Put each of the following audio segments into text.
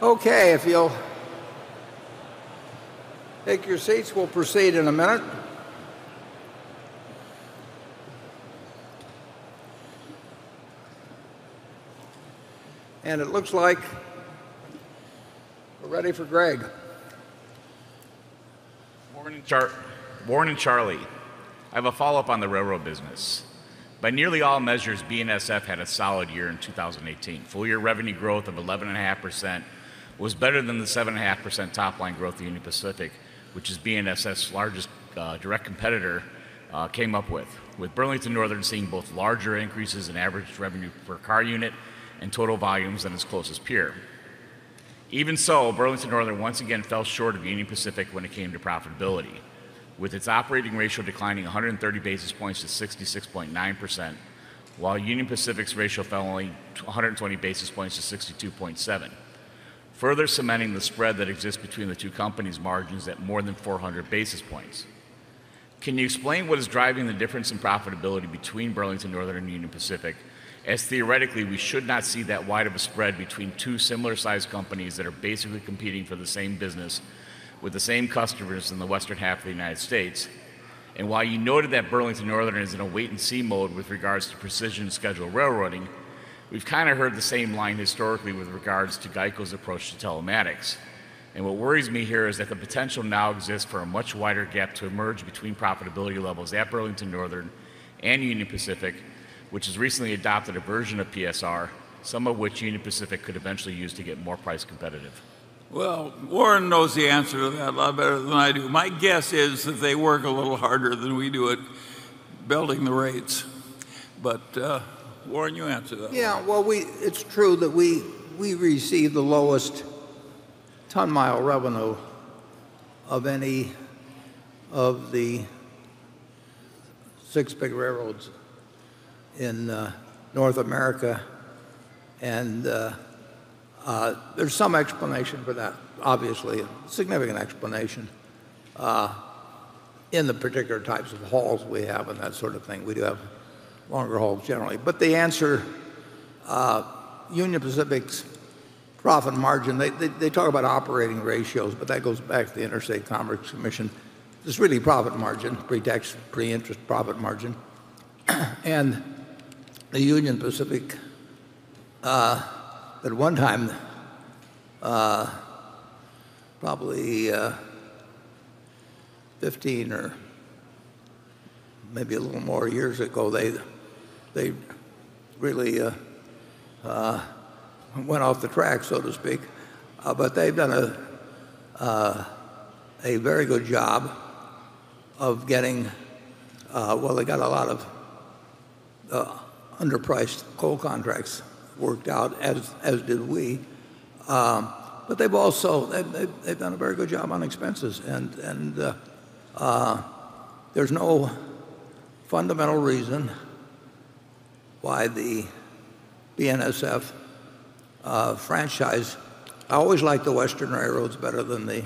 Okay, if you'll take your seats, we'll proceed in a minute. It looks like we're ready for Greg. Warren and Charlie, I have a follow-up on the railroad business. By nearly all measures, BNSF had a solid year in 2018. Full-year revenue growth of 11.5% was better than the 7.5% top-line growth that Union Pacific, which is BNSF's largest direct competitor, came up with. With Burlington Northern seeing both larger increases in average revenue per car unit and total volumes than its closest peer. Even so, Burlington Northern once again fell short of Union Pacific when it came to profitability, with its operating ratio declining 130 basis points to 66.9%, while Union Pacific's ratio fell only 120 basis points to 62.7%, further cementing the spread that exists between the two companies' margins at more than 400 basis points. Can you explain what is driving the difference in profitability between Burlington Northern and Union Pacific, as theoretically we should not see that wide of a spread between two similar-sized companies that are basically competing for the same business with the same customers in the western half of the United States? While you noted that Burlington Northern is in a wait-and-see mode with regards to precision scheduled railroading, we've kind of heard the same line historically with regards to GEICO's approach to telematics. What worries me here is that the potential now exists for a much wider gap to emerge between profitability levels at Burlington Northern and Union Pacific, which has recently adopted a version of PSR, some of which Union Pacific could eventually use to get more price competitive. Well, Warren knows the answer to that a lot better than I do. My guess is that they work a little harder than we do at building the rates. Warren, you answer that one. Yeah. it's true that we receive the lowest ton mile revenue of any of the six big railroads in North America, there's some explanation for that, obviously, a significant explanation in the particular types of hauls we have and that sort of thing. We do have longer hauls generally. The answer, Union Pacific's profit margin, they talk about operating ratios, but that goes back to the Interstate Commerce Commission. It's really profit margin, pre-tax, pre-interest profit margin. The Union Pacific at one time probably 15 or maybe a little more years ago, they really went off the track, so to speak. they've done a very good job. They got a lot of underpriced coal contracts worked out, as did we. they've also done a very good job on expenses, there's no fundamental reason why the BNSF franchise I always liked the western railroads better than the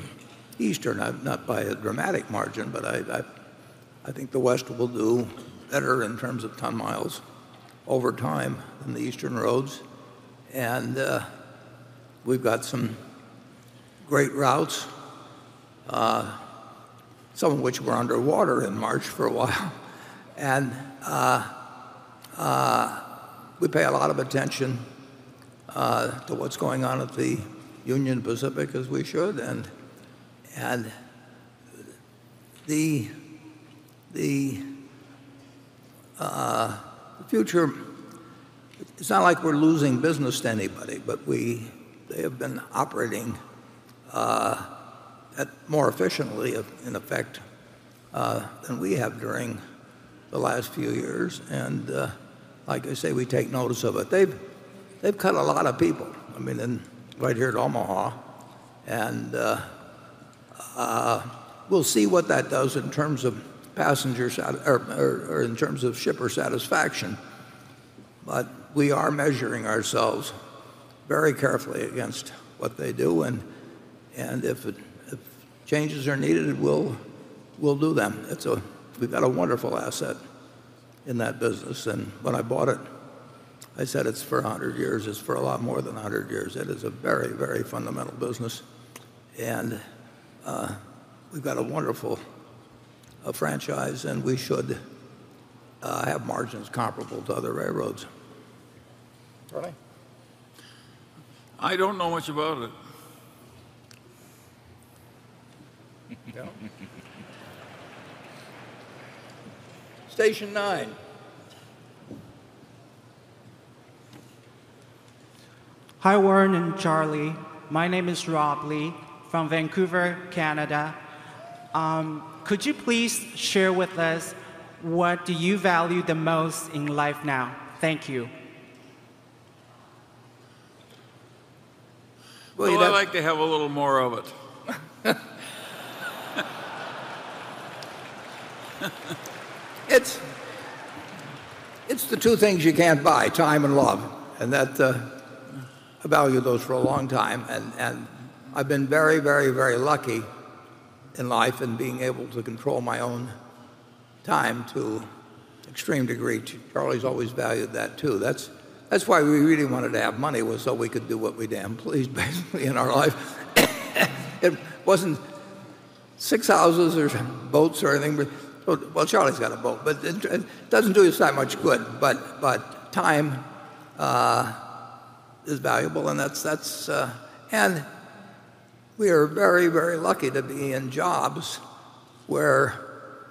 eastern. Not by a dramatic margin, but I think the West will do better in terms of ton miles over time than the eastern roads. we've got some great routes, some of which were underwater in March for a while. we pay a lot of attention to what's going on at the Union Pacific as we should. The future, it's not like we're losing business to anybody, but they have been operating more efficiently in effect than we have during the last few years. like I say, we take notice of it. They've cut a lot of people, right here at Omaha, we'll see what that does in terms of shipper satisfaction. we are measuring ourselves very carefully against what they do, and if changes are needed, we'll do them. We've got a wonderful asset in that business. when I bought it, I said it's for 100 years. It's for a lot more than 100 years. It is a very, very fundamental business, we've got a wonderful franchise, we should have margins comparable to other railroads. Charlie? I don't know much about it. You don't? Station 9. Hi, Warren and Charlie. My name is Rob Lee from Vancouver, Canada. Could you please share with us what do you value the most in life now? Thank you. Well, you know. Well, I'd like to have a little more of it. It's the two things you can't buy, time and love, I valued those for a long time. I've been very lucky in life in being able to control my own time to an extreme degree. Charlie's always valued that too. That's why we really wanted to have money, was so we could do what we damn pleased, basically, in our life. It wasn't six houses or boats or anything, Well, Charlie's got a boat, but it doesn't do us that much good. Time is valuable and we are very lucky to be in jobs where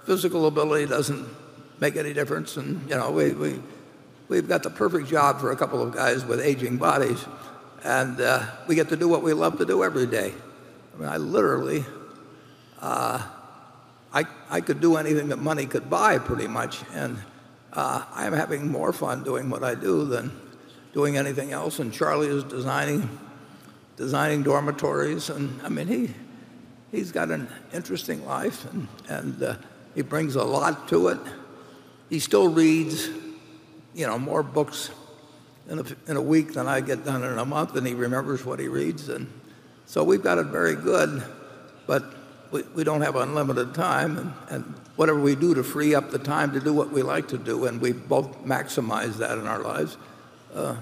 physical ability doesn't make any difference. We've got the perfect job for a couple of guys with aging bodies, and we get to do what we love to do every day. Literally, I could do anything that money could buy pretty much, and I'm having more fun doing what I do than doing anything else. Charlie is designing dormitories and he's got an interesting life, He brings a lot to it. He still reads more books in a week than I get done in a month, He remembers what he reads. We've got it very good, We don't have unlimited time, Whatever we do to free up the time to do what we like to do, and we both maximize that in our lives,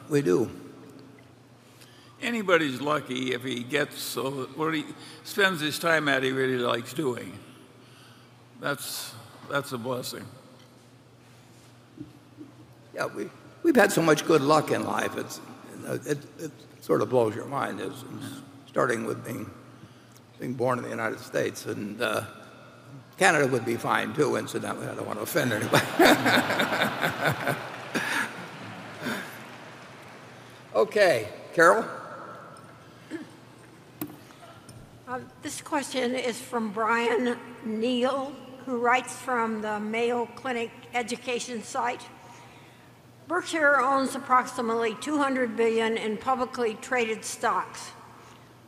we do. Anybody's lucky if what he spends his time at, he really likes doing. That's a blessing. Yeah. We've had so much good luck in life, it sort of blows your mind, starting with being born in the United States. Canada would be fine too, incidentally. I don't want to offend anybody. Okay. Carol? This question is from Brian Neal, who writes from the Mayo Clinic Education site. "Berkshire owns approximately $200 billion in publicly traded stocks.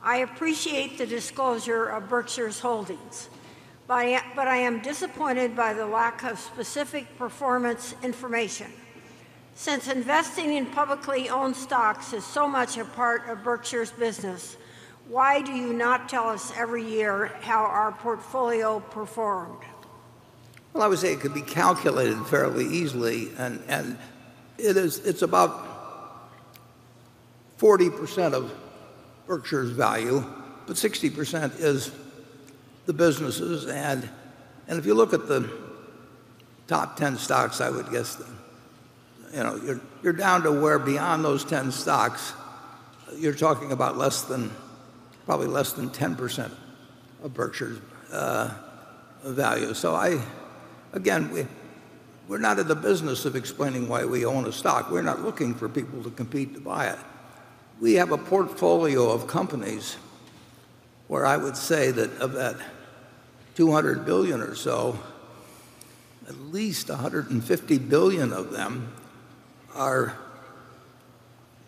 I appreciate the disclosure of Berkshire's holdings, but I am disappointed by the lack of specific performance information. Since investing in publicly owned stocks is so much a part of Berkshire's business, why do you not tell us every year how our portfolio performed? Well, I would say it could be calculated fairly easily, it's about 40% of Berkshire's value, 60% is the businesses. If you look at the top 10 stocks, I would guess you're down to where beyond those 10 stocks, you're talking about less than probably 10% of Berkshire's value. Again, we're not in the business of explaining why we own a stock. We're not looking for people to compete to buy it. We have a portfolio of companies where I would say that of that $200 billion or so, at least $150 billion of them are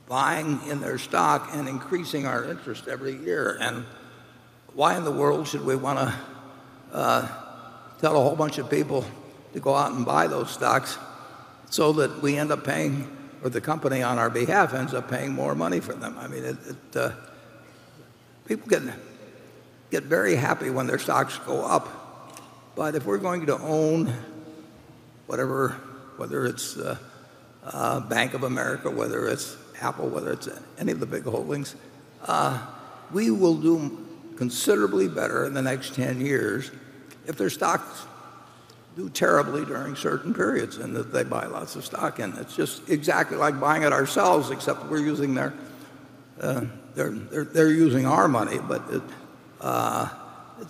buying in their stock and increasing our interest every year. Why in the world should we want to tell a whole bunch of people to go out and buy those stocks so that the company on our behalf ends up paying more money for them? People get very happy when their stocks go up. If we're going to own, whether it's Bank of America, whether it's Apple, whether it's any of the big holdings, we will do considerably better in the next 10 years if their stocks do terribly during certain periods and they buy lots of stock in it. It's just exactly like buying it ourselves, except they're using our money.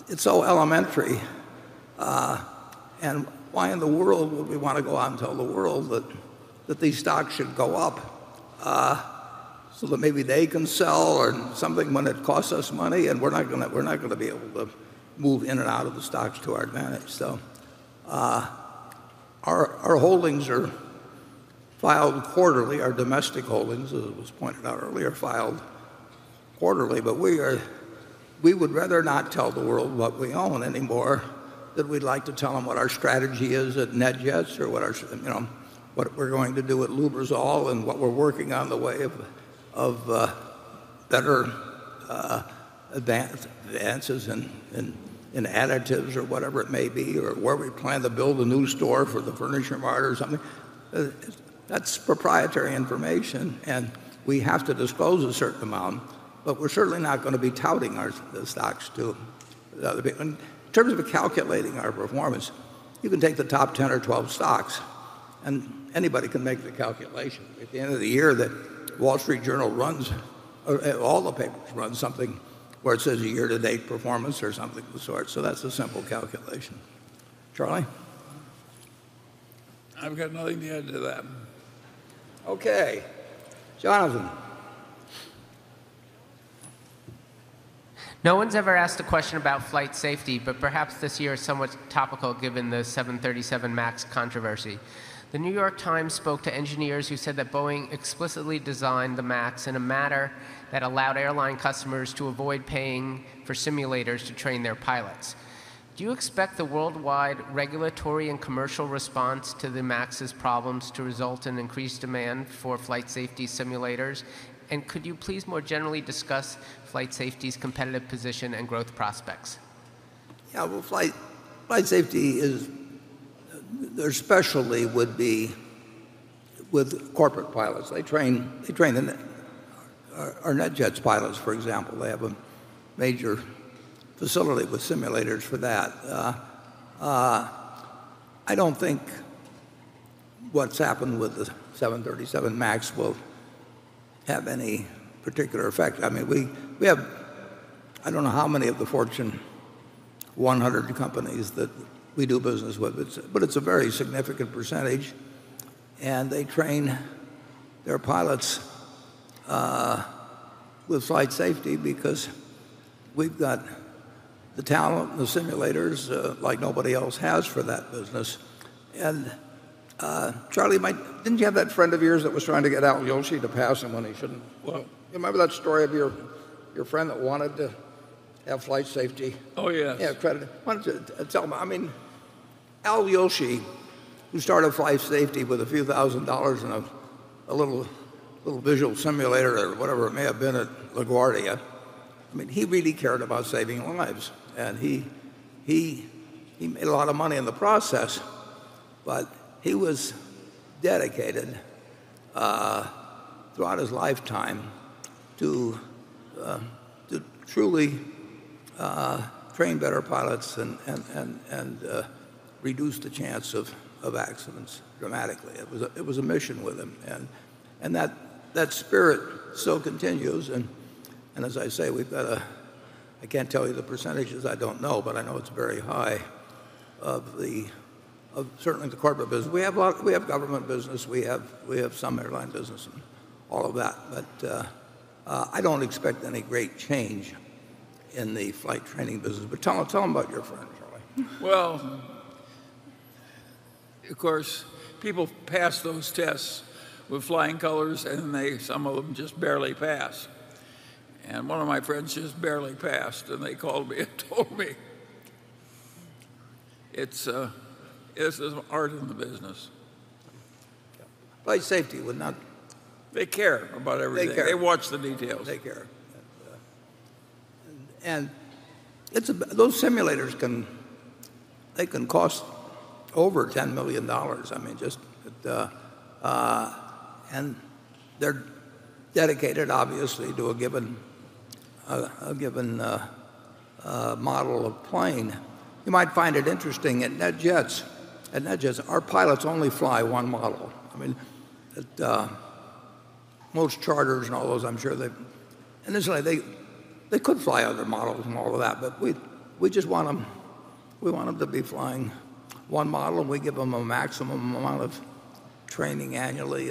It's so elementary. Why in the world would we want to go out and tell the world that these stocks should go up so that maybe they can sell or something when it costs us money, and we're not going to be able to move in and out of the stocks to our advantage? Our holdings are filed quarterly. Our domestic holdings, as it was pointed out earlier, filed quarterly. We would rather not tell the world what we own anymore than we'd like to tell them what our strategy is at NetJets or what we're going to do at Lubrizol and what we're working on the way of better advances in additives or whatever it may be, or where we plan to build a new store for the Furniture Mart or something. That's proprietary information, and we have to disclose a certain amount, but we're certainly not going to be touting the stocks to the other people. In terms of calculating our performance, you can take the top 10 or 12 stocks and anybody can make the calculation. At the end of the year, The Wall Street Journal runs, all the papers run something where it says year-to-date performance or something of the sort. That's a simple calculation. Charlie? I've got nothing to add to that. Okay. Jonathan? No one's ever asked a question about FlightSafety, perhaps this year is somewhat topical given the 737 MAX controversy. The New York Times spoke to engineers who said that Boeing explicitly designed the MAX in a manner that allowed airline customers to avoid paying for simulators to train their pilots. Do you expect the worldwide regulatory and commercial response to the MAX's problems to result in increased demand for FlightSafety simulators? Could you please more generally discuss FlightSafety's competitive position and growth prospects? Well, Their specialty would be with corporate pilots. They train our NetJets pilots, for example. They have a major facility with simulators for that. I don't think what's happened with the 737 MAX will have any particular effect. We have I don't know how many of the Fortune 100 companies that we do business with, but it's a very significant percentage, and they train their pilots with FlightSafety because we've got the talent and the simulators like nobody else has for that business. Charlie, didn't you have that friend of yours that was trying to get Al Ueltschi to pass him when he shouldn't? Well- You remember that story of your friend that wanted to have FlightSafety? Oh, yes. Yeah, credit. Why don't you tell them? Al Ueltschi, who started FlightSafety with a few thousand dollars and a little visual simulator or whatever it may have been at LaGuardia, he really cared about saving lives. He made a lot of money in the process, but he was dedicated throughout his lifetime to truly train better pilots and reduce the chance of accidents dramatically. It was a mission with him. That spirit still continues, and as I say, we've got a I can't tell you the percentages, I don't know, but I know it's very high of certainly the corporate business. We have government business, we have some airline business, and all of that. I don't expect any great change in the flight training business. Tell them about your friend, Charlie. Well, of course, people pass those tests with flying colors, and some of them just barely pass. One of my friends just barely passed, and they called me and told me. It's an art in the business. Yeah. FlightSafety. They care about everything. They care. They watch the details. They care. Those simulators, they can cost over $10 million. They're dedicated, obviously, to a given model of plane. You might find it interesting, at NetJets, our pilots only fly one model. Most charters and all those, I'm sure they could fly other models and all of that, but we want them to be flying one model, and we give them a maximum amount of training annually.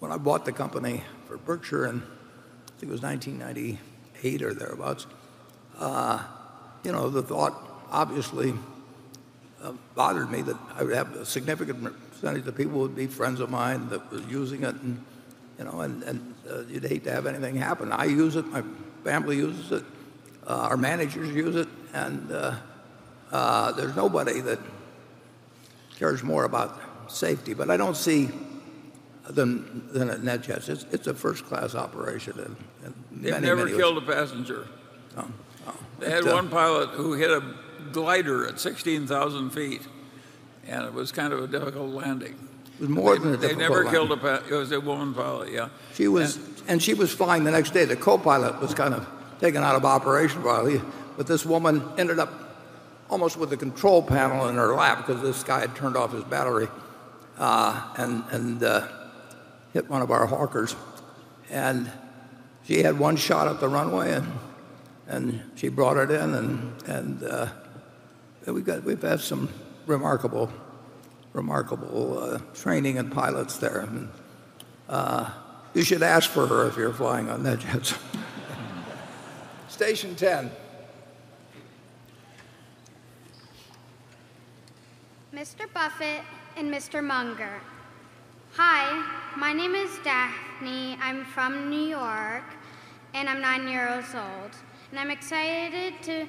When I bought the company for Berkshire in, I think it was 1998 or thereabouts, the thought obviously bothered me that I would have a significant percentage of the people would be friends of mine that were using it, and you'd hate to have anything happen. I use it, my family uses it, our managers use it, and there's nobody that cares more about safety than at NetJets. It's a first-class operation in many ways. They've never killed a passenger. No. They had one pilot who hit a glider at 16,000 feet. It was kind of a difficult landing. It was more than a difficult landing. They've never killed a pilot. It was a woman pilot, yeah. She was flying the next day. The co-pilot was kind of taken out of operation, but this woman ended up almost with a control panel in her lap because this guy had turned off his battery, and hit one of our Hawker. She had one shot at the runway, and she brought it in. We've had some remarkable training and pilots there. You should ask for her if you're flying on NetJets. Station 10. Mr. Buffett and Mr. Munger. Hi, my name is Daphne. I'm from New York, and I'm nine years old. I'm excited to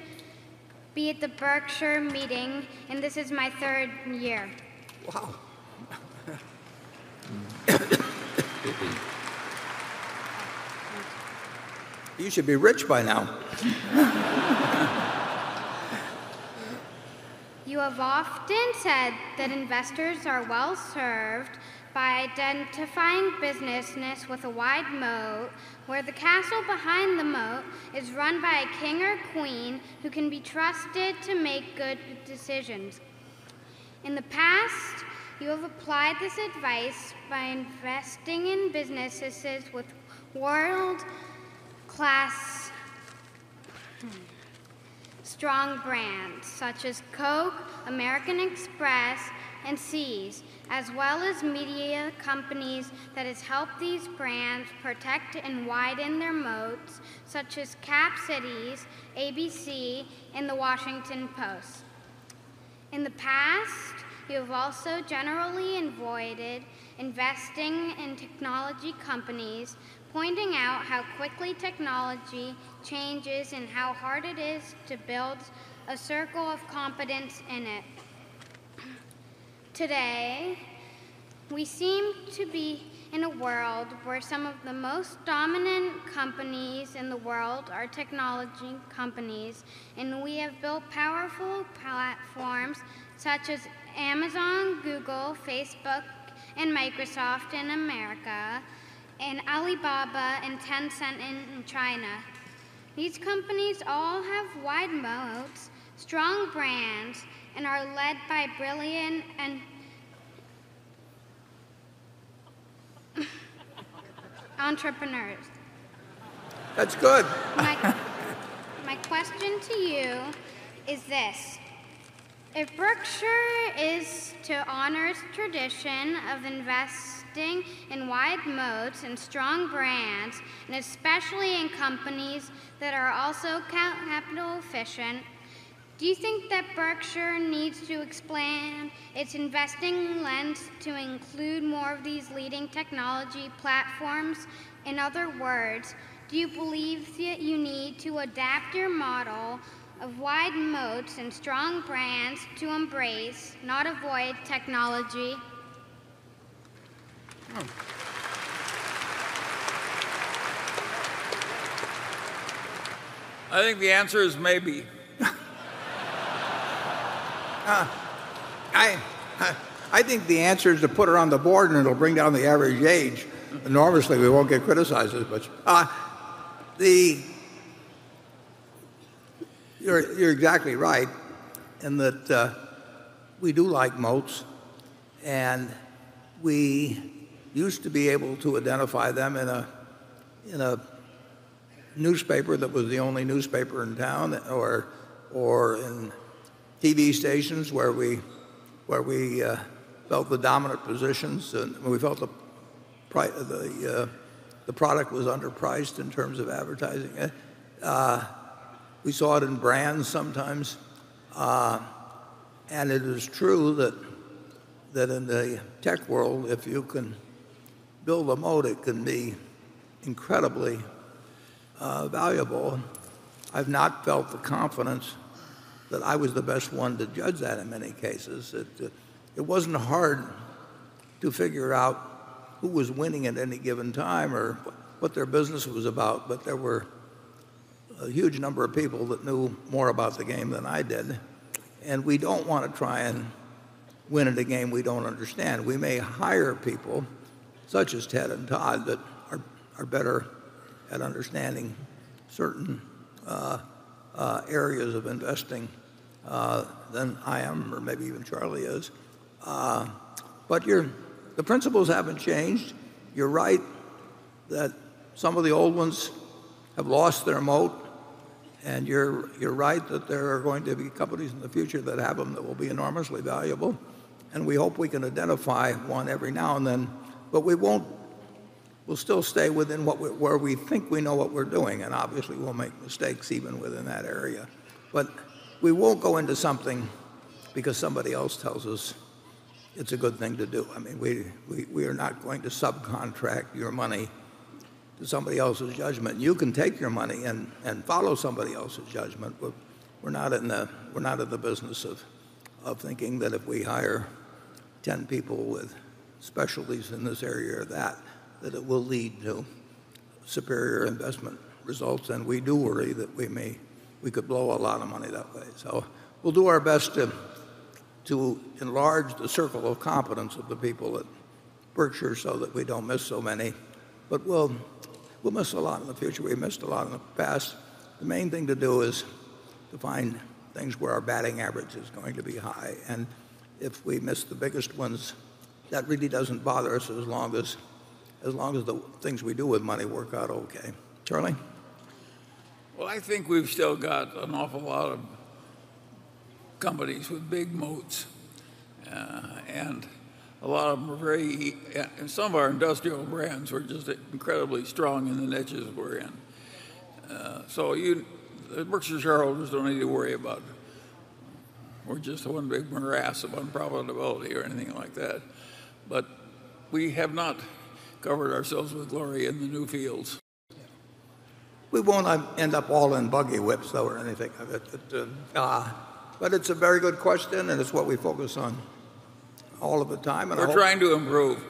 be at the Berkshire meeting, and this is my third year. Wow. You should be rich by now. You have often said that investors are well-served by identifying businesses with a wide moat where the castle behind the moat is run by a king or queen who can be trusted to make good decisions. In the past, you have applied this advice by investing in businesses with world-class strong brands such as Coke, American Express, and See's, as well as media companies that has helped these brands protect and widen their moats, such as Cap Cities, ABC, and The Washington Post. In the past, you have also generally avoided investing in technology companies, pointing out how quickly technology changes and how hard it is to build a circle of competence in it. Today, we seem to be in a world where some of the most dominant companies in the world are technology companies, and we have built powerful platforms such as Amazon, Google, Facebook, and Microsoft in America, and Alibaba and Tencent in China. These companies all have wide moats, strong brands, and are led by brilliant entrepreneurs. That's good. My question to you is this. If Berkshire is to honor its tradition of investing in wide moats and strong brands, and especially in companies that are also capital efficient, do you think that Berkshire needs to expand its investing lens to include more of these leading technology platforms? In other words, do you believe you need to adapt your model of wide moats and strong brands to embrace, not avoid, technology? I think the answer is maybe. I think the answer is to put her on the board, it'll bring down the average age enormously. We won't get criticized as much. You're exactly right in that we do like moats, we used to be able to identify them in a newspaper that was the only newspaper in town or in TV stations where we felt the dominant positions, we felt the product was underpriced in terms of advertising it. We saw it in brands sometimes. It is true that in the tech world, if you can build a moat, it can be incredibly valuable. I've not felt the confidence that I was the best one to judge that in many cases. It wasn't hard to figure out who was winning at any given time or what their business was about, there were a huge number of people that knew more about the game than I did. We don't want to try and win in a game we don't understand. We may hire people, such as Ted and Todd, that are better at understanding certain areas of investing than I am, or maybe even Charlie is. The principles haven't changed. You're right that some of the old ones have lost their moat, you're right that there are going to be companies in the future that have them that will be enormously valuable. We hope we can identify one every now and then. We'll still stay within where we think we know what we're doing, obviously, we'll make mistakes even within that area. We won't go into something because somebody else tells us it's a good thing to do. We are not going to subcontract your money to somebody else's judgment. You can take your money and follow somebody else's judgment, we're not in the business of thinking that if we hire 10 people with specialties in this area or that it will lead to superior investment results. We do worry that we could blow a lot of money that way. We'll do our best to enlarge the circle of competence of the people at Berkshire so that we don't miss so many. We'll miss a lot in the future. We missed a lot in the past. The main thing to do is to find things where our batting average is going to be high. If we miss the biggest ones, that really doesn't bother us as long as the things we do with money work out okay. Charlie? I think we've still got an awful lot of companies with big moats, and some of our industrial brands are just incredibly strong in the niches we're in. Berkshire shareholders don't need to worry about we're just one big morass of unprofitability or anything like that. We have not covered ourselves with glory in the new fields. We won't end up all in buggy whips, though, or anything like that. It's a very good question, and it's what we focus on all of the time, and I hope. We're trying to improve.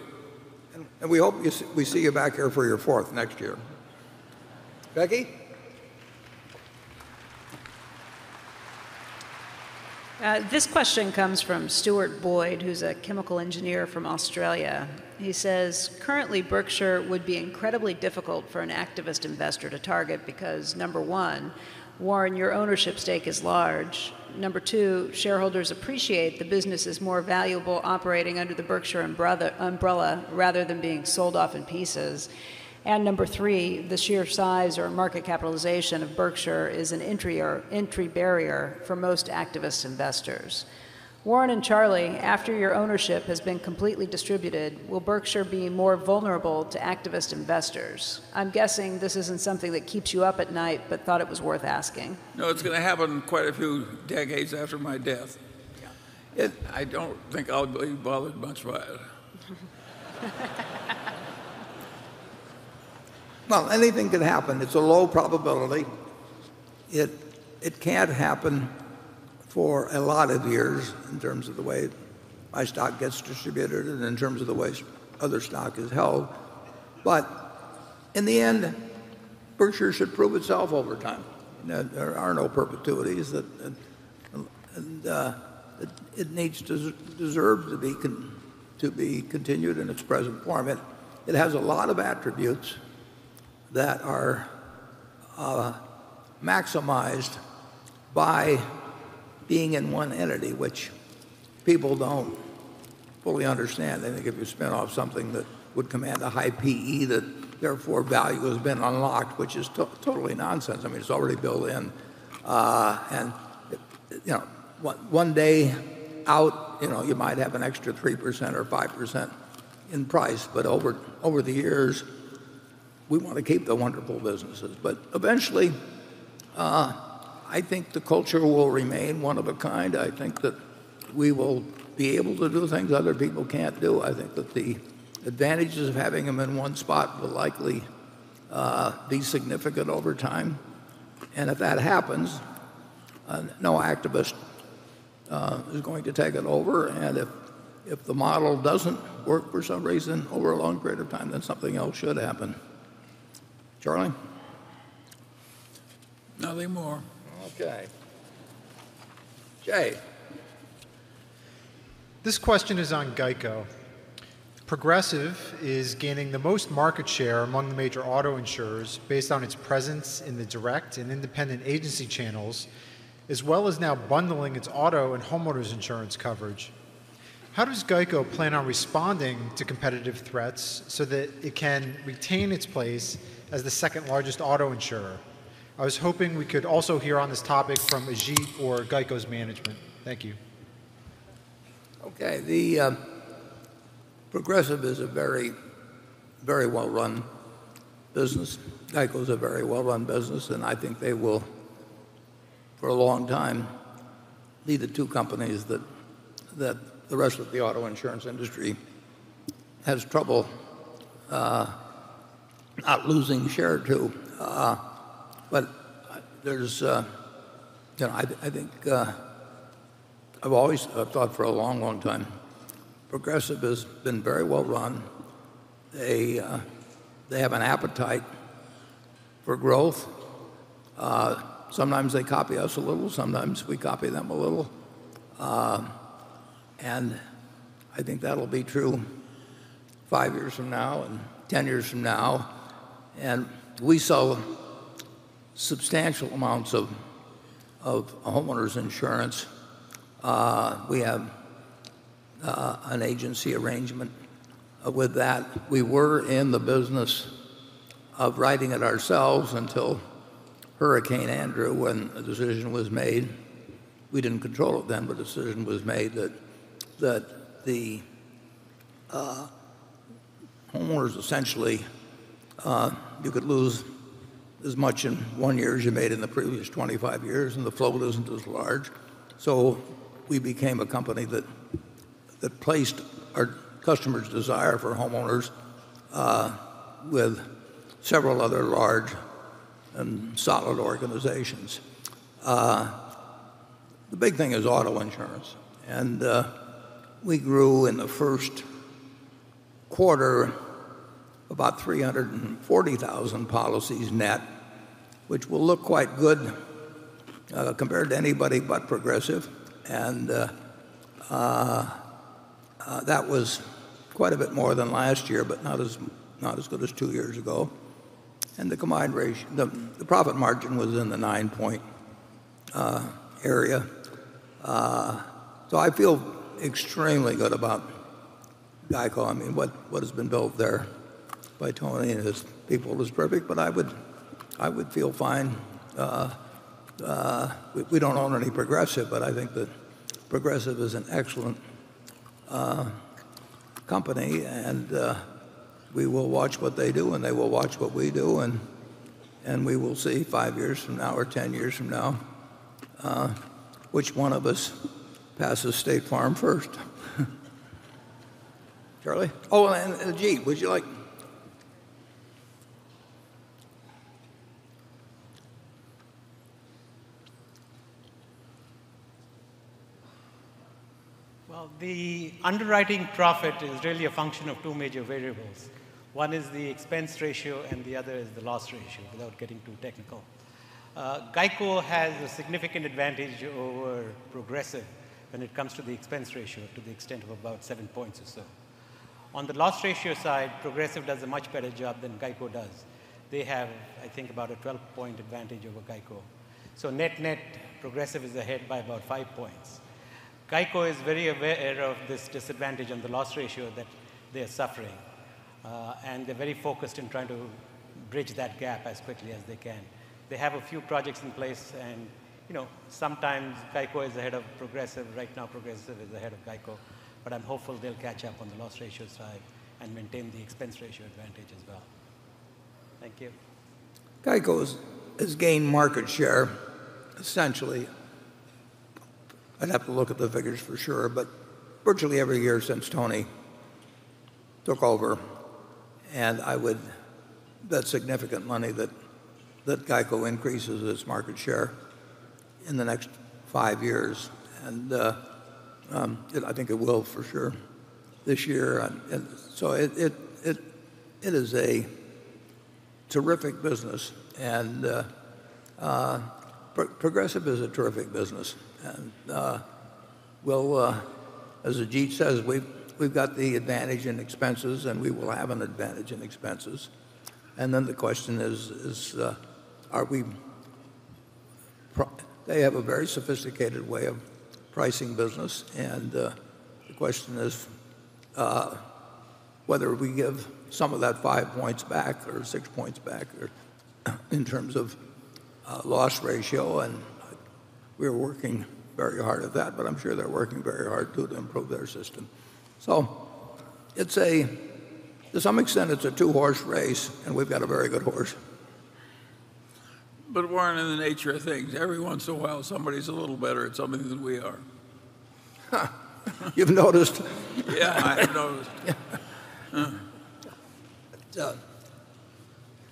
We hope we see you back here for your fourth next year. Becky? This question comes from Stuart Boyd, who's a chemical engineer from Australia. He says, "Currently, Berkshire would be incredibly difficult for an activist investor to target because number 1, Warren, your ownership stake is large. Number 2, shareholders appreciate the business is more valuable operating under the Berkshire umbrella rather than being sold off in pieces. Number 3, the sheer size or market capitalization of Berkshire is an entry barrier for most activist investors. Warren and Charlie, after your ownership has been completely distributed, will Berkshire be more vulnerable to activist investors? I'm guessing this isn't something that keeps you up at night, but thought it was worth asking. No, it's going to happen quite a few decades after my death. Yeah. I don't think I'll be bothered much by it. Well, anything can happen. It's a low probability. It can't happen for a lot of years in terms of the way my stock gets distributed and in terms of the way other stock is held. In the end, Berkshire should prove itself over time. There are no perpetuities. It deserves to be continued in its present form. It has a lot of attributes that are maximized by being in one entity, which people don't fully understand. They think if you spin off something that would command a high P/E, that therefore value has been unlocked, which is totally nonsense. It's already built in. One day out, you might have an extra 3% or 5% in price, but over the years, we want to keep the wonderful businesses. Eventually, I think the culture will remain one of a kind. I think that we will be able to do things other people can't do. I think that the advantages of having them in one spot will likely be significant over time. If that happens, no activist is going to take it over. If the model doesn't work for some reason over a long period of time, then something else should happen. Charlie? Nothing more. Okay. Jay. This question is on GEICO. Progressive is gaining the most market share among the major auto insurers based on its presence in the direct and independent agency channels, as well as now bundling its auto and homeowners insurance coverage. How does GEICO plan on responding to competitive threats so that it can retain its place as the second largest auto insurer? I was hoping we could also hear on this topic from Ajit or GEICO's management. Thank you. Okay. Progressive is a very well-run business. GEICO is a very well-run business. I think they will, for a long time, be the two companies that the rest of the auto insurance industry has trouble not losing share to. I've always thought for a long time, Progressive has been very well run. They have an appetite for growth. Sometimes they copy us a little, sometimes we copy them a little. I think that'll be true five years from now and 10 years from now. We sell substantial amounts of homeowners insurance. We have an agency arrangement with that. We were in the business of writing it ourselves until Hurricane Andrew, when a decision was made. We didn't control it then. A decision was made that the homeowners, essentially you could lose as much in one year as you made in the previous 25 years. The float isn't as large. We became a company that placed our customers' desire for homeowners with several other large and solid organizations. The big thing is auto insurance. We grew in the first quarter about 340,000 policies net, which will look quite good compared to anybody but Progressive. That was quite a bit more than last year, but not as good as two years ago. The profit margin was in the nine-point area. I feel extremely good about GEICO. What has been built there by Tony and his people is perfect. We don't own any Progressive. I think that Progressive is an excellent company. We will watch what they do. They will watch what we do. We will see five years from now or 10 years from now which one of us passes State Farm first. Charlie? Ajit, would you like The underwriting profit is really a function of two major variables. One is the expense ratio. The other is the loss ratio, without getting too technical. GEICO has a significant advantage over Progressive when it comes to the expense ratio to the extent of about seven points or so. On the loss ratio side, Progressive does a much better job than GEICO does. They have, I think, about a 12-point advantage over GEICO. Net-net, Progressive is ahead by about five points. GEICO is very aware of this disadvantage on the loss ratio that they're suffering. They're very focused on trying to bridge that gap as quickly as they can. They have a few projects in place. Sometimes GEICO is ahead of Progressive. Right now, Progressive is ahead of GEICO. I'm hopeful they'll catch up on the loss ratio side and maintain the expense ratio advantage as well. Thank you. GEICO has gained market share essentially, I'd have to look at the figures for sure, but virtually every year since Tony took over. I would bet significant money that GEICO increases its market share in the next five years. I think it will for sure this year. It is a terrific business. Progressive is a terrific business. As Ajit says, we've got the advantage in expenses and we will have an advantage in expenses. Then the question is, they have a very sophisticated way of pricing business. The question is whether we give some of that five points back or six points back in terms of loss ratio, and we are working very hard at that, but I'm sure they're working very hard too to improve their system. To some extent, it's a two-horse race and we've got a very good horse. Warren, in the nature of things, every once in a while, somebody's a little better at something than we are. You've noticed? Yeah, I've noticed.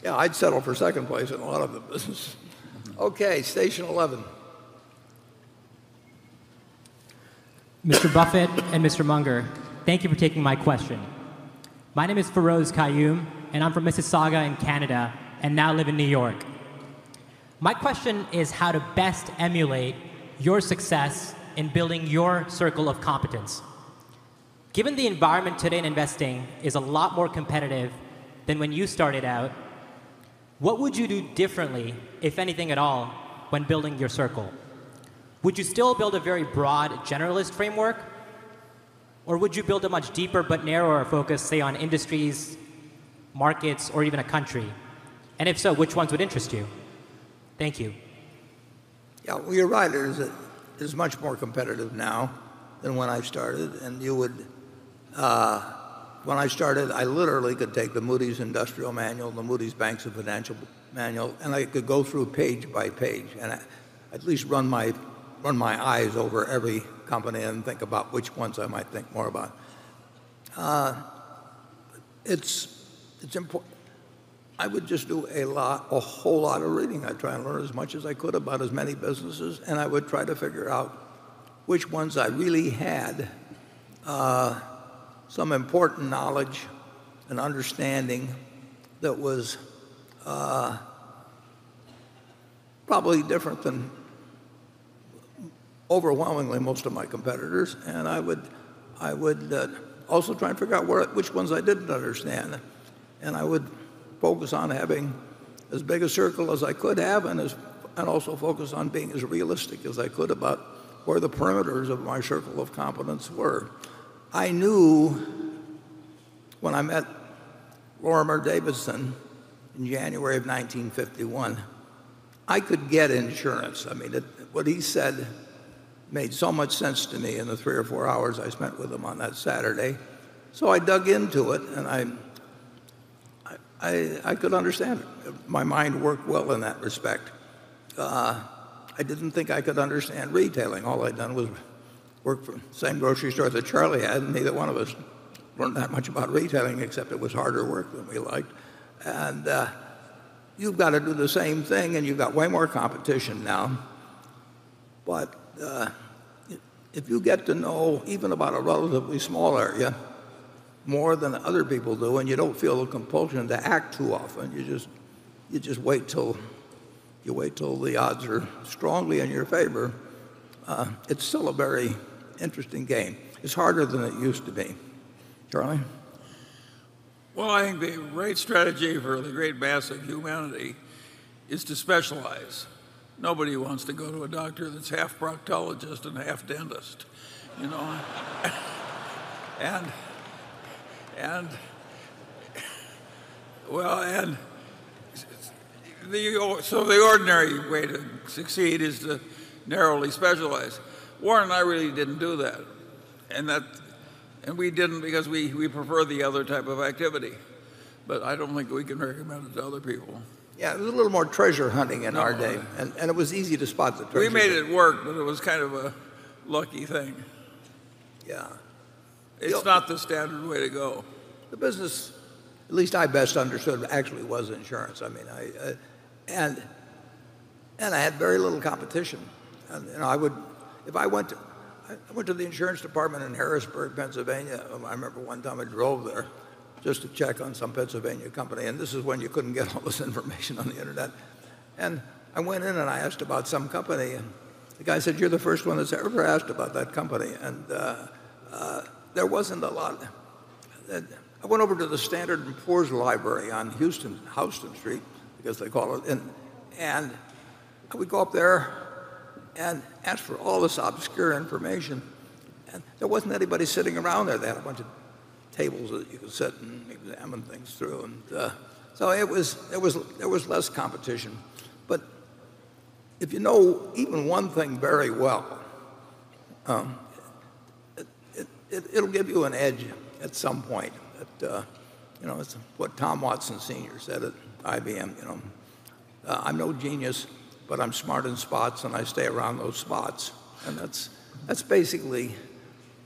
Yeah. I'd settle for second place in a lot of the business. Okay, station 11. Mr. Buffett and Mr. Munger, thank you for taking my question. My name is Feroz Qayyum, and I'm from Mississauga in Canada, and now live in New York. My question is how to best emulate your success in building your circle of competence. Given the environment today in investing is a lot more competitive than when you started out, what would you do differently, if anything at all, when building your circle? Would you still build a very broad generalist framework? Would you build a much deeper but narrower focus, say, on industries, markets, or even a country? If so, which ones would interest you? Thank you. Well, you're right. It is much more competitive now than when I started. When I started, I literally could take the Moody's Industrial Manual and the Moody's Banks and Financial Manual, and I could go through page by page, and at least run my eyes over every company and think about which ones I might think more about. I would just do a whole lot of reading. I'd try and learn as much as I could about as many businesses, and I would try to figure out which ones I really had some important knowledge and understanding that was probably different than overwhelmingly most of my competitors. I would also try and figure out which ones I didn't understand, and I would focus on having as big a circle as I could have, and also focus on being as realistic as I could about where the perimeters of my circle of competence were. I knew when I met Lorimer Davidson in January of 1951, I could get insurance. What he said made so much sense to me in the three or four hours I spent with him on that Saturday. I dug into it and I could understand it. My mind worked well in that respect. I didn't think I could understand retailing. All I'd done was work for the same grocery store that Charlie had, and neither one of us learned that much about retailing, except it was harder work than we liked. You've got to do the same thing, and you've got way more competition now. If you get to know even about a relatively small area more than other people do, and you don't feel a compulsion to act too often, you just wait till the odds are strongly in your favor, it's still a very interesting game. It's harder than it used to be. Charlie? Well, I think the right strategy for the great mass of humanity is to specialize. Nobody wants to go to a doctor that's half proctologist and half dentist. The ordinary way to succeed is to narrowly specialize. Warren and I really didn't do that, and we didn't because we prefer the other type of activity. I don't think we can recommend it to other people. Yeah, it was a little more treasure hunting in our day. A little. It was easy to spot the treasures. We made it work, but it was kind of a lucky thing. Yeah. It's not the standard way to go. The business, at least I best understood, actually was insurance. I had very little competition. I went to the insurance department in Harrisburg, Pennsylvania. I remember one time I drove there just to check on some Pennsylvania company, and this is when you couldn't get all this information on the internet. I went in and I asked about some company, and the guy said, "You're the first one that's ever asked about that company." I went over to the Standard & Poor's library on Houston Street, I guess they call it, and I would go up there and ask for all this obscure information, and there wasn't anybody sitting around there. They had a bunch of tables that you could sit and examine things through. There was less competition. If you know even one thing very well, it'll give you an edge at some point. It's what Tom Watson Sr. said at IBM, "I'm no genius, but I'm smart in spots, and I stay around those spots." That's basically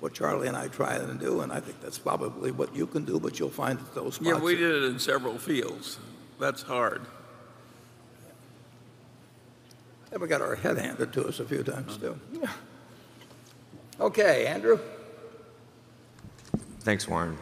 what Charlie and I try and do, I think that's probably what you can do. You'll find that those spots. Yeah, we did it in several fields. That's hard. Yeah. We got our head handed to us a few times, too. Yeah. Okay, Andrew? Thanks, Warren.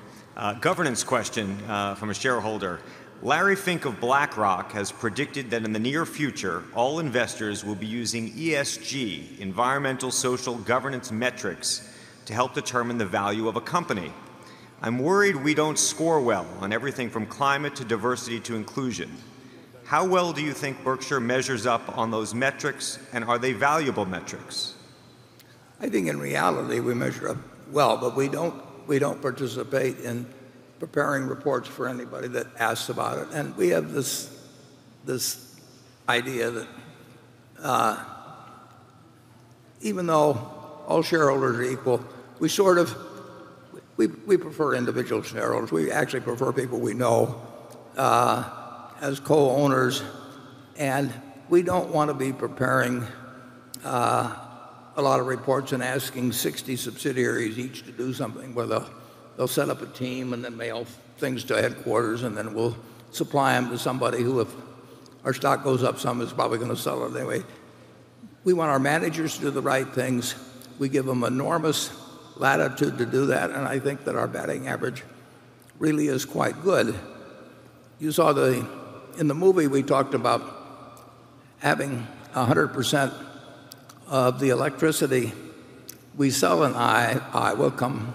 Governance question from a shareholder. "Larry Fink of BlackRock has predicted that in the near future, all investors will be using ESG, environmental social governance metrics, to help determine the value of a company. I'm worried we don't score well on everything from climate to diversity to inclusion. How well do you think Berkshire measures up on those metrics, and are they valuable metrics? I think in reality, we measure up well, but we don't participate in preparing reports for anybody that asks about it. We have this idea that even though all shareholders are equal, we prefer individual shareholders. We actually prefer people we know as co-owners, and we don't want to be preparing a lot of reports and asking 60 subsidiaries each to do something where they'll set up a team and then mail things to headquarters, and then we'll supply them to somebody who, if our stock goes up some, is probably going to sell it anyway. We want our managers to do the right things. We give them enormous latitude to do that, and I think that our batting average really is quite good. You saw in the movie, we talked about having 100% of the electricity we sell in Iowa come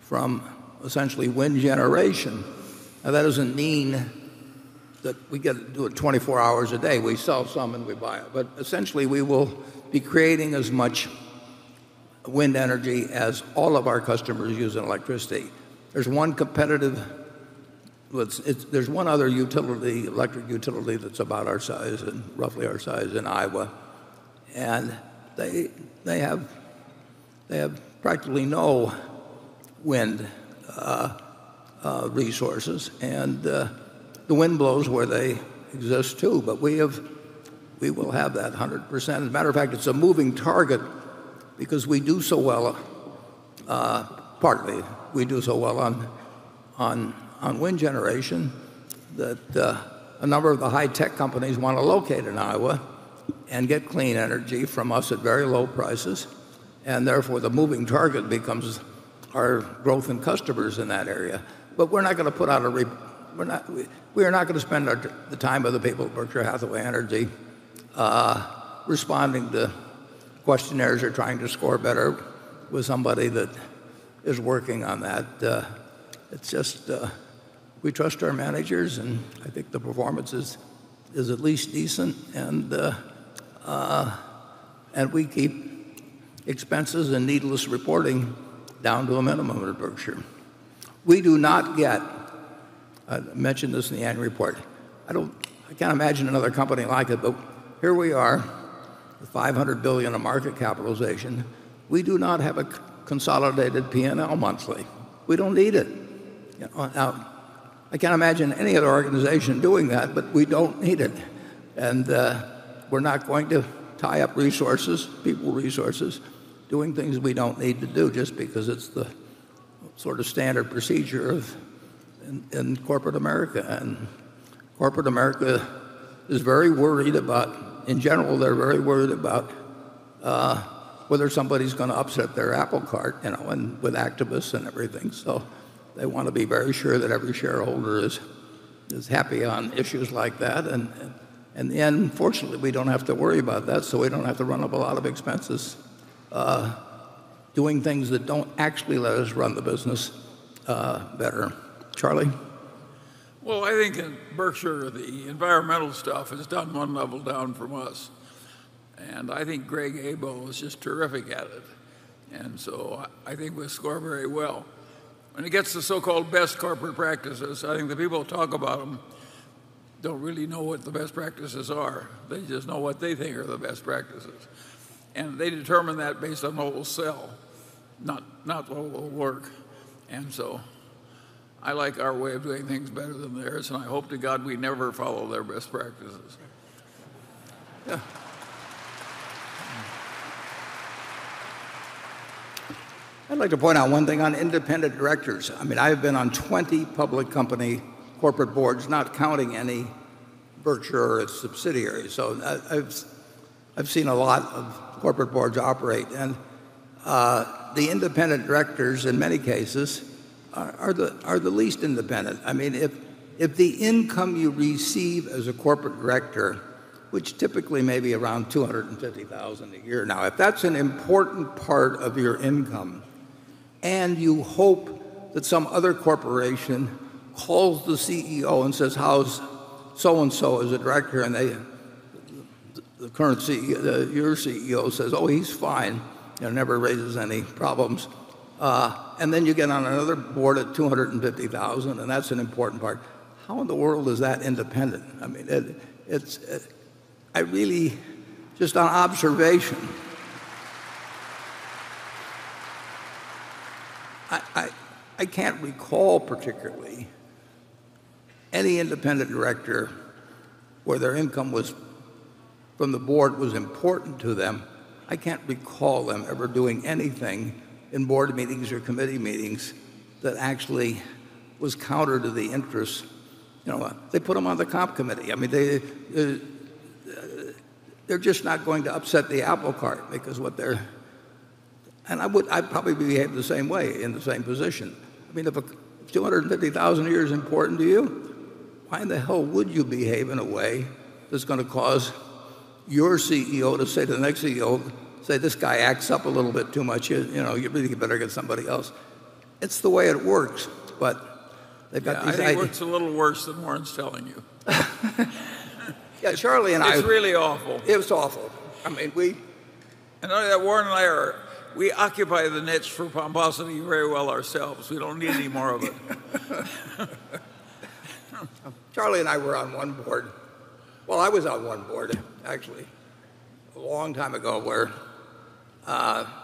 from essentially wind generation. That doesn't mean that we get to do it 24 hours a day. We sell some and we buy it, but essentially we will be creating as much wind energy as all of our customers use in electricity. There's one other electric utility that's about our size, roughly our size, in Iowa, and they have practically no wind resources, and the wind blows where they exist, too. We will have that 100%. As a matter of fact, it's a moving target because we do so well, partly, we do so well on wind generation that a number of the high-tech companies want to locate in Iowa and get clean energy from us at very low prices, and therefore the moving target becomes our growth in customers in that area. We're not going to spend the time of the people at Berkshire Hathaway Energy responding to questionnaires or trying to score better with somebody that is working on that. It's just we trust our managers, and I think the performance is at least decent, and we keep expenses and needless reporting down to a minimum at Berkshire. We do not yet mention this in the annual report. I can't imagine another company like it, but here we are with $500 billion of market capitalization. We do not have a consolidated P&L monthly. We don't need it. I can't imagine any other organization doing that, but we don't need it, and we're not going to tie up resources, people resources, doing things we don't need to do just because it's the sort of standard procedure in corporate America. Corporate America, in general, they're very worried about whether somebody's going to upset their apple cart, and with activists and everything, so they want to be very sure that every shareholder is happy on issues like that. Fortunately, we don't have to worry about that, so we don't have to run up a lot of expenses doing things that don't actually let us run the business better. Charlie? Well, I think in Berkshire, the environmental stuff is done one level down from us, and I think Greg Abel is just terrific at it, so I think we score very well. When it gets to so-called best corporate practices, I think the people who talk about them don't really know what the best practices are. They just know what they think are the best practices, and they determine that based on what will sell, not what will work. I like our way of doing things better than theirs, and I hope to God we never follow their best practices. Yeah. I'd like to point out one thing on independent directors. I have been on 20 public company corporate boards, not counting any Berkshire or its subsidiaries. I've seen a lot of corporate boards operate. The independent directors, in many cases, are the least independent. If the income you receive as a corporate director, which typically may be around $250,000 a year now, if that's an important part of your income and you hope that some other corporation calls the CEO and says, "How's so-and-so as a director?" Your CEO says, "Oh, he's fine," and never raises any problems, and then you get on another board at $250,000, and that's an important part. How in the world is that independent? I really, just on observation, I can't recall particularly any independent director where their income from the board was important to them. I can't recall them ever doing anything in board meetings or committee meetings that actually was counter to the interest. They put them on the comp committee. They're just not going to upset the apple cart. I'd probably behave the same way in the same position. If $250,000 a year is important to you, why in the hell would you behave in a way that's going to cause your CEO to say to the next CEO, "Say, this guy acts up a little bit too much. You really better get somebody else." It's the way it works, but they've got these ideas. Yeah, I think it works a little worse than Warren's telling you. Yeah, Charlie and I. It's really awful. It was awful. Know that Warren and I are, we occupy the niche for pomposity very well ourselves. We don't need any more of it. Charlie and I were on one board. Well, I was on one board, actually, a long time ago, where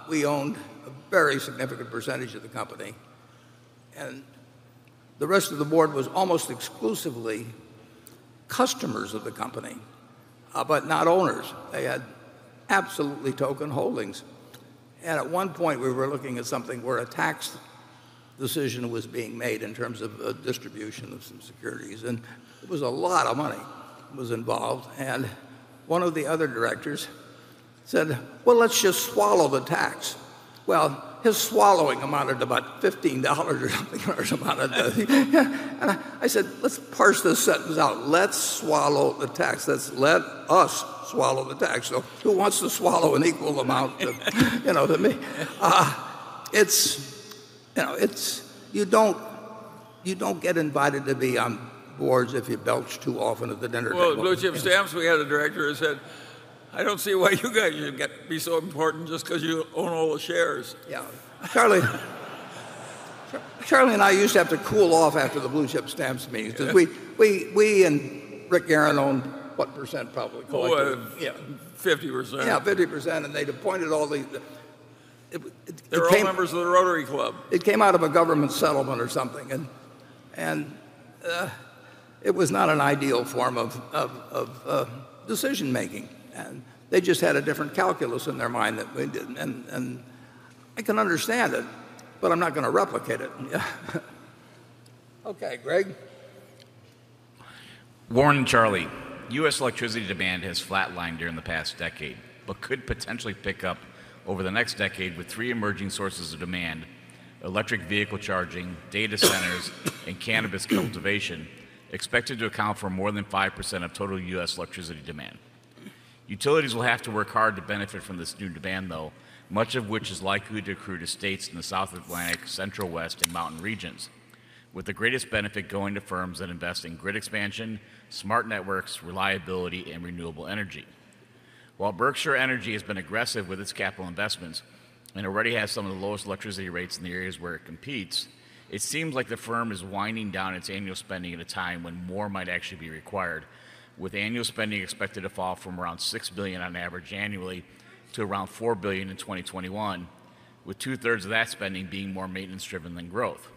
we owned a very significant percentage of the company, and the rest of the board was almost exclusively customers of the company, but not owners. They had absolutely token holdings. At one point, we were looking at something where a tax decision was being made in terms of distribution of some securities, and it was a lot of money was involved. One of the other directors said, "Well, let's just swallow the tax." Well, his swallowing amounted to about $15 or something. I said, "Let's parse this sentence out. Let's swallow the tax. That's let us swallow the tax. Who wants to swallow an equal amount to me?" You don't get invited to be on boards if you belch too often at the dinner table. Well, at Blue Chip Stamps, we had a director who said, "I don't see why you guys have got to be so important just because you own all the shares. Yeah. Charlie and I used to have to cool off after the Blue Chip Stamps meetings because we and Rick Guerin owned what percent probably collected- Oh, yeah, 50%. Yeah, 50%, they'd appointed all the It came- They were all members of the Rotary Club. It came out of a government settlement or something. It was not an ideal form of decision making, and they just had a different calculus in their mind that we didn't. I can understand it, but I'm not going to replicate it. Okay, Greg? Warren and Charlie, U.S. electricity demand has flatlined during the past decade, but could potentially pick up over the next decade with three emerging sources of demand, electric vehicle charging, data centers, and cannabis cultivation, expected to account for more than 5% of total U.S. electricity demand. Utilities will have to work hard to benefit from this new demand, though, much of which is likely to accrue to states in the South Atlantic, Central West, and mountain regions, with the greatest benefit going to firms that invest in grid expansion, smart networks, reliability, and renewable energy. While Berkshire Energy has been aggressive with its capital investments and already has some of the lowest electricity rates in the areas where it competes, it seems like the firm is winding down its annual spending at a time when more might actually be required, with annual spending expected to fall from around $6 billion on average annually to around $4 billion in 2021, with two-thirds of that spending being more maintenance driven than growth.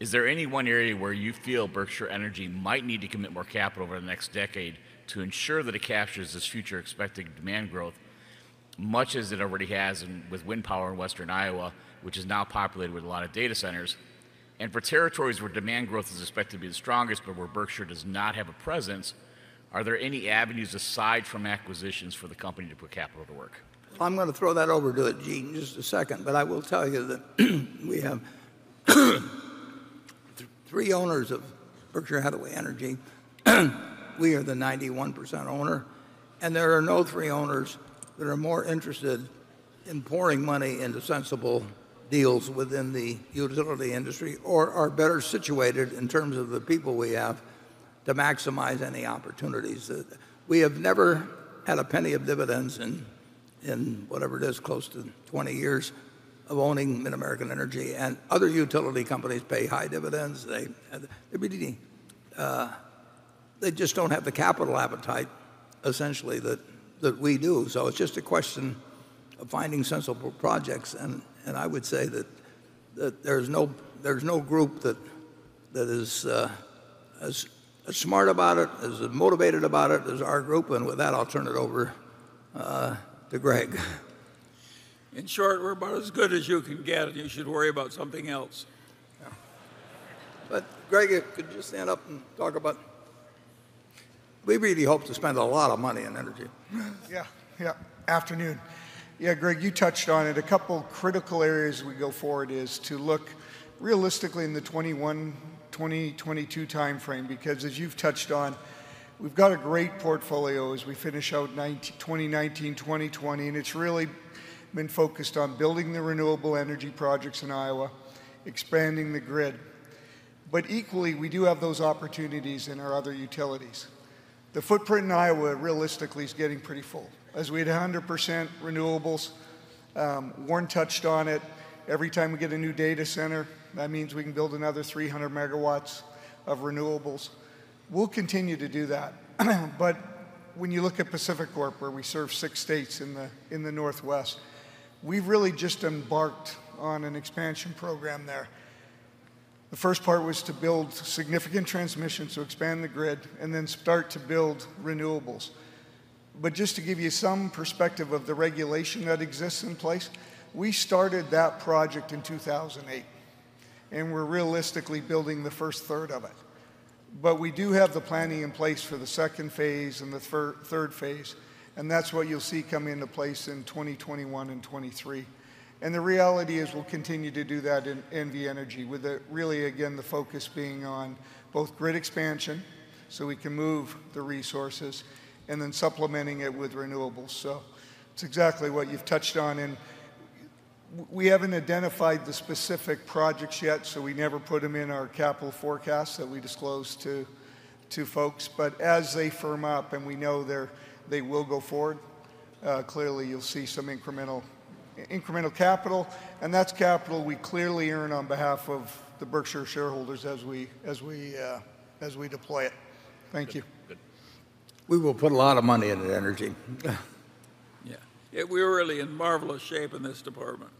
Is there any one area where you feel Berkshire Energy might need to commit more capital over the next decade to ensure that it captures this future expected demand growth, much as it already has with wind power in western Iowa, which is now populated with a lot of data centers? For territories where demand growth is expected to be the strongest, but where Berkshire does not have a presence, are there any avenues aside from acquisitions for the company to put capital to work? I'm going to throw that over to Greg in just a second, but I will tell you that we have three owners of Berkshire Hathaway Energy. We are the 91% owner, and there are no three owners that are more interested in pouring money into sensible deals within the utility industry or are better situated in terms of the people we have to maximize any opportunities. We have never had a penny of dividends in whatever it is, close to 20 years of owning MidAmerican Energy. Other utility companies pay high dividends. They just don't have the capital appetite, essentially, that we do. It's just a question of finding sensible projects, and I would say that there's no group that is as smart about it, as motivated about it as our group. With that, I'll turn it over to Greg. In short, we're about as good as you can get. You should worry about something else. Yeah. Greg, could you stand up and talk about We really hope to spend a lot of money in energy. Afternoon. Greg, you touched on it. A couple critical areas as we go forward is to look realistically in the 2021, 2022 time frame, because as you've touched on, we've got a great portfolio as we finish out 2019, 2020, and it's really been focused on building the renewable energy projects in Iowa, expanding the grid. Equally, we do have those opportunities in our other utilities. The footprint in Iowa, realistically, is getting pretty full. As we hit 100% renewables. Warren touched on it. Every time we get a new data center, that means we can build another 300 megawatts of renewables. We'll continue to do that. When you look at PacifiCorp, where we serve six states in the northwest, we've really just embarked on an expansion program there. The first part was to build significant transmission, so expand the grid, and then start to build renewables. Just to give you some perspective of the regulation that exists in place, we started that project in 2008, and we're realistically building the first third of it. We do have the planning in place for the second phase and the third phase, and that's what you'll see come into place in 2021 and 2023. The reality is we'll continue to do that in NV Energy with really, again, the focus being on both grid expansion, so we can move the resources, and then supplementing it with renewables. It's exactly what you've touched on, and we haven't identified the specific projects yet, so we never put them in our capital forecast that we disclose to folks. As they firm up and we know they will go forward, clearly you'll see some incremental capital, and that's capital we clearly earn on behalf of the Berkshire shareholders as we deploy it. Thank you. Good. Good. We will put a lot of money into energy. Yeah. We're really in marvelous shape in this department.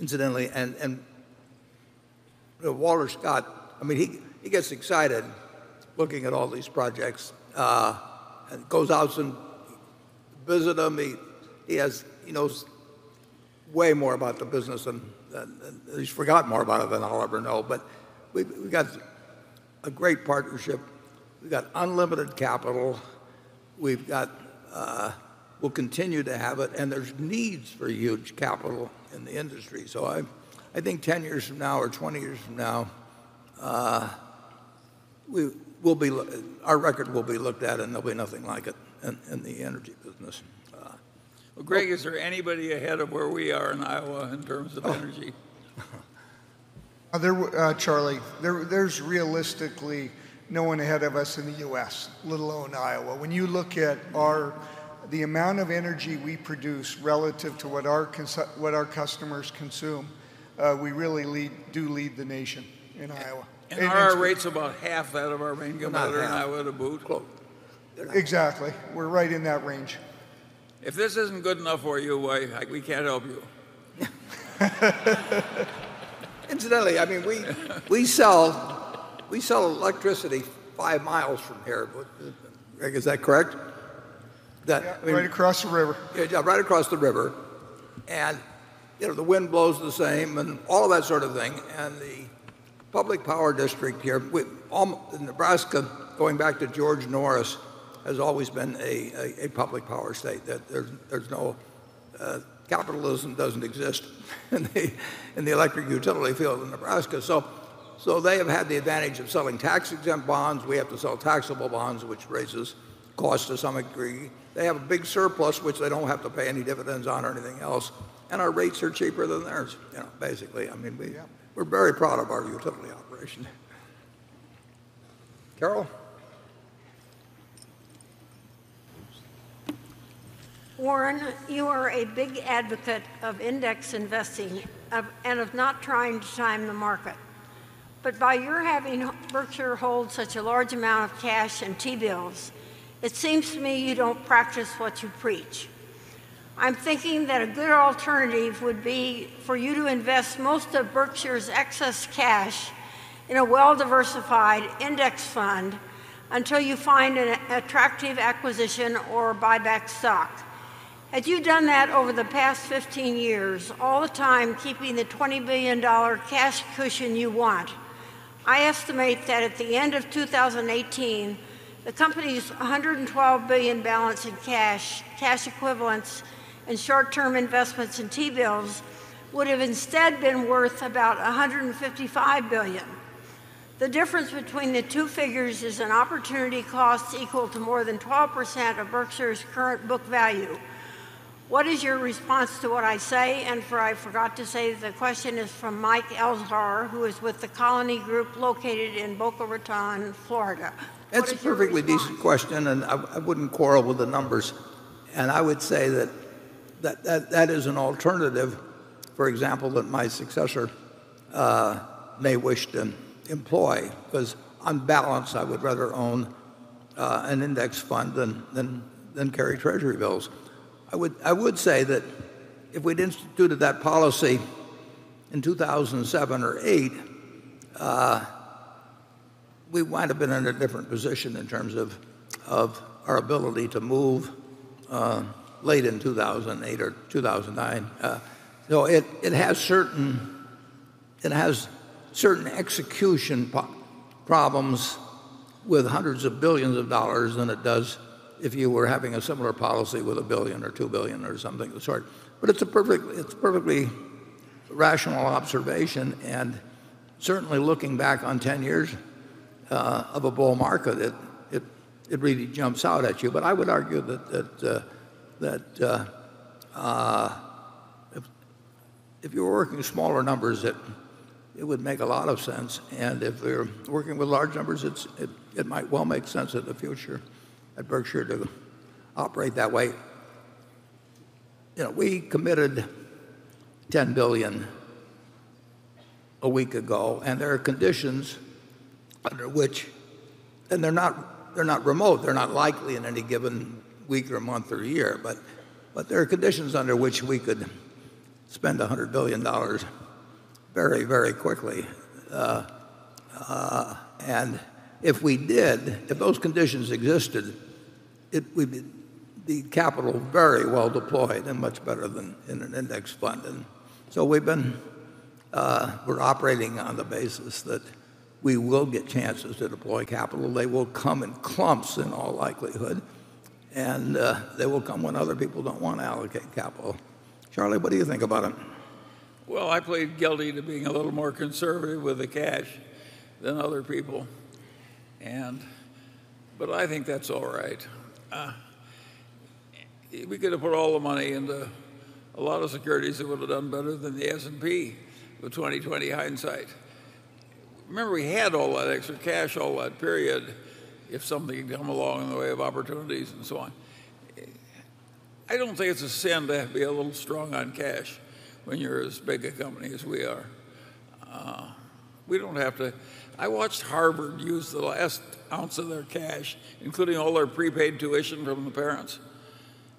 Incidentally, Walter Scott, he gets excited looking at all these projects, and goes out and visit them. He knows way more about the business, he's forgot more about it than I'll ever know. We've got a great partnership. We've got unlimited capital. We'll continue to have it, there's needs for huge capital in the industry. I think 10 years from now or 20 years from now, our record will be looked at and there'll be nothing like it in the energy business. Well, Greg, is there anybody ahead of where we are in Iowa in terms of energy? Charlie, there's realistically no one ahead of us in the U.S., let alone Iowa. When you look at the amount of energy we produce relative to what our customers consume, we really do lead the nation in Iowa. Our rate's about half that of our main competitor. About half. In Iowa to boot. Close. Exactly. We're right in that range. If this isn't good enough for you, we can't help you. Incidentally, we sell electricity five miles from here. Greg, is that correct? Yeah. Right across the river. Yeah, right across the river. The wind blows the same and all that sort of thing. The public power district here, Nebraska, going back to George Norris, has always been a public power state. Capitalism doesn't exist in the electric utility field in Nebraska. They have had the advantage of selling tax-exempt bonds. We have to sell taxable bonds, which raises costs to some degree. They have a big surplus, which they don't have to pay any dividends on or anything else. Our rates are cheaper than theirs, basically. We're very proud of our utility operation. Carol? Warren, you are a big advocate of index investing and of not trying to time the market. By your having Berkshire hold such a large amount of cash and T-bills, it seems to me you don't practice what you preach. I'm thinking that a good alternative would be for you to invest most of Berkshire's excess cash in a well-diversified index fund until you find an attractive acquisition or buy back stock. Had you done that over the past 15 years, all the time keeping the $20 billion cash cushion you want, I estimate that at the end of 2018, the company's $112 billion balance in cash equivalents, and short-term investments in T-bills would have instead been worth about $155 billion. The difference between the two figures is an opportunity cost equal to more than 12% of Berkshire's current book value. What is your response to what I say? I forgot to say, the question is from Mike Lazar, who is with The Colony Group located in Boca Raton, Florida. What is your response? It's a perfectly decent question. I wouldn't quarrel with the numbers. I would say that that is an alternative, for example, that my successor may wish to employ. Because on balance, I would rather own an index fund than carry Treasury bills. I would say that if we'd instituted that policy in 2007 or 2008, we might have been in a different position in terms of our ability to move late in 2008 or 2009. It has certain execution problems with hundreds of billions of dollars than it does if you were having a similar policy with a billion or 2 billion or something of the sort. It's a perfectly rational observation, and certainly looking back on 10 years of a bull market, it really jumps out at you. I would argue that if you were working with smaller numbers, it would make a lot of sense, and if we're working with large numbers, it might well make sense in the future at Berkshire to operate that way. We committed $10 billion a week ago. There are conditions under which they're not remote, they're not likely in any given week or month or year, but there are conditions under which we could spend $100 billion very quickly. If we did, if those conditions existed, the capital very well deployed and much better than in an index fund. We're operating on the basis that we will get chances to deploy capital. They will come in clumps in all likelihood, and they will come when other people don't want to allocate capital. Charlie, what do you think about it? I plead guilty to being a little more conservative with the cash than other people. I think that's all right. We could have put all the money into a lot of securities that would have done better than the S&P, with 20/20 hindsight. Remember, we had all that extra cash, all that period, if something had come along in the way of opportunities and so on. I don't think it's a sin to be a little strong on cash when you're as big a company as we are. We don't have to. I watched Harvard use the last ounce of their cash, including all their prepaid tuition from the parents,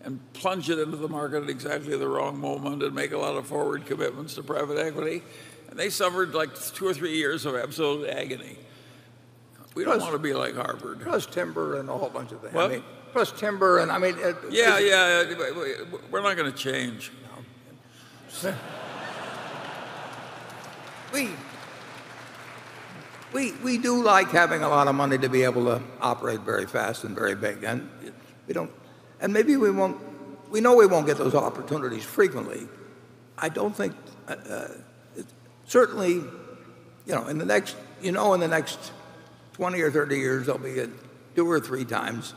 and plunge it into the market at exactly the wrong moment and make a lot of forward commitments to private equity, and they suffered two or three years of absolute agony. We don't want to be like Harvard. Plus timber and a whole bunch of things. What? Plus timber and, I mean. Yeah. We're not going to change now. We do like having a lot of money to be able to operate very fast and very big, we know we won't get those opportunities frequently. Certainly, in the next 20 or 30 years, there will be two or three times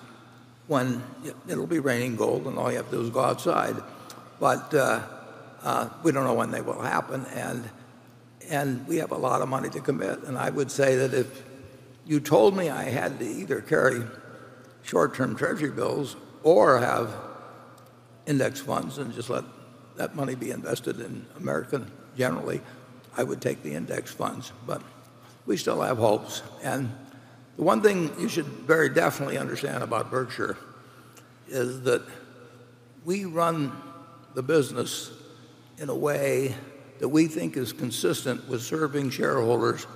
when it will be raining gold and all you have to do is go outside. We don't know when they will happen, and we have a lot of money to commit. I would say that if you told me I had to either carry short-term Treasury bills or have index funds and just let that money be invested in America generally, I would take the index funds. We still have hopes. The one thing you should very definitely understand about Berkshire is that we run the business in a way that we think is consistent with serving shareholders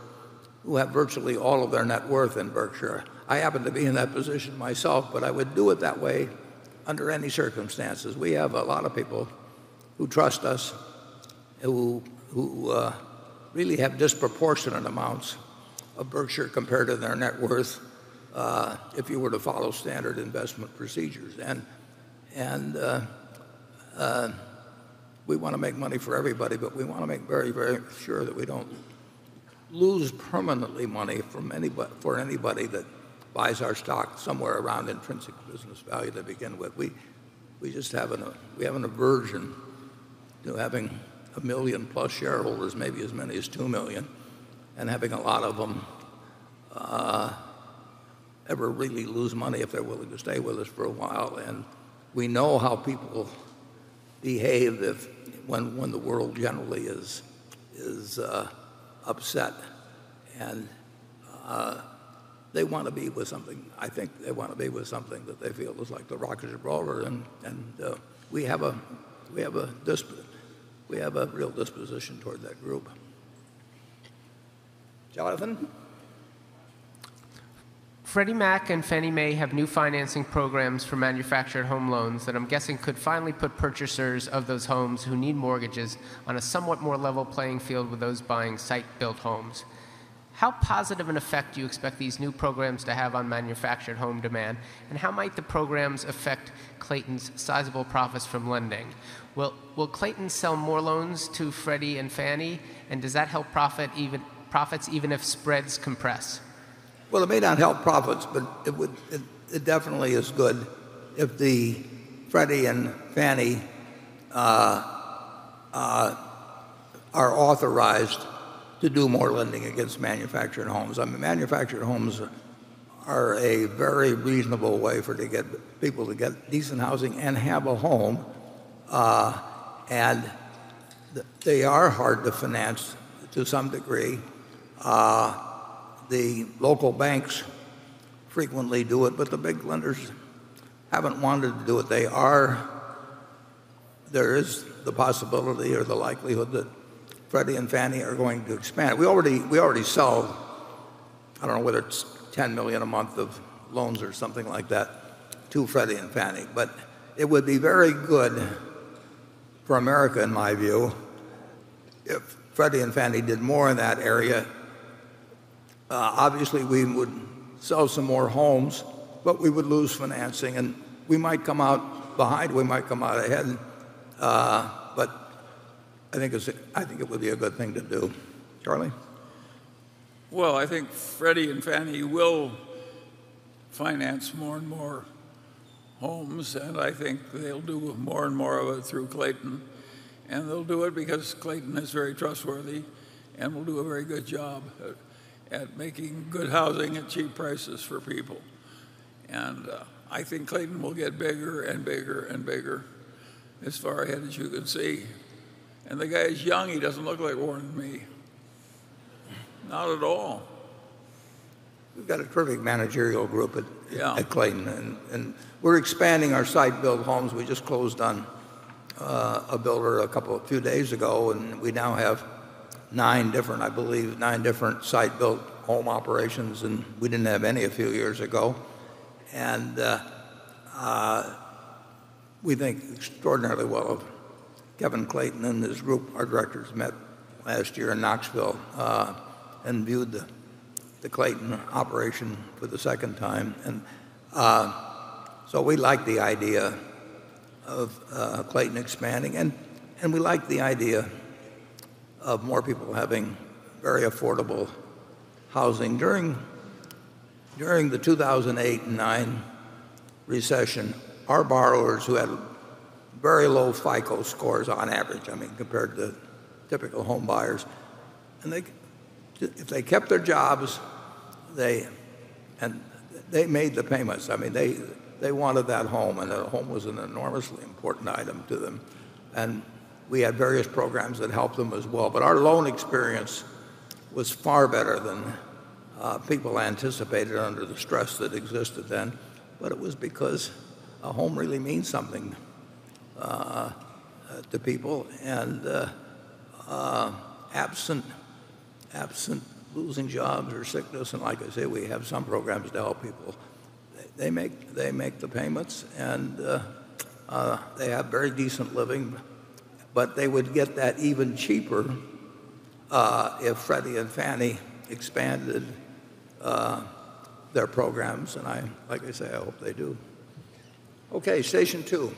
who have virtually all of their net worth in Berkshire. I happen to be in that position myself, I would do it that way under any circumstances. We have a lot of people who trust us, who really have disproportionate amounts of Berkshire compared to their net worth if you were to follow standard investment procedures. We want to make money for everybody, we want to make very sure that we don't lose permanently money for anybody that buys our stock somewhere around intrinsic business value to begin with. We have an aversion to having 1 million-plus shareholders, maybe as many as 2 million, having a lot of them ever really lose money if they're willing to stay with us for a while. We know how people behave when the world generally is upset, they want to be with something. I think they want to be with something that they feel is like the Rock of Gibraltar, we have a real disposition toward that group. Jonathan. Freddie Mac and Fannie Mae have new financing programs for manufactured home loans that I'm guessing could finally put purchasers of those homes who need mortgages on a somewhat more level playing field with those buying site-built homes. How positive an effect do you expect these new programs to have on manufactured home demand, and how might the programs affect Clayton's sizable profits from lending? Will Clayton sell more loans to Freddie and Fannie, and does that help profits even if spreads compress? Well, it may not help profits, but it definitely is good if the Freddie and Fannie are authorized to do more lending against manufactured homes. Manufactured homes are a very reasonable way for people to get decent housing and have a home, and they are hard to finance to some degree. The local banks frequently do it, but the big lenders haven't wanted to do it. There is the possibility or the likelihood that Freddie and Fannie are going to expand. We already sell, I don't know whether it's $10 million a month of loans or something like that, to Freddie and Fannie. But it would be very good for America, in my view, if Freddie and Fannie did more in that area. Obviously, we would sell some more homes, but we would lose financing, and we might come out behind, we might come out ahead, but I think it would be a good thing to do. Charlie? Well, I think Freddie and Fannie will finance more and more homes, and I think they'll do more and more of it through Clayton. They'll do it because Clayton is very trustworthy and will do a very good job at making good housing at cheap prices for people. I think Clayton will get bigger and bigger and bigger as far ahead as you can see. The guy is young. He doesn't look like Warren and me. Not at all. We've got a terrific managerial group at- Yeah Clayton, and we're expanding our site-built homes. We just closed on a builder a few days ago, and we now have nine different, I believe, site-built home operations, and we didn't have any a few years ago. We think extraordinarily well of Kevin Clayton and his group. Our directors met last year in Knoxville and viewed the Clayton operation for the second time. So we like the idea of Clayton expanding, and we like the idea of more people having very affordable housing. During the 2008 and '09 recession, our borrowers who had very low FICO scores on average, compared to typical home buyers, if they kept their jobs, they made the payments. They wanted that home, and a home was an enormously important item to them. We had various programs that helped them as well, but our loan experience was far better than people anticipated under the stress that existed then. It was because a home really means something to people, and absent losing jobs or sickness, and like I say, we have some programs to help people. They make the payments, and they have very decent living, but they would get that even cheaper if Freddie and Fannie expanded their programs. Like I say, I hope they do. Okay, station two.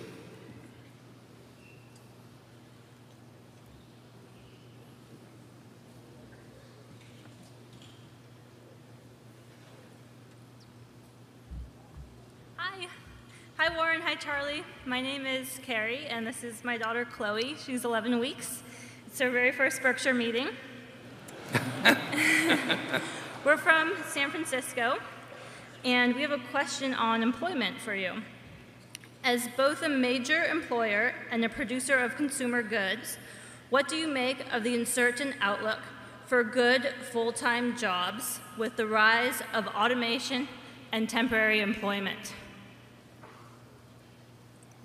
Hi, Warren. Hi, Charlie. My name is Carrie, and this is my daughter, Chloe. She's 11 weeks. It's her very first Berkshire meeting. We're from San Francisco, and we have a question on employment for you. As both a major employer and a producer of consumer goods, what do you make of the uncertain outlook for good full-time jobs with the rise of automation and temporary employment?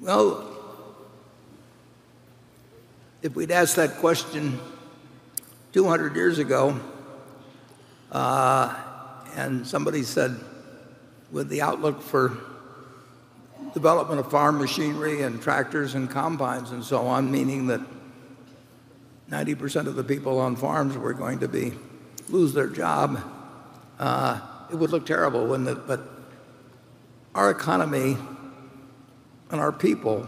Well, if we'd asked that question 200 years ago, and somebody said with the outlook for development of farm machinery and tractors and combines and so on, meaning that 90% of the people on farms were going to lose their job, it would look terrible, wouldn't it? Our economy and our people,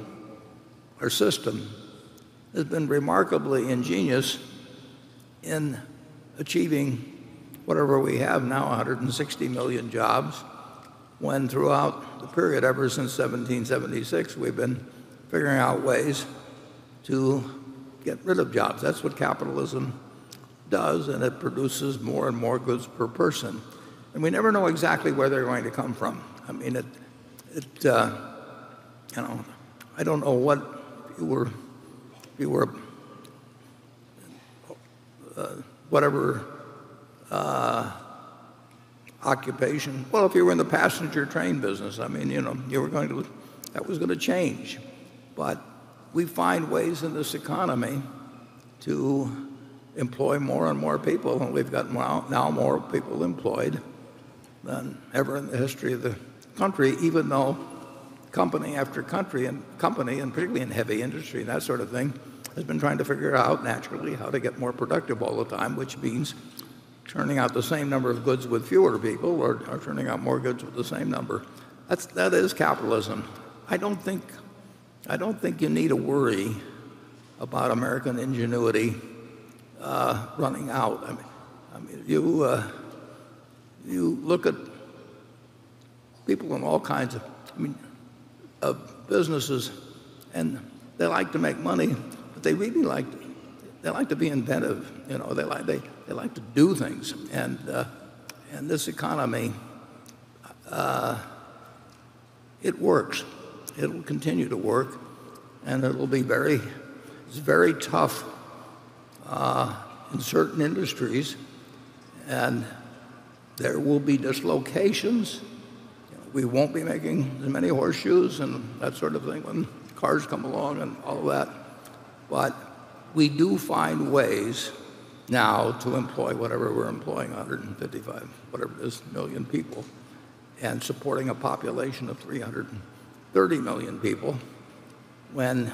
our system, has been remarkably ingenious in achieving whatever we have now, 160 million jobs, when throughout the period ever since 1776, we've been figuring out ways to get rid of jobs. That's what capitalism does, and it produces more and more goods per person. We never know exactly where they're going to come from. I don't know what you were, whatever occupation. Well, if you were in the passenger train business, that was going to change. We find ways in this economy to employ more and more people, and we've got now more people employed than ever in the history of the country, even though company after company, and particularly in heavy industry and that sort of thing, has been trying to figure out naturally how to get more productive all the time, which means churning out the same number of goods with fewer people or churning out more goods with the same number. That is capitalism. I don't think you need to worry about American ingenuity running out. You look at people from all kinds of businesses, and they like to make money, but they really like to be inventive. They like to do things. This economy, it works. It will continue to work, and it will be very tough in certain industries, and there will be dislocations. We won't be making as many horseshoes and that sort of thing when cars come along and all that. We do find ways now to employ whatever we're employing, 155, whatever it is, million people, and supporting a population of 330 million people when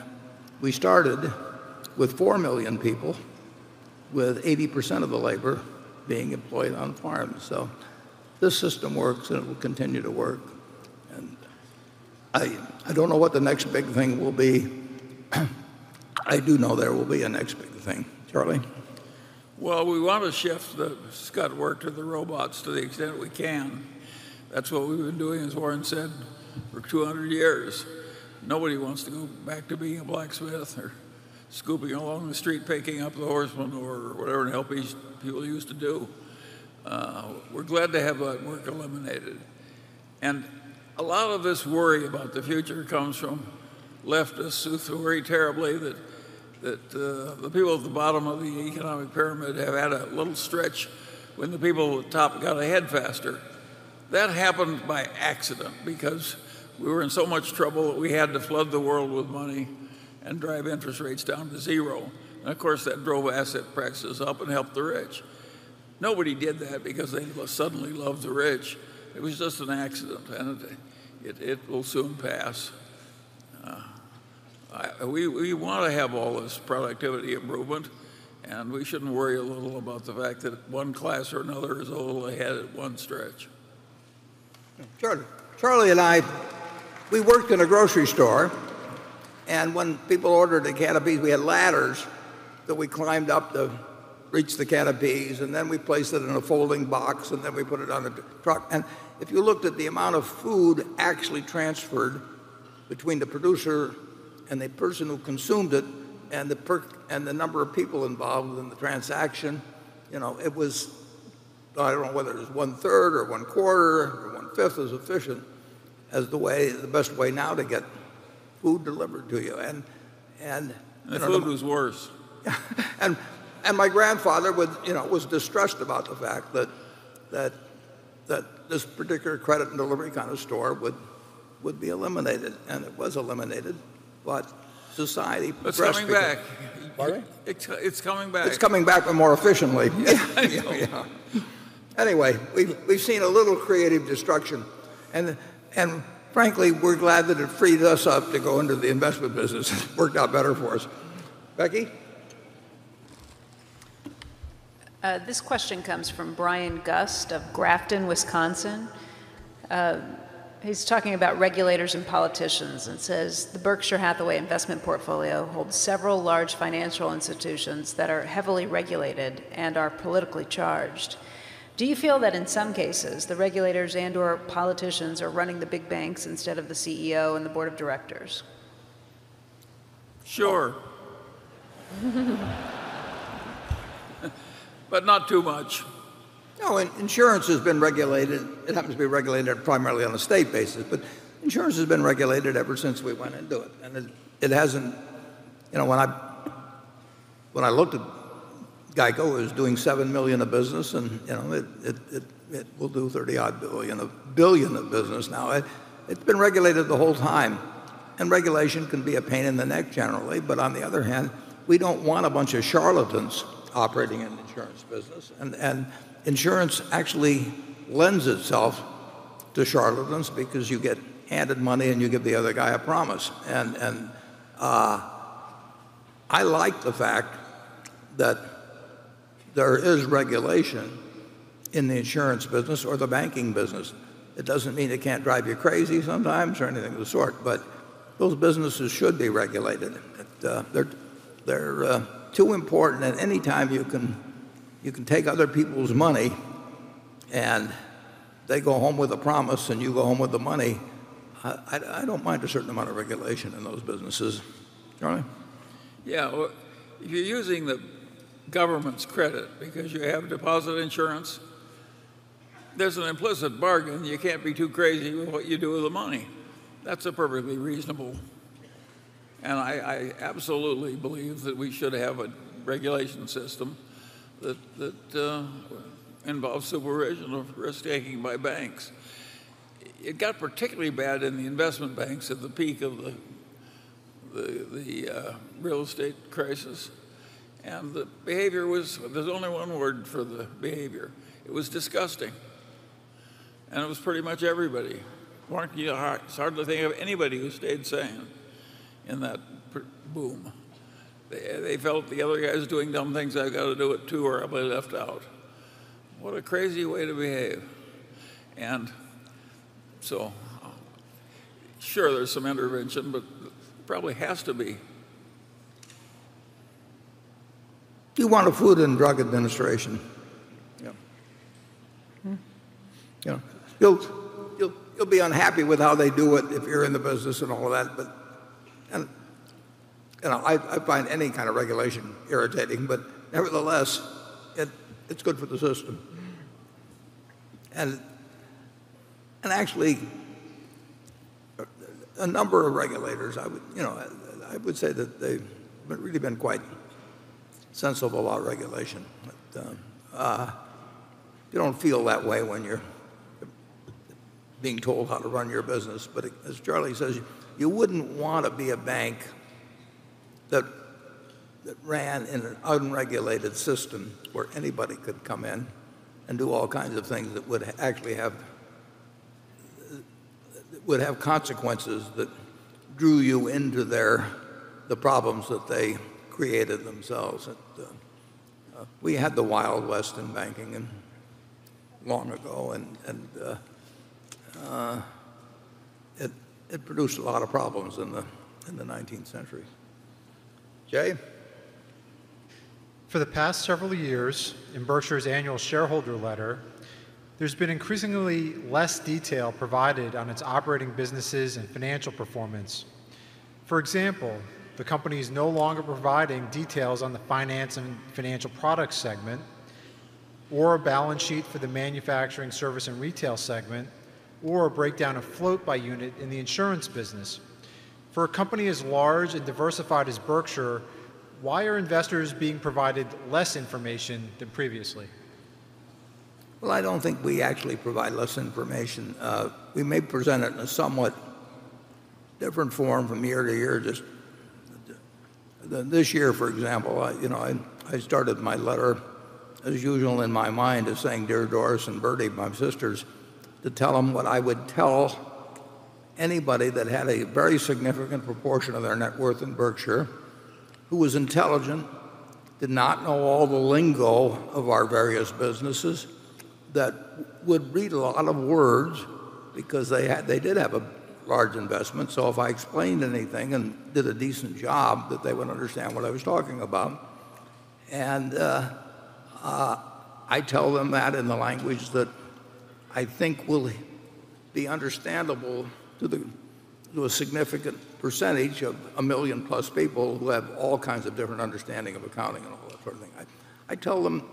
we started with four million people with 80% of the labor being employed on farms. This system works, and it will continue to work. I don't know what the next big thing will be. I do know there will be a next big thing. Charlie? Well, we want to shift the scut work to the robots to the extent we can. That's what we've been doing, as Warren said, for 200 years. Nobody wants to go back to being a blacksmith or scooping along the street, picking up the horse manure or whatever and helping people used to do. We're glad to have that work eliminated. A lot of this worry about the future comes from leftists who worry terribly that the people at the bottom of the economic pyramid have had a little stretch when the people at the top got ahead faster. That happened by accident because we were in so much trouble that we had to flood the world with money and drive interest rates down to zero. Of course, that drove asset prices up and helped the rich. Nobody did that because they suddenly loved the rich. It was just an accident, and it will soon pass. We want to have all this productivity improvement, and we shouldn't worry a little about the fact that one class or another is a little ahead at one stretch. Charlie. Charlie and I, we worked in a grocery store, when people ordered a can of peas, we had ladders that we climbed up to reach the can of peas, then we placed it in a folding box, then we put it on a truck. If you looked at the amount of food actually transferred between the producer and the person who consumed it, and the number of people involved in the transaction, it was, I don't know whether it was one-third or one-quarter or one-fifth as efficient as the best way now to get food delivered to you. The food was worse. Yeah. My grandfather was distressed about the fact that this particular credit and delivery kind of store would be eliminated, it was eliminated, society progressed. It's coming back. Pardon? It's coming back. It's coming back, but more efficiently. Yeah. Yeah. Anyway, we've seen a little creative destruction, and frankly, we're glad that it freed us up to go into the investment business. It worked out better for us. Becky? This question comes from Brian Gust of Grafton, Wisconsin. He's talking about regulators and politicians and says, "The Berkshire Hathaway investment portfolio holds several large financial institutions that are heavily regulated and are politically charged. Do you feel that in some cases, the regulators and/or politicians are running the big banks instead of the CEO and the board of directors? Sure. Not too much. No, insurance has been regulated. It happens to be regulated primarily on a state basis, but insurance has been regulated ever since we went into it. When I looked at GEICO, it was doing $7 million of business, and it will do $30-odd billion of business now. It's been regulated the whole time. Regulation can be a pain in the neck, generally, but on the other hand, we don't want a bunch of charlatans operating in the insurance business. Insurance actually lends itself to charlatans because you get handed money and you give the other guy a promise. I like the fact that there is regulation in the insurance business or the banking business. It doesn't mean it can't drive you crazy sometimes or anything of the sort, but those businesses should be regulated. They're too important, any time you can take other people's money and they go home with a promise and you go home with the money, I don't mind a certain amount of regulation in those businesses. Charlie? Yeah. If you're using the government's credit because you have deposit insurance, there's an implicit bargain you can't be too crazy with what you do with the money. That's perfectly reasonable, I absolutely believe that we should have a regulation system that involves supervision of risk-taking by banks. It got particularly bad in the investment banks at the peak of the real estate crisis, There's only one word for the behavior. It was disgusting, it was pretty much everybody. It's hard to think of anybody who stayed sane in that boom. They felt the other guys doing dumb things, "I've got to do it too, or I'll be left out." What a crazy way to behave. Sure, there's some intervention, but there probably has to be. You want a Food and Drug Administration. Yeah. You'll be unhappy with how they do it if you're in the business and all that, I find any kind of regulation irritating, nevertheless, it's good for the system. Actually, a number of regulators, I would say that they've really been quite sensible about regulation. You don't feel that way when you're being told how to run your business. As Charlie says, you wouldn't want to be a bank that ran in an unregulated system where anybody could come in and do all kinds of things that would have consequences that drew you into the problems that they created themselves. We had the Wild West in banking long ago, and it produced a lot of problems in the 19th century. Jay? For the past several years, in Berkshire's annual shareholder letter, there's been increasingly less detail provided on its operating businesses and financial performance. For example, the company is no longer providing details on the finance and financial product segment, or a balance sheet for the manufacturing service and retail segment, or a breakdown of float by unit in the insurance business. For a company as large and diversified as Berkshire, why are investors being provided less information than previously? Well, I don't think we actually provide less information. We may present it in a somewhat different form from year to year. This year, for example, I started my letter, as usual in my mind, as saying, "Dear Doris and Bertie," my sisters, to tell them what I would tell anybody that had a very significant proportion of their net worth in Berkshire, who was intelligent, did not know all the lingo of our various businesses, that would read a lot of words because they did have a large investment, so if I explained anything and did a decent job, that they would understand what I was talking about. I tell them that in the language that I think will be understandable to a significant percentage of a million-plus people who have all kinds of different understanding of accounting and all that sort of thing. I tell them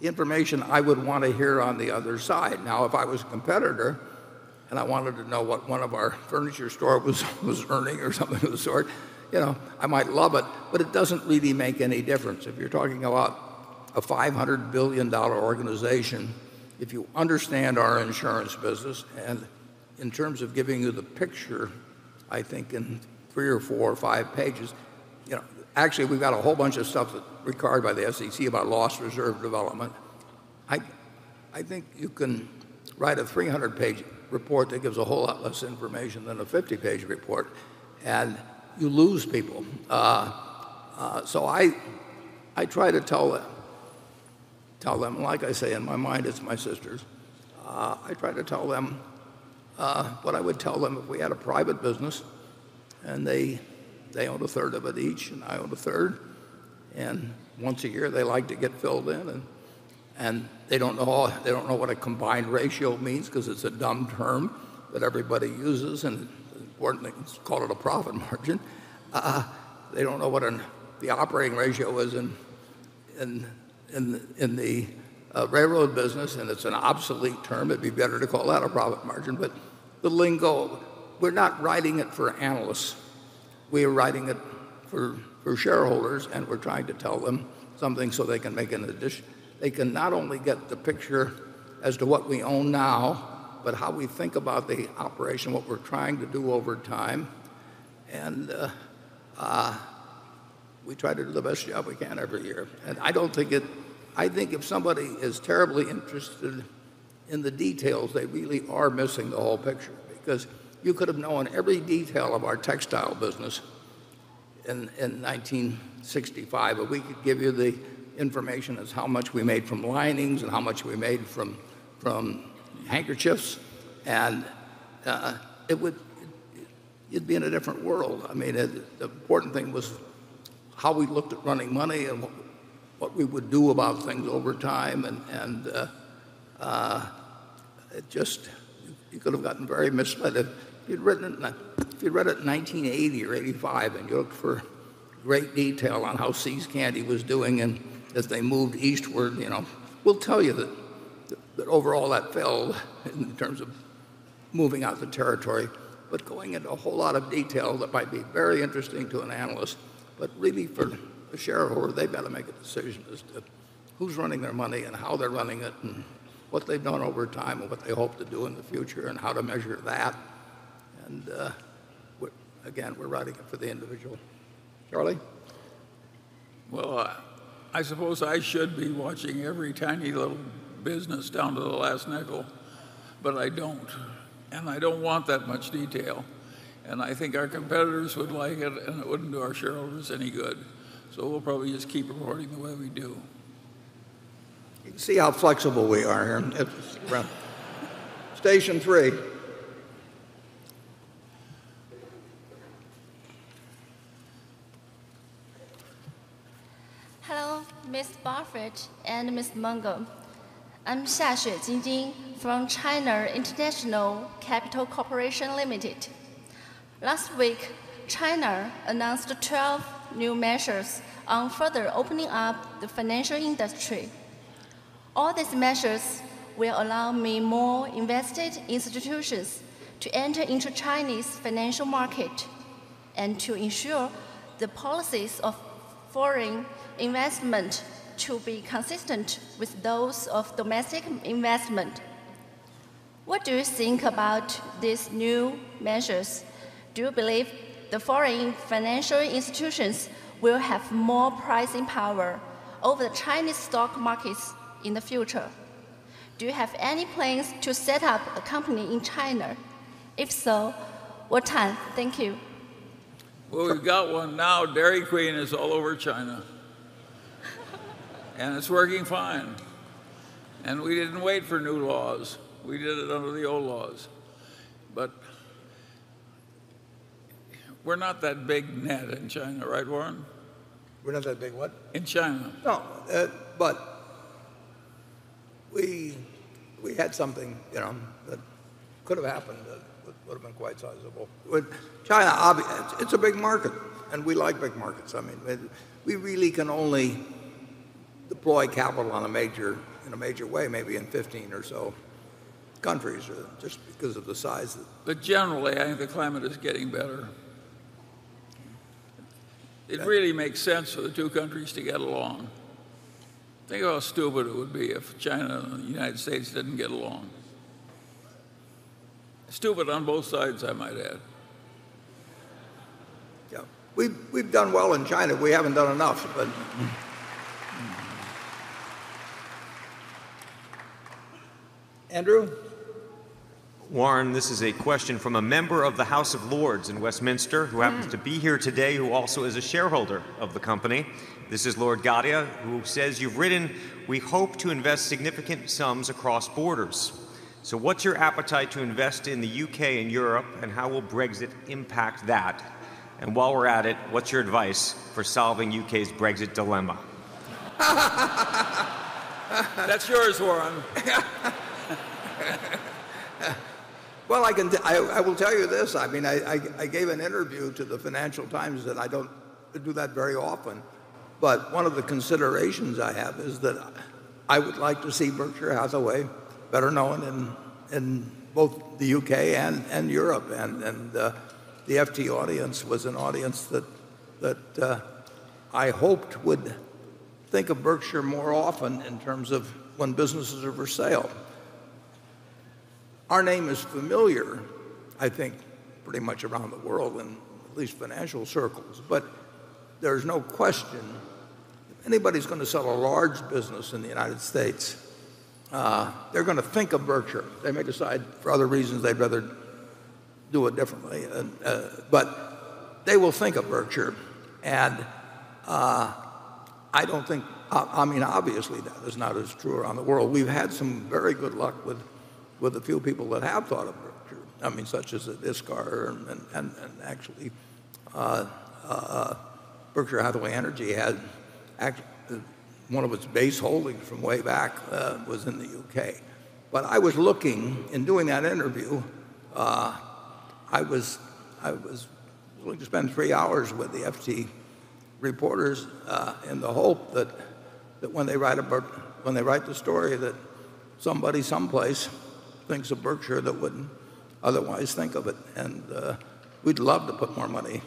information I would want to hear on the other side. If I was a competitor, and I wanted to know what one of our furniture store was earning or something of the sort, I might love it, but it doesn't really make any difference. If you're talking about a $500 billion organization, if you understand our insurance business, and in terms of giving you the picture, I think in three or four or five pages. Actually, we've got a whole bunch of stuff that's required by the SEC about loss reserve development. I think you can write a 300-page report that gives a whole lot less information than a 50-page report, and you lose people. I try to tell them, like I say, in my mind it's my sisters. I try to tell them what I would tell them if we had a private business and they own a third of it each, and I own a third. Once a year, they like to get filled in, and they don't know what a combined ratio means because it's a dumb term that everybody uses, and it's important they call it a profit margin. They don't know what the operating ratio is in the railroad business, and it's an obsolete term. It'd be better to call that a profit margin. The lingo, we're not writing it for analysts. We're writing it for shareholders, and we're trying to tell them something so they can not only get the picture as to what we own now, but how we think about the operation, what we're trying to do over time. We try to do the best job we can every year. I think if somebody is terribly interested in the details, they really are missing the whole picture because you could have known every detail of our textile business in 1965, and we could give you the information as how much we made from linings and how much we made from handkerchiefs, and you'd be in a different world. The important thing was how we looked at running money and what we would do about things over time, and you could have gotten very misled. If you'd read it in 1980 or 1985 and you looked for great detail on how See's Candies was doing and as they moved eastward. We'll tell you that overall that failed in terms of moving out of the territory. Going into a whole lot of detail, that might be very interesting to an analyst, but really for a shareholder, they better make a decision as to who's running their money and how they're running it and what they've done over time and what they hope to do in the future and how to measure that. Again, we're writing it for the individual. Charlie? I suppose I should be watching every tiny little business down to the last nickel, I don't, I don't want that much detail. I think our competitors would like it wouldn't do our shareholders any good. We'll probably just keep reporting the way we do. You can see how flexible we are here. Station three. Hello, Mr. Buffett and Mr. Munger. I'm Xinhan Xia from China International Capital Corporation Limited. Last week, China announced 12 new measures on further opening up the financial industry. All these measures will allow many more invested institutions to enter into Chinese financial market and to ensure the policies of foreign investment to be consistent with those of domestic investment. What do you think about these new measures? Do you believe the foreign financial institutions will have more pricing power over the Chinese stock markets in the future? Do you have any plans to set up a company in China? If so, what time? Thank you. We've got one now. Dairy Queen is all over China and it's working fine. We didn't wait for new laws. We did it under the old laws. We're not that big net in China, right, Warren? We're not that big what? In China. No. We had something that could have happened that would have been quite sizable. With China, it's a big market, and we like big markets. We really can only deploy capital in a major way maybe in 15 or so countries, just because of the size. Generally, I think the climate is getting better. It really makes sense for the two countries to get along. Think of how stupid it would be if China and the United States didn't get along. Stupid on both sides, I might add. Yeah. We've done well in China. We haven't done enough, Andrew? Warren, this is a question from a member of the House of Lords in Westminster- who happens to be here today, who also is a shareholder of the company. This is Jitesh Gadhia, who says you've written, "We hope to invest significant sums across borders." What's your appetite to invest in the U.K. and Europe, and how will Brexit impact that? While we're at it, what's your advice for solving U.K.'s Brexit dilemma? That's yours, Warren. Well, I will tell you this. I gave an interview to the "Financial Times," I don't do that very often, one of the considerations I have is that I would like to see Berkshire Hathaway better known in both the U.K. and Europe, the FT audience was an audience that I hoped would think of Berkshire more often in terms of when businesses are for sale. Our name is familiar, I think, pretty much around the world, in at least financial circles, there's no question, if anybody's going to sell a large business in the United States, they're going to think of Berkshire. They may decide for other reasons they'd rather do it differently, but they will think of Berkshire. I mean, obviously that is not as true around the world. We've had some very good luck with the few people that have thought of Berkshire, such as ISCAR, actually Berkshire Hathaway Energy has one of its base holdings from way back was in the U.K. I was looking, in doing that interview, I was willing to spend three hours with the FT reporters in the hope that when they write the story, that somebody someplace thinks of Berkshire that wouldn't otherwise think of it. We'd love to put more money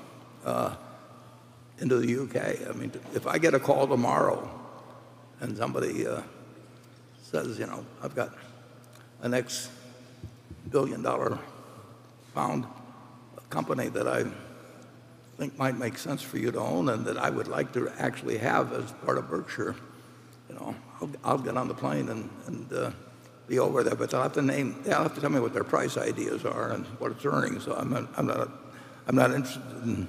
into the U.K. If I get a call tomorrow and somebody says, "I've got an X billion GBP company that I think might make sense for you to own and that I would like to actually have as part of Berkshire," I'll get on the plane and be over there. They'll have to tell me what their price ideas are and what it's earnings are. I'm not interested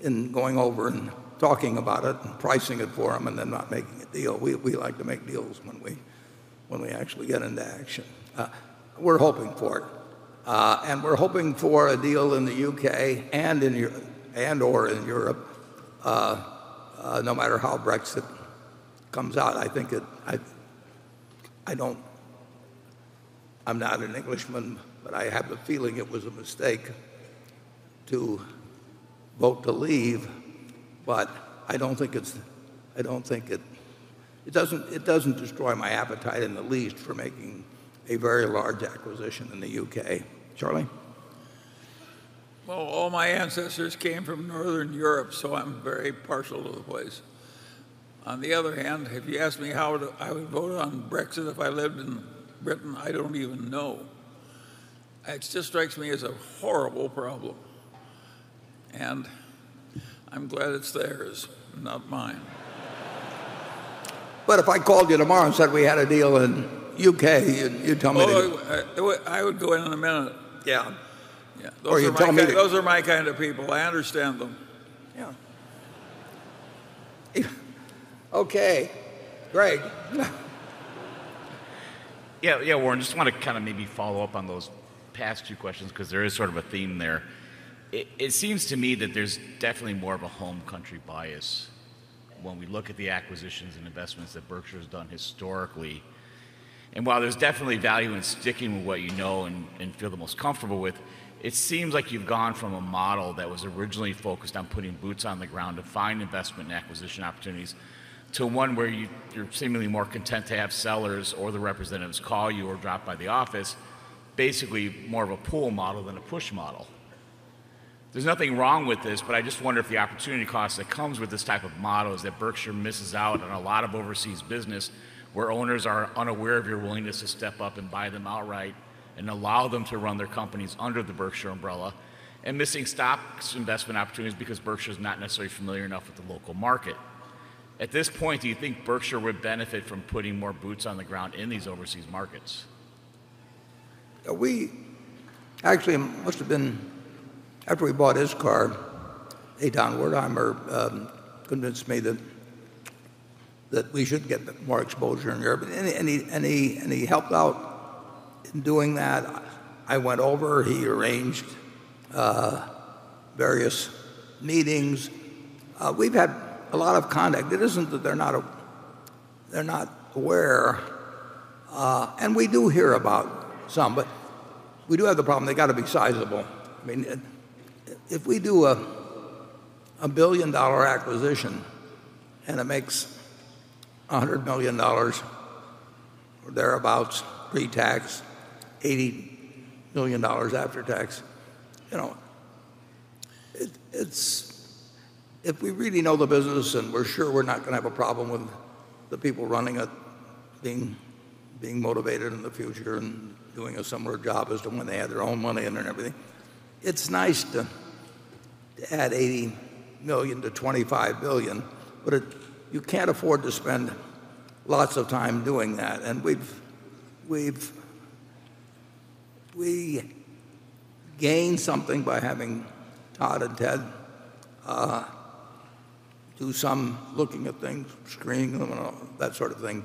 in going over and talking about it and pricing it for them and then not making a deal. We like to make deals when we actually get into action. We're hoping for it. We're hoping for a deal in the U.K. and/or in Europe no matter how Brexit comes out. I'm not an Englishman, but I have a feeling it was a mistake to vote to leave, but it doesn't destroy my appetite in the least for making a very large acquisition in the U.K. Charlie? All my ancestors came from Northern Europe, so I'm very partial to the place. On the other hand, if you ask me how I would vote on Brexit if I lived in Britain, I don't even know. It just strikes me as a horrible problem, and I'm glad it's theirs and not mine. If I called you tomorrow and said we had a deal in the U.K., I would go in in a minute. Yeah. Yeah. Those are my kind of people. I understand them. Yeah. Okay, Greg. Warren, I just want to kind of maybe follow up on those past two questions because there is sort of a theme there. It seems to me that there's definitely more of a home country bias when we look at the acquisitions and investments that Berkshire has done historically. While there's definitely value in sticking with what you know and feel the most comfortable with, it seems like you've gone from a model that was originally focused on putting boots on the ground to find investment and acquisition opportunities to one where you're seemingly more content to have sellers or their representatives call you or drop by the office. Basically, more of a pull model than a push model. There's nothing wrong with this, but I just wonder if the opportunity cost that comes with this type of model is that Berkshire misses out on a lot of overseas business where owners are unaware of your willingness to step up and buy them outright and allow them to run their companies under the Berkshire umbrella, and missing stocks investment opportunities because Berkshire is not necessarily familiar enough with the local market. At this point, do you think Berkshire would benefit from putting more boots on the ground in these overseas markets? We actually, it must have been after we bought ISCAR, Eitan Wertheimer convinced me that we should get more exposure in Europe. He helped out in doing that. I went over, he arranged various meetings. We've had a lot of conduct. It isn't that they're not aware, and we do hear about some, but we do have the problem. They got to be sizable. If we do a billion-dollar acquisition and it makes $100 million or thereabout pre-tax, $80 million after tax. If we really know the business and we're sure we're not going to have a problem with the people running it, being motivated in the future and doing a similar job as to when they had their own money in and everything, it's nice to add $80 million to $25 billion, you can't afford to spend lots of time doing that. We gain something by having Todd and Ted do some looking at things, screen them, and all that sort of thing.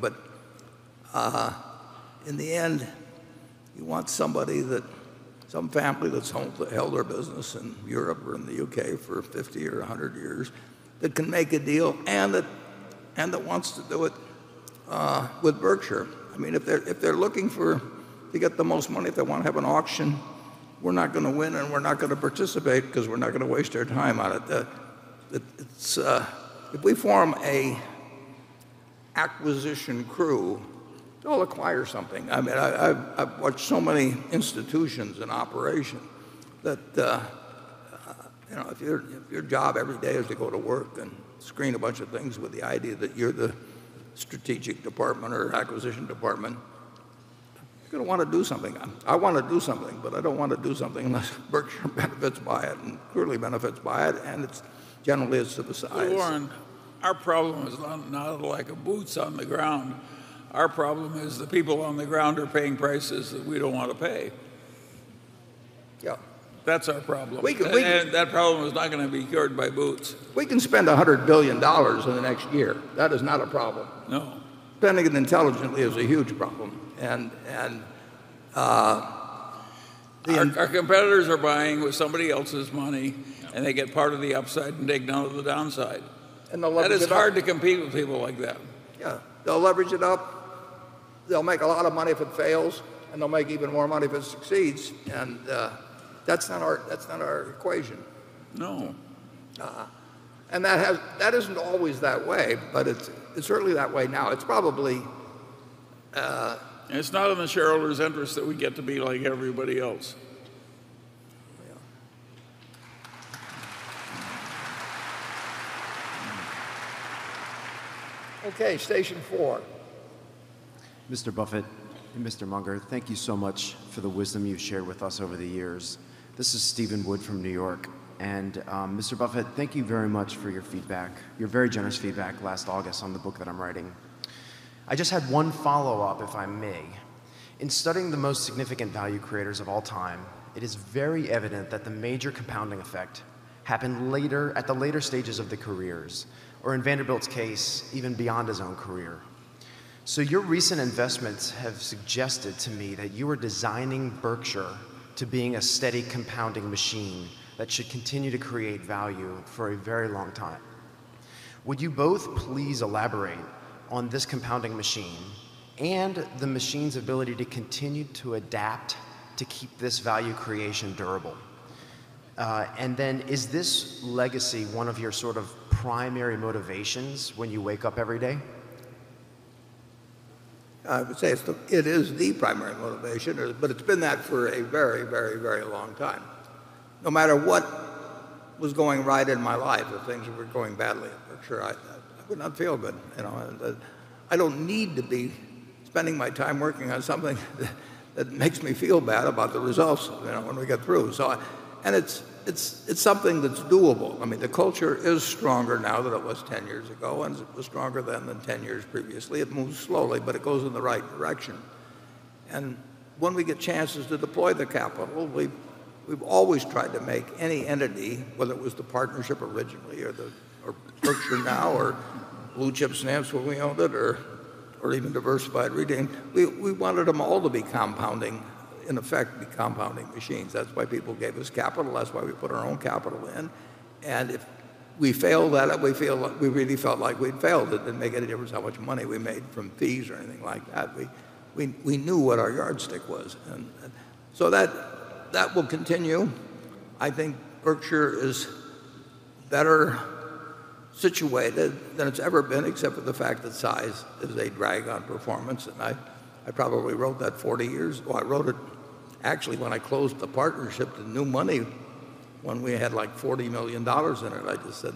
In the end, you want some family that's held their business in Europe or in the U.K. for 50 or 100 years that can make a deal and that wants to do it with Berkshire. If they're looking to get the most money, if they want to have an auction, we're not going to win, and we're not going to participate because we're not going to waste our time on it. If we form an acquisition crew, they'll acquire something. I've watched so many institutions and operations that if your job every day is to go to work and screen a bunch of things with the idea that you're the strategic department or acquisition department, you're going to want to do something. I want to do something, but I don't want to do something unless Berkshire benefits by it and clearly benefits by it, and it generally is to the size. Warren, our problem is not lack of boots on the ground. Our problem is the people on the ground are paying prices that we don't want to pay. Yeah. That's our problem. We can- That problem is not going to be cured by boots. We can spend $100 billion in the next year. That is not a problem. No. Spending it intelligently is a huge problem. Our competitors are buying with somebody else's money. Yeah. They get part of the upside and they ignore the downside. They'll leverage it up. It's hard to compete with people like that. Yeah. They'll leverage it up. They'll make a lot of money if it fails, and they'll make even more money if it succeeds. That's not our equation. No. That isn't always that way, but it's certainly that way now. It's not in the shareholders' interest that we get to be like everybody else. Yeah. Okay. Station four. Mr. Buffett and Mr. Munger, thank you so much for the wisdom you've shared with us over the years. This is Steven Wood from New York. Mr. Buffett, thank you very much for your feedback, your very generous feedback last August on the book that I'm writing. I just had one follow-up, if I may. In studying the most significant value creators of all time, it is very evident that the major compounding effect happened at the later stages of the careers, or in Vanderbilt's case, even beyond his own career. Your recent investments have suggested to me that you are designing Berkshire to being a steady compounding machine that should continue to create value for a very long time. Would you both please elaborate on this compounding machine and the machine's ability to continue to adapt to keep this value creation durable? Is this legacy one of your sort of primary motivations when you wake up every day? I would say it is the primary motivation, but it's been that for a very long time. No matter what was going right in my life, if things were going badly at Berkshire, I would not feel good. I don't need to be spending my time working on something that makes me feel bad about the results when we get through. It's something that's doable. The culture is stronger now than it was 10 years ago, and it was stronger then than 10 years previously. It moves slowly, but it goes in the right direction. When we get chances to deploy the capital, we've always tried to make any entity, whether it was the partnership originally or Berkshire now or Blue Chip Stamps when we owned it, or even Diversified Retailing, we wanted them all to be compounding, in effect, be compounding machines. That's why people gave us capital. That's why we put our own capital in. If we failed at it, we really felt like we'd failed. It didn't make any difference how much money we made from fees or anything like that. We knew what our yardstick was. That will continue. I think Berkshire is better situated than it's ever been, except for the fact that size is a drag on performance. I probably wrote that 40 years. I wrote it actually when I closed the partnership to new money when we had $40 million in it. I just said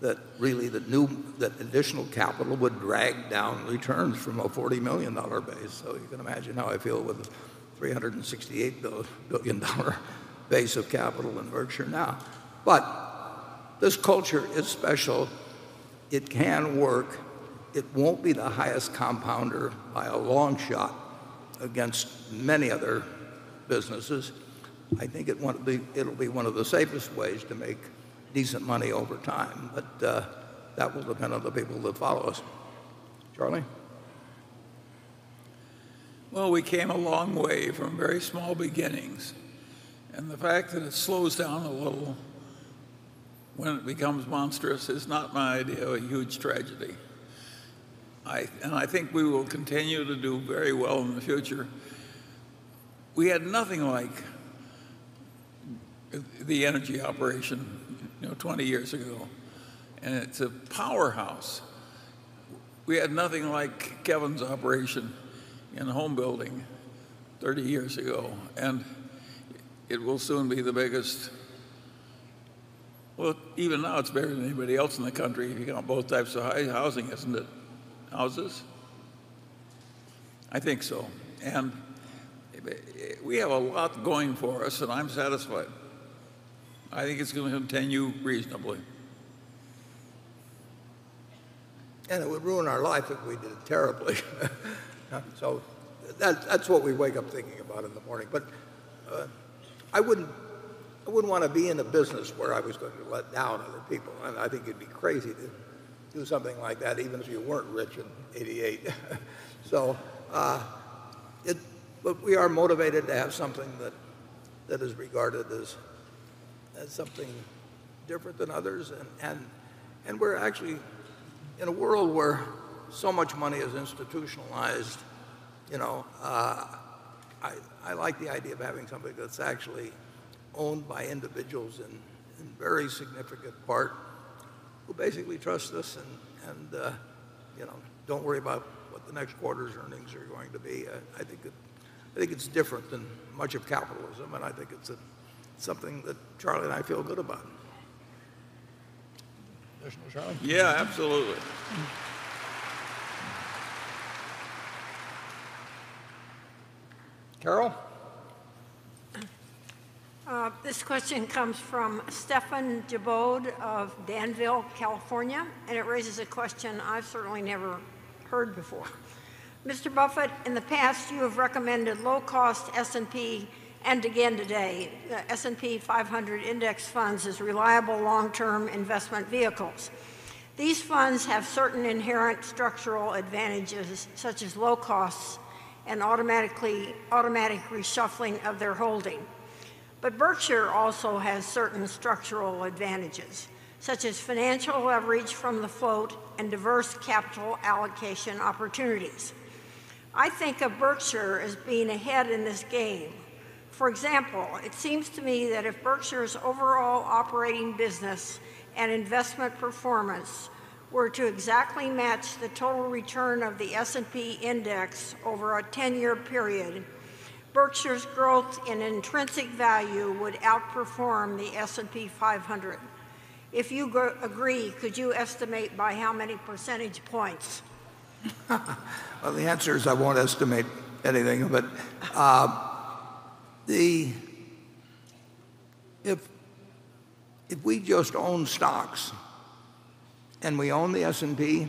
that really the additional capital would drag down returns from a $40 million base. You can imagine how I feel with a $368 billion base of capital in Berkshire now. This culture is special. It can work. It won't be the highest compounder by a long shot against many other businesses. I think it'll be one of the safest ways to make decent money over time. That will depend on the people that follow us. Charlie? We came a long way from very small beginnings, the fact that it slows down a little when it becomes monstrous is not my idea of a huge tragedy. I think we will continue to do very well in the future. We had nothing like the energy operation 20 years ago, it's a powerhouse. We had nothing like Kevin's operation in home building 30 years ago, it will soon be the biggest. Even now it's better than anybody else in the country if you count both types of housing, isn't it? Houses? I think so. We have a lot going for us and I'm satisfied. I think it's going to continue reasonably. It would ruin our life if we did it terribly. That's what we wake up thinking about in the morning. I wouldn't want to be in a business where I was going to let down other people, and I think you'd be crazy to do something like that, even if you weren't rich in 1988. We are motivated to have something that is regarded as something different than others. We're actually in a world where so much money is institutionalized. I like the idea of having something that's actually owned by individuals in very significant part, who basically trust us and don't worry about what the next quarter's earnings are going to be. I think it's different than much of capitalism, and I think it's something that Charlie and I feel good about. Additional, Charlie? Yeah, absolutely. Carol? This question comes from Stefan Jibodh of Danville, California, and it raises a question I've certainly never heard before. "Mr. Buffett, in the past, you have recommended low-cost S&P, and again today, S&P 500 index funds as reliable long-term investment vehicles. These funds have certain inherent structural advantages, such as low costs and automatic reshuffling of their holding. Berkshire also has certain structural advantages, such as financial leverage from the float and diverse capital allocation opportunities. I think of Berkshire as being ahead in this game. For example, it seems to me that if Berkshire's overall operating business and investment performance were to exactly match the total return of the S&P index over a 10-year period, Berkshire's growth in intrinsic value would outperform the S&P 500. If you agree, could you estimate by how many percentage points? Well, the answer is I won't estimate anything. If we just own stocks and we own the S&P,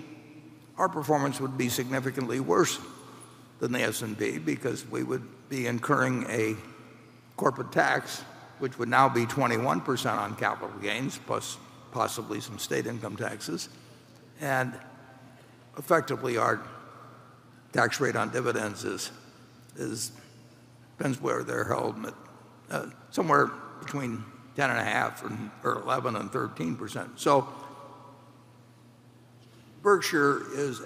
our performance would be significantly worse than the S&P because we would be incurring a corporate tax, which would now be 21% on capital gains, plus possibly some state income taxes. Effectively, our tax rate on dividends depends where they're held, but somewhere between 10.5 or 11 and 13%. Berkshire is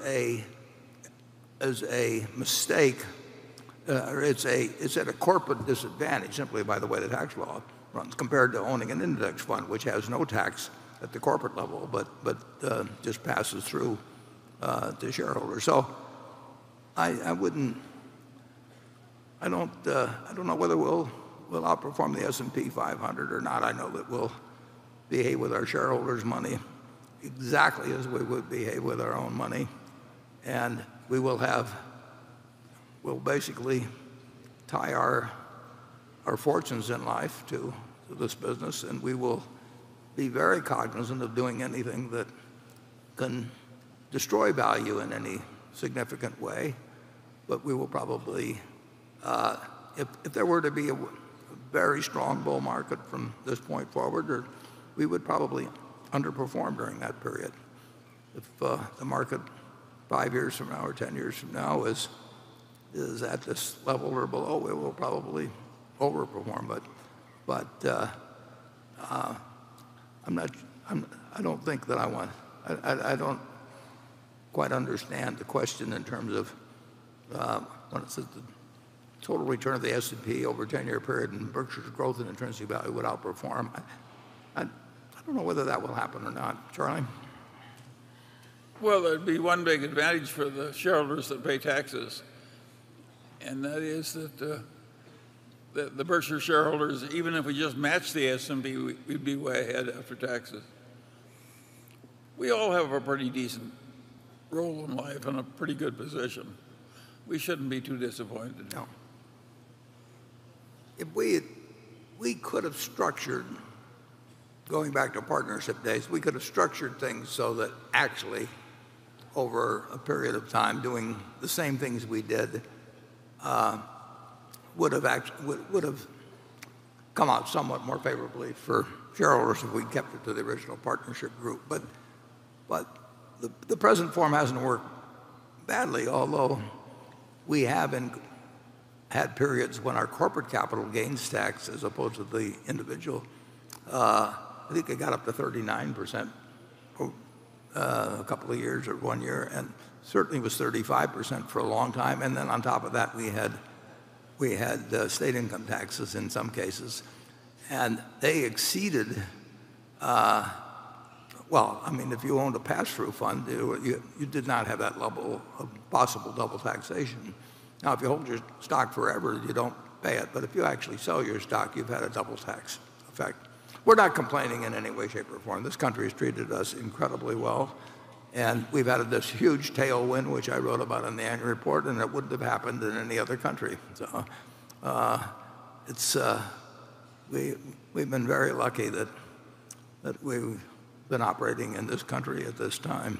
at a corporate disadvantage simply by the way the tax law runs compared to owning an index fund, which has no tax at the corporate level, but just passes through to shareholders. I don't know whether we'll outperform the S&P 500 or not. I know that we'll behave with our shareholders' money exactly as we would behave with our own money, we'll basically tie our fortunes in life to this business, and we will be very cognizant of doing anything that can destroy value in any significant way. If there were to be a very strong bull market from this point forward, we would probably underperform during that period. If the market five years from now or 10 years from now is at this level or below, it will probably over-perform. I don't quite understand the question in terms of what is it? The total return of the S&P over a 10-year period and Berkshire's growth and intrinsic value would outperform. I don't know whether that will happen or not. Charlie? There'd be one big advantage for the shareholders that pay taxes, that is that the Berkshire shareholders, even if we just matched the S&P, we'd be way ahead after taxes. We all have a pretty decent role in life and a pretty good position. We shouldn't be too disappointed. No. If we could have structured, going back to partnership days, we could have structured things so that actually over a period of time doing the same things we did would have come out somewhat more favorably for shareholders if we'd kept it to the original partnership group. The present form hasn't worked badly, although we have had periods when our corporate capital gains tax as opposed to the individual, I think it got up to 39% for a couple of years or one year, and certainly was 35% for a long time. Then on top of that, we had state income taxes in some cases, and they exceeded. Well, if you owned a pass-through fund, you did not have that level of possible double taxation. Now, if you hold your stock forever, you don't pay it. If you actually sell your stock, you've had a double tax effect. We're not complaining in any way, shape, or form. This country has treated us incredibly well, we've added this huge tailwind, which I wrote about in the annual report, it wouldn't have happened in any other country. We've been very lucky that we've been operating in this country at this time.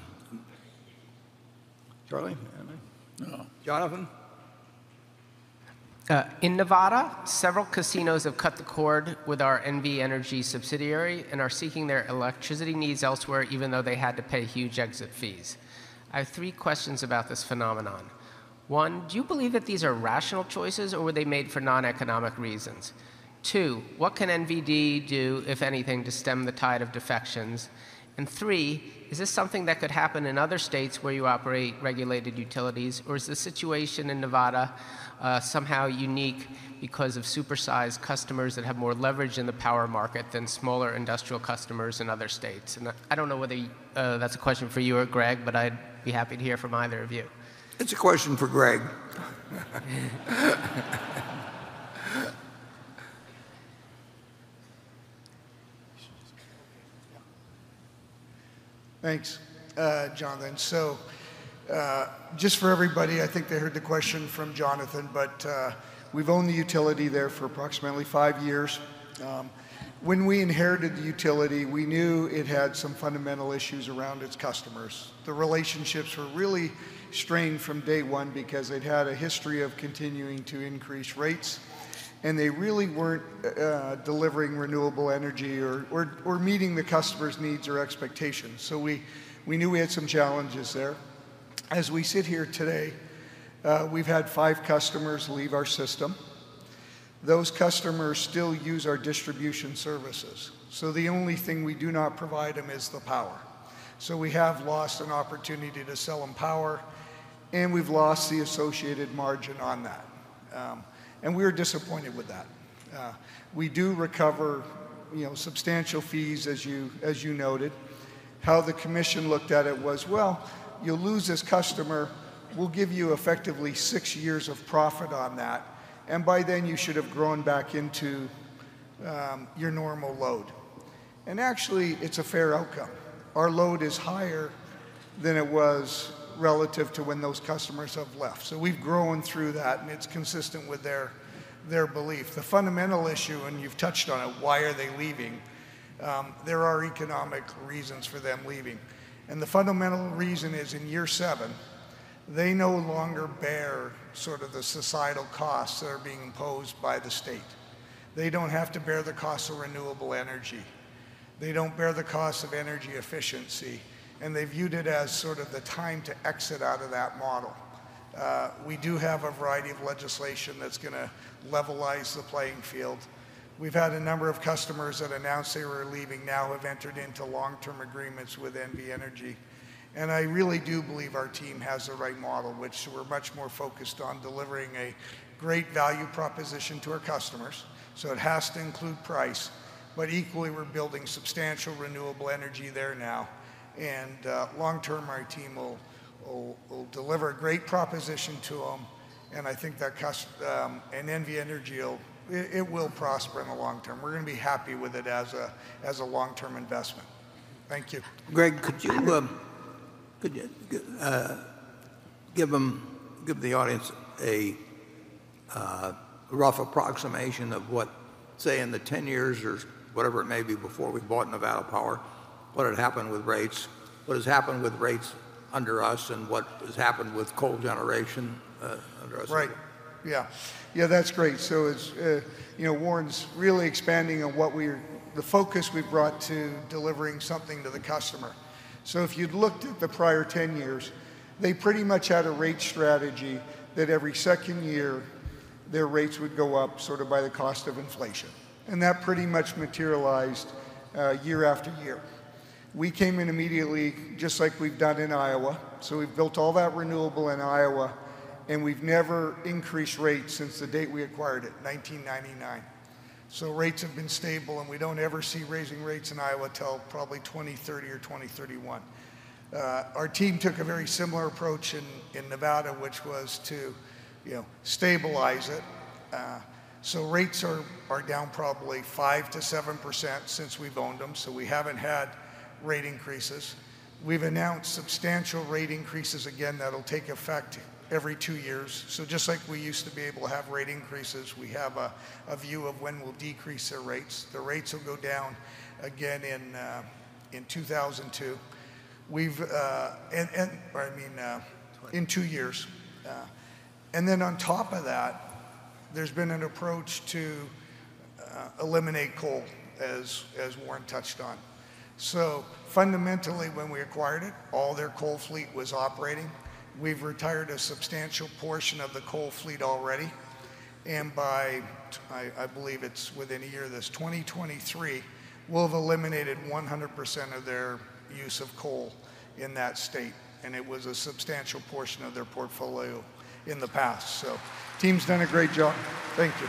Charlie, anything? No. Jonathan? In Nevada, several casinos have cut the cord with our NV Energy subsidiary and are seeking their electricity needs elsewhere, even though they had to pay huge exit fees. I have three questions about this phenomenon. 1, do you believe that these are rational choices, or were they made for non-economic reasons? 2, what can NV Energy do, if anything, to stem the tide of defections? 3, is this something that could happen in other states where you operate regulated utilities, or is the situation in Nevada somehow unique because of super-sized customers that have more leverage in the power market than smaller industrial customers in other states? I don't know whether that's a question for you or Greg, but I'd be happy to hear from either of you. It's a question for Greg. Thanks, Jonathan. Just for everybody, I think they heard the question from Jonathan, but we've owned the utility there for approximately five years. When we inherited the utility, we knew it had some fundamental issues around its customers. The relationships were really strained from day one because they'd had a history of continuing to increase rates, and they really weren't delivering renewable energy or meeting the customers' needs or expectations. We knew we had some challenges there. As we sit here today, we've had five customers leave our system. Those customers still use our distribution services. The only thing we do not provide them is the power. We have lost an opportunity to sell them power, and we've lost the associated margin on that. We are disappointed with that. We do recover substantial fees, as you noted. How the commission looked at it was, "Well, you lose this customer, we'll give you effectively six years of profit on that, and by then you should have grown back into your normal load." Actually, it's a fair outcome. Our load is higher than it was relative to when those customers have left. We've grown through that, and it's consistent with their belief. The fundamental issue, and you've touched on it, why are they leaving? There are economic reasons for them leaving. The fundamental reason is in year seven, they no longer bear sort of the societal costs that are being imposed by the state. They don't have to bear the cost of renewable energy. They don't bear the cost of energy efficiency. They viewed it as sort of the time to exit out of that model. We do have a variety of legislation that's going to levelize the playing field. We've had a number of customers that announced they were leaving now have entered into long-term agreements with NV Energy. I really do believe our team has the right model, which we're much more focused on delivering a great value proposition to our customers. It has to include price, but equally, we're building substantial renewable energy there now. Long term, our team will deliver a great proposition to them. NV Energy, it will prosper in the long term. We're going to be happy with it as a long-term investment. Thank you. Greg, could you give the audience a rough approximation of what, say, in the 10 years or whatever it may be before we bought Nevada Power, what had happened with rates, what has happened with rates under us, and what has happened with coal generation under us? Right. Yeah. That's great. Warren's really expanding on the focus we've brought to delivering something to the customer. If you'd looked at the prior 10 years, they pretty much had a rate strategy that every second year their rates would go up sort of by the cost of inflation. That pretty much materialized year after year. We came in immediately, just like we've done in Iowa. We've built all that renewable in Iowa, and we've never increased rates since the date we acquired it, 1999. Rates have been stable, and we don't ever see raising rates in Iowa till probably 2030 or 2031. Our team took a very similar approach in Nevada, which was to stabilize it. Rates are down probably 5%-7% since we've owned them, so we haven't had rate increases. We've announced substantial rate increases again that'll take effect every two years. Just like we used to be able to have rate increases, we have a view of when we'll decrease their rates. The rates will go down again in two years. 20- In two years. Then on top of that, there's been an approach to eliminate coal, as Warren touched on. Fundamentally when we acquired it, all their coal fleet was operating. We've retired a substantial portion of the coal fleet already, and by, I believe it's within a year, this 2023, we'll have eliminated 100% of their use of coal in that state, and it was a substantial portion of their portfolio in the past. Team's done a great job. Thank you.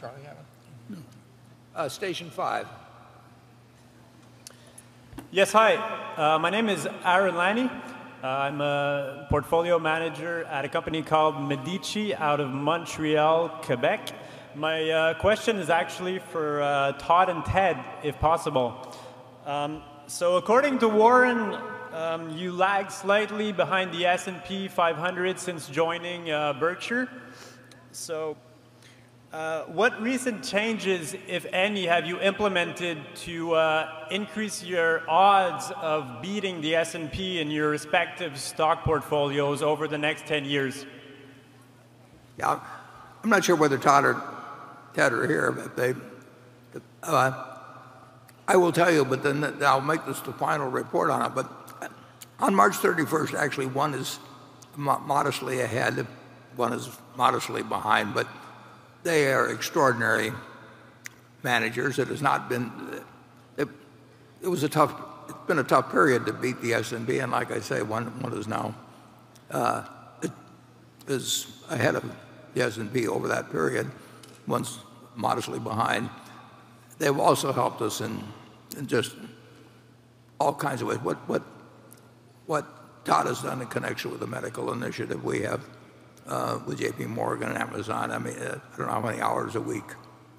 Charlie, you have anything? No. Station 5. Yes. Hi. My name is Aaron Lanni. I'm a portfolio manager at a company called Medici out of Montreal, Quebec. My question is actually for Todd and Ted, if possible. According to Warren, you lag slightly behind the S&P 500 since joining Berkshire. What recent changes, if any, have you implemented to increase your odds of beating the S&P in your respective stock portfolios over the next 10 years? Yeah. I'm not sure whether Todd or Ted are here, I will tell you, then I'll make this the final report on it. On March 31st, actually one is modestly ahead, one is modestly behind, but they are extraordinary managers. It's been a tough period to beat the S&P, and like I say, one is now is ahead of the S&P over that period, one's modestly behind. They've also helped us in just all kinds of ways. What Todd has done in connection with the medical initiative we have with JP Morgan and Amazon, I don't know how many hours a week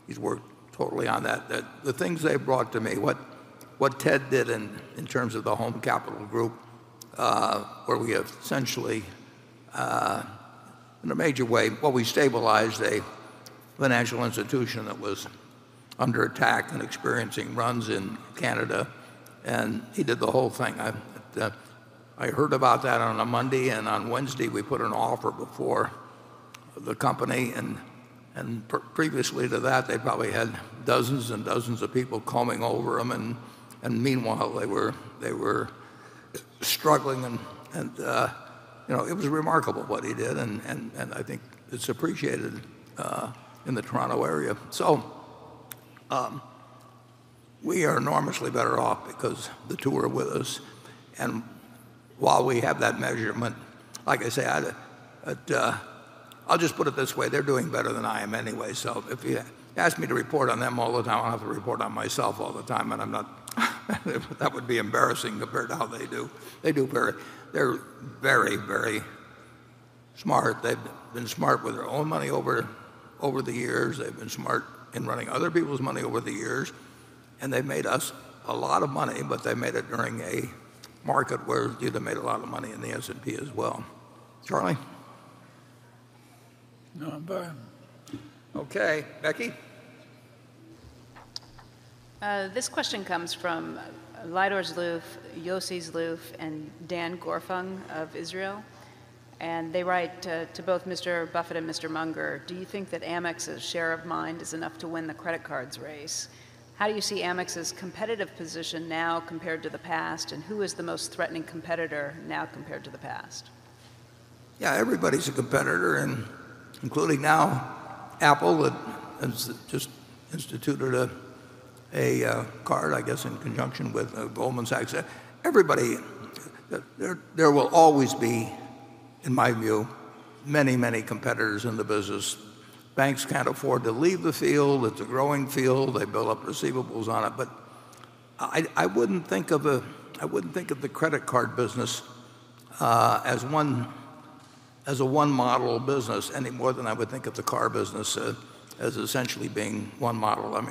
he's worked totally on that. The things they've brought to me, what Ted did in terms of the Home Capital Group, where we have essentially, in a major way, well, we stabilized a financial institution that was under attack and experiencing runs in Canada, and he did the whole thing. I heard about that on a Monday, and on Wednesday, we put an offer before the company, and previously to that, they probably had dozens and dozens of people combing over them, and meanwhile they were struggling, and it was remarkable what he did, and I think it's appreciated in the Toronto area. We are enormously better off because the two are with us, and while we have that measurement, like I say, I'll just put it this way, they're doing better than I am anyway. If you ask me to report on them all the time, I'll have to report on myself all the time, and that would be embarrassing compared to how they do. They're very, very smart. They've been smart with their own money over the years. They've been smart in running other people's money over the years, and they made us a lot of money, but they made it during a market where you'd have made a lot of money in the S&P as well. Charlie? No. Okay. Becky? This question comes from Lidor Zloof, Yossi Zloof, and Dan Gorfinkel of Israel. They write to both Mr. Buffett and Mr. Munger, "Do you think that Amex's share of mind is enough to win the credit cards race? How do you see Amex's competitive position now compared to the past, and who is the most threatening competitor now compared to the past? Yeah, everybody's a competitor, including now Apple, that has just instituted a card, I guess, in conjunction with Goldman Sachs. Everybody. There will always be, in my view, many competitors in the business. Banks can't afford to leave the field. It's a growing field. They build up receivables on it. I wouldn't think of the credit card business as a one-model business any more than I would think of the car business as essentially being one model.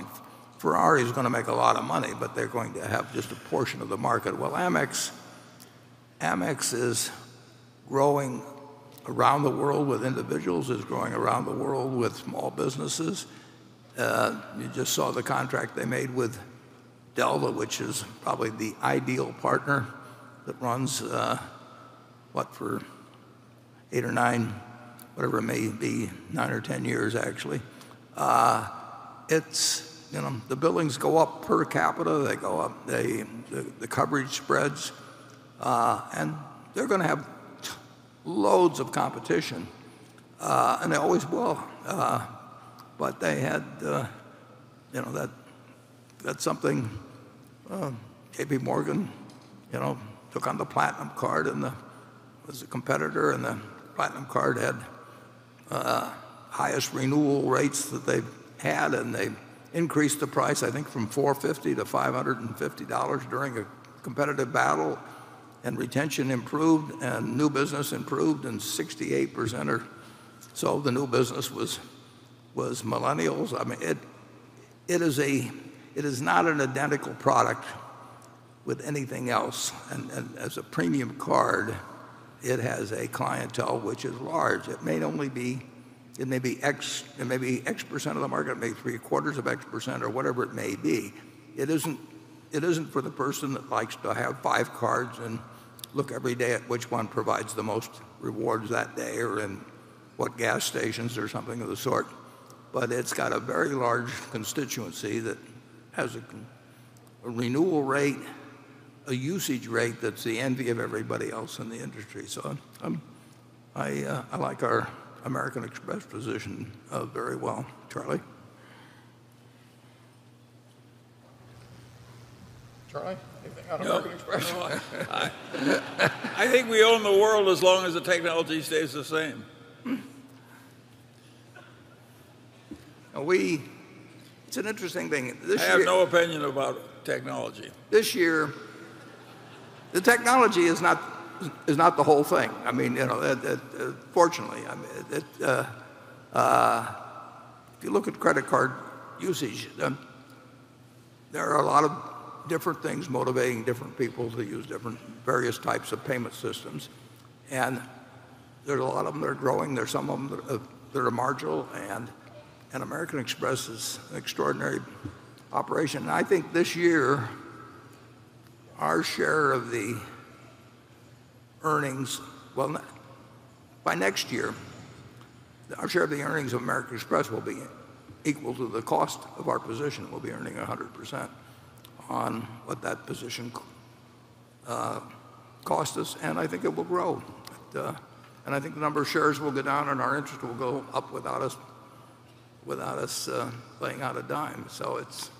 Ferrari is going to make a lot of money, but they're going to have just a portion of the market. Well, Amex is growing around the world with individuals. It's growing around the world with small businesses. You just saw the contract they made with Delta, which is probably the ideal partner that runs, what, for eight or nine, whatever it may be, nine or 10 years, actually. The billings go up per capita. The coverage spreads. They're going to have loads of competition, and they always will. That's something JP Morgan took on the Platinum Card and was a competitor, and the Platinum Card had highest renewal rates that they've had, and they increased the price, I think from $450-$550 during a competitive battle. Retention improved and new business improved, and 68% or so of the new business was millennials. It is not an identical product with anything else. As a premium card, it has a clientele which is large. It may be X% of the market, it may be three-quarters of X%, or whatever it may be. It isn't for the person that likes to have five cards and look every day at which one provides the most rewards that day, or in what gas stations or something of the sort. It's got a very large constituency that has a renewal rate, a usage rate that's the envy of everybody else in the industry. I like our American Express position very well. Charlie? Charlie? Anything out of American Express? No. I think we own the world as long as the technology stays the same. It's an interesting thing. I have no opinion about technology. This year, the technology is not the whole thing, fortunately. If you look at credit card usage, there are a lot of different things motivating different people to use different various types of payment systems, and there's a lot of them that are growing. There's some of them that are marginal, and American Express is an extraordinary operation. I think this year, our share of the earnings, well, by next year, our share of the earnings of American Express will be equal to the cost of our position. We'll be earning 100% on what that position cost us, and I think it will grow. I think the number of shares will go down, and our interest will go up without us laying out a dime. It's.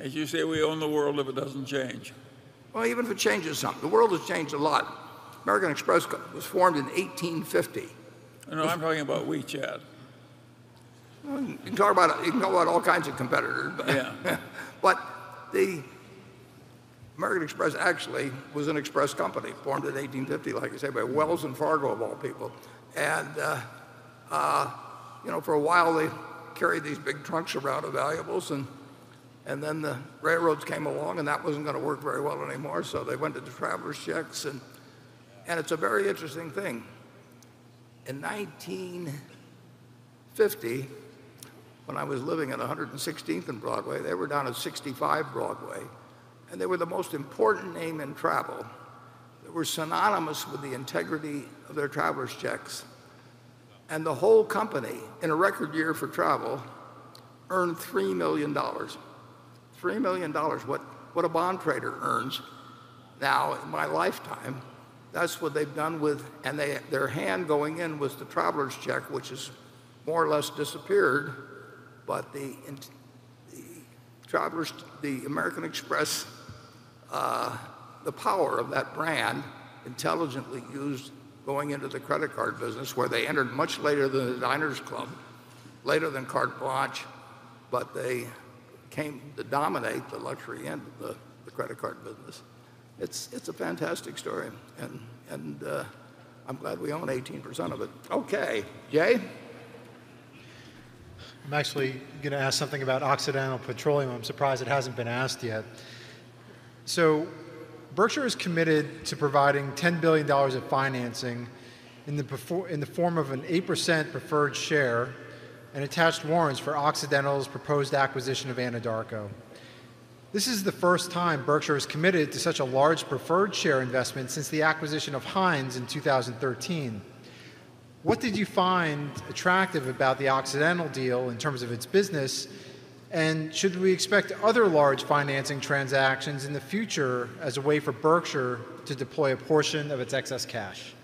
As you say, we own the world if it doesn't change. Well, even if it changes some. The world has changed a lot. American Express was formed in 1850. No, I'm talking about WeChat. You can talk about all kinds of competitors. Yeah The American Express actually was an express company formed in 1850, like you say, by Wells and Fargo of all people. For a while, they carried these big trunks around of valuables, then the railroads came along, that wasn't going to work very well anymore, they went to traveler's checks. It's a very interesting thing. In 1950, when I was living at the 116th and Broadway, they were down at 65 Broadway, and they were the most important name in travel. They were synonymous with the integrity of their traveler's checks. The whole company, in a record year for travel, earned $3 million. $3 million, what a bond trader earns now in my lifetime. Their hand going in was the traveler's check, which has more or less disappeared. The American Express, the power of that brand, intelligently used going into the credit card business, where they entered much later than the Diners Club, later than Carte Blanche, they came to dominate the luxury end of the credit card business. It's a fantastic story, and I'm glad we own 18% of it. Okay. Jay? I'm actually going to ask something about Occidental Petroleum. I'm surprised it hasn't been asked yet. Berkshire is committed to providing $10 billion of financing in the form of an 8% preferred share and attached warrants for Occidental's proposed acquisition of Anadarko. This is the first time Berkshire has committed to such a large preferred share investment since the acquisition of Heinz in 2013. What did you find attractive about the Occidental deal in terms of its business, and should we expect other large financing transactions in the future as a way for Berkshire to deploy a portion of its excess cash?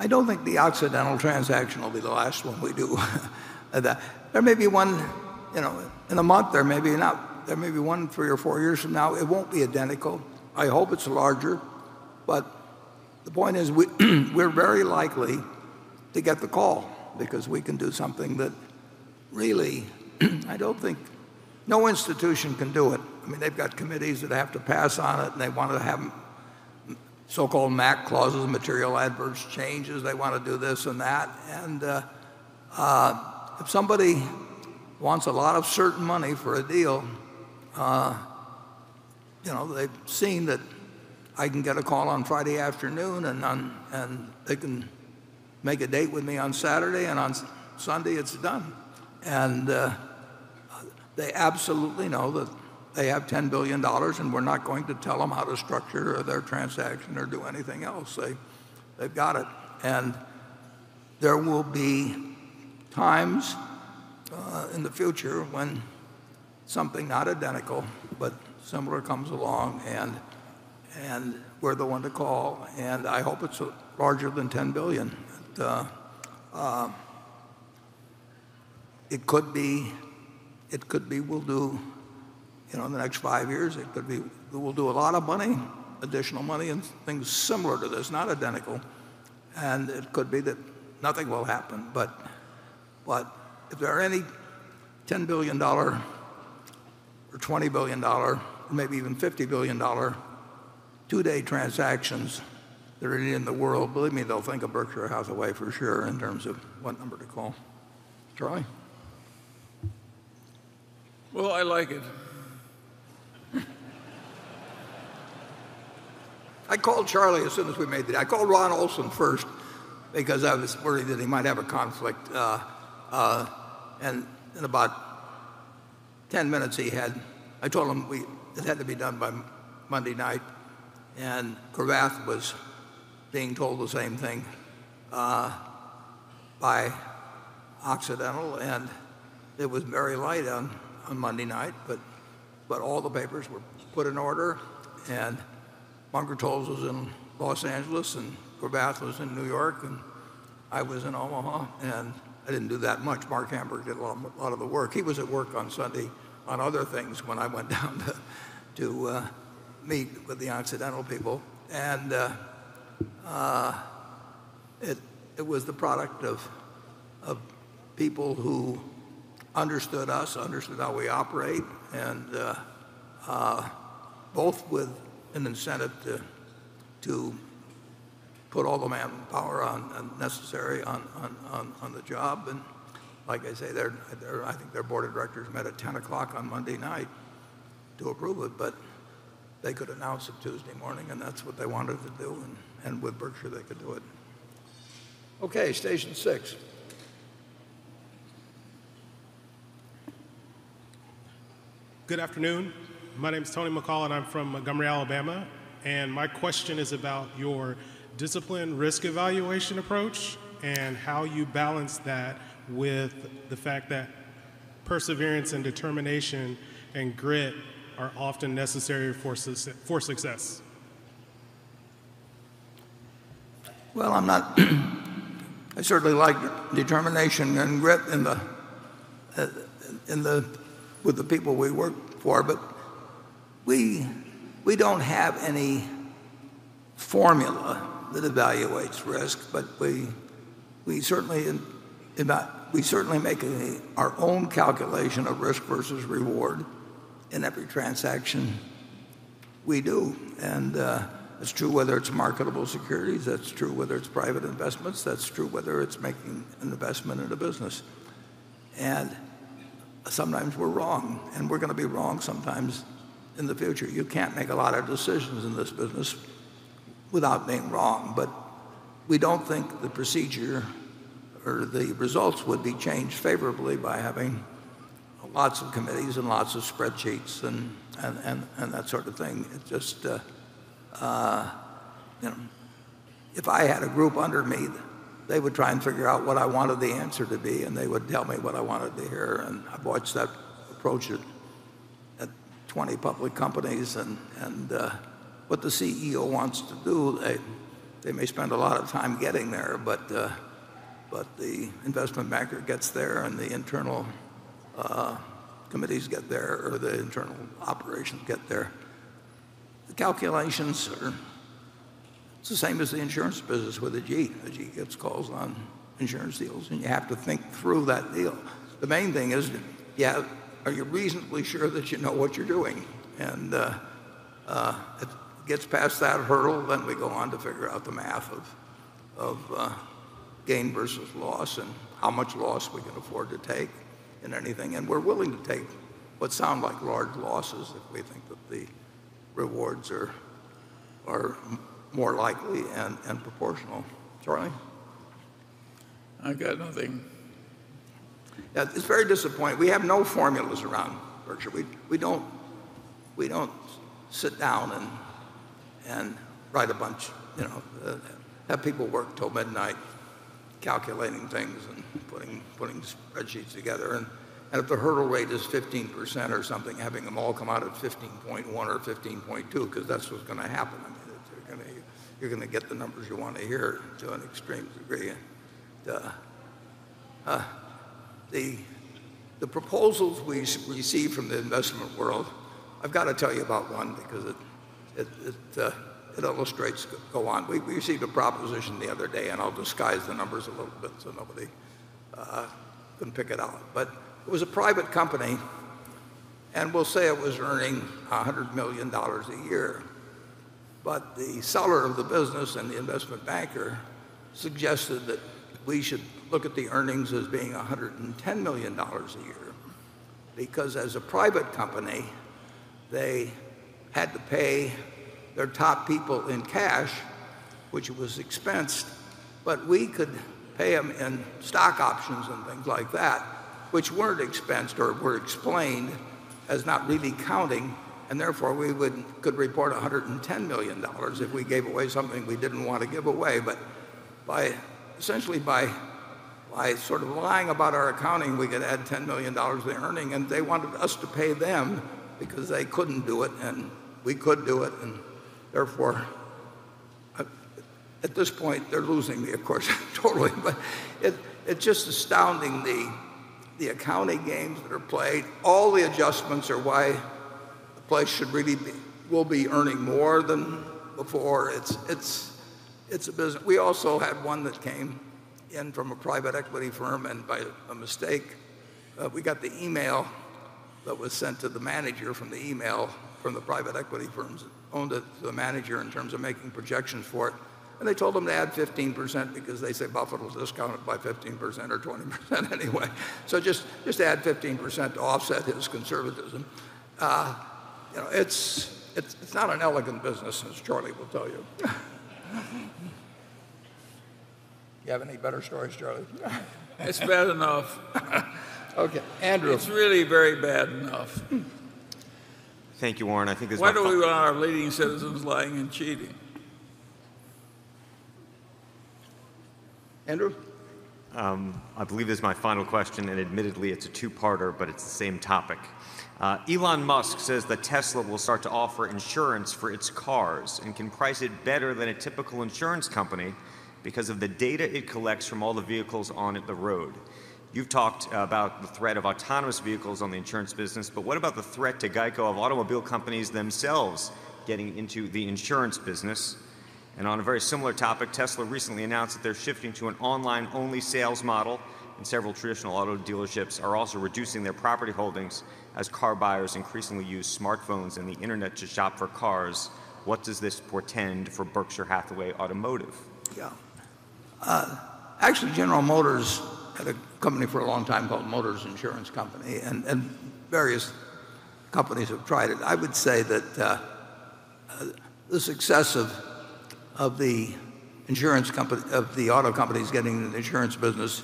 I don't think the Occidental transaction will be the last one we do. There may be one in a month, there may be one three or four years from now. It won't be identical. I hope it's larger. The point is we're very likely to get the call because we can do something that really no institution can do it. They've got committees that have to pass on it, and they want to have so-called MAC clauses, material adverse changes. They want to do this and that. If somebody wants a lot of certain money for a deal, they've seen that I can get a call on Friday afternoon, and they can make a date with me on Saturday, and on Sunday it's done. They absolutely know that they have $10 billion, and we're not going to tell them how to structure their transaction or do anything else. They've got it. There will be times in the future when something not identical but similar comes along, and we're the one to call, and I hope it's larger than $10 billion. It could be in the next five years, we will do a lot of money, additional money, and things similar to this, not identical, and it could be that nothing will happen. But if there are any $10 billion or $20 billion or maybe even $50 billion two-day transactions that are in the world, believe me, they'll think of Berkshire Hathaway for sure in terms of what number to call. Charlie? Well, I like it. I called Charlie as soon as we made it. I called Ron Olson first because I was worried that he might have a conflict, and in about 10 minutes, he had. I told him it had to be done by Monday night, and Cravath was being told the same thing by Occidental, and it was very light on Monday night, but all the papers were put in order and Munger, Tolles & Olson was in Los Angeles, and Cravath was in New York, and I was in Omaha, and I didn't do that much. Marc Hamburg did a lot of the work. He was at work on Sunday on other things when I went down to meet with the Occidental people. It was the product of people who understood us, understood how we operate, and both with an incentive to put all the manpower necessary on the job. Like I say, I think their board of directors met at 10:00 on Monday night to approve it, but they could announce it Tuesday morning, and that's what they wanted to do, and with Berkshire, they could do it. Okay, station six. Good afternoon. My name is Tony McCall, and I'm from Montgomery, Alabama, and my question is about your discipline risk evaluation approach and how you balance that with the fact that perseverance and determination and grit are often necessary for success. Well, I certainly like determination and grit with the people we work for, but we don't have any formula that evaluates risk. We certainly make our own calculation of risk versus reward in every transaction we do. That's true whether it's marketable securities. That's true whether it's private investments. That's true whether it's making an investment in a business. Sometimes we're wrong, and we're going to be wrong sometimes in the future. You can't make a lot of decisions in this business without being wrong. But we don't think the procedure or the results would be changed favorably by having lots of committees and lots of spreadsheets and that sort of thing. If I had a group under me, they would try and figure out what I wanted the answer to be, and they would tell me what I wanted to hear. I've watched that approach at 20 public companies. What the CEO wants to do, they may spend a lot of time getting there, but the investment banker gets there, and the internal committees get there, or the internal operations get there. The calculations are the same as the insurance business with Ajit. Ajit gets calls on insurance deals, and you have to think through that deal. The main thing is, are you reasonably sure that you know what you're doing? It gets past that hurdle, then we go on to figure out the math of gain versus loss and how much loss we can afford to take in anything. We're willing to take what sound like large losses if we think that the rewards are more likely and proportional. Charlie? I got nothing. Yeah. It's very disappointing. We have no formulas around Berkshire. We don't sit down and write a bunch, have people work till midnight calculating things and putting spreadsheets together. If the hurdle rate is 15% or something, having them all come out at 15.1 or 15.2 because that's what's going to happen. You're going to get the numbers you want to hear to an extreme degree. The proposals we receive from the investment world, I've got to tell you about one because it illustrates. Go on. We received a proposition the other day, and I'll disguise the numbers a little bit so nobody can pick it out. It was a private company, and we'll say it was earning $100 million a year. The seller of the business and the investment banker suggested that we should look at the earnings as being $110 million a year because, as a private company, they had to pay their top people in cash, which was expensed. We could pay them in stock options and things like that, which weren't expensed or were explained as not really counting, and therefore, we could report $110 million if we gave away something we didn't want to give away. Essentially, by sort of lying about our accounting, we could add $10 million in earning, and they wanted us to pay them because they couldn't do it, and we could do it. At this point, they're losing me, of course, totally. It's just astounding the accounting games that are played. All the adjustments are why the place will be earning more than before. We also had one that came in from a private equity firm, by a mistake, we got the email that was sent to the manager from the email from the private equity firms that owned it to the manager in terms of making projections for it. They told them to add 15% because they say Buffett will discount it by 15% or 20% anyway. Just add 15% to offset his conservatism. It's not an elegant business, as Charlie will tell you. Do you have any better stories, Charlie? It's bad enough. Okay, Andrew. It's really very bad enough. Thank you, Warren. I think this is. Why do we want our leading citizens lying and cheating? Andrew? I believe this is my final question. Admittedly, it's a two-parter, but it's the same topic. Elon Musk says that Tesla will start to offer insurance for its cars and can price it better than a typical insurance company because of the data it collects from all the vehicles on the road. You've talked about the threat of autonomous vehicles on the insurance business. What about the threat to GEICO of automobile companies themselves getting into the insurance business? On a very similar topic, Tesla recently announced that they're shifting to an online-only sales model. Several traditional auto dealerships are also reducing their property holdings as car buyers increasingly use smartphones and the internet to shop for cars. What does this portend for Berkshire Hathaway Automotive? Yeah. Actually, General Motors had a company for a long time called Motors Insurance Company. Various companies have tried it. I would say that the success of the auto companies getting in the insurance business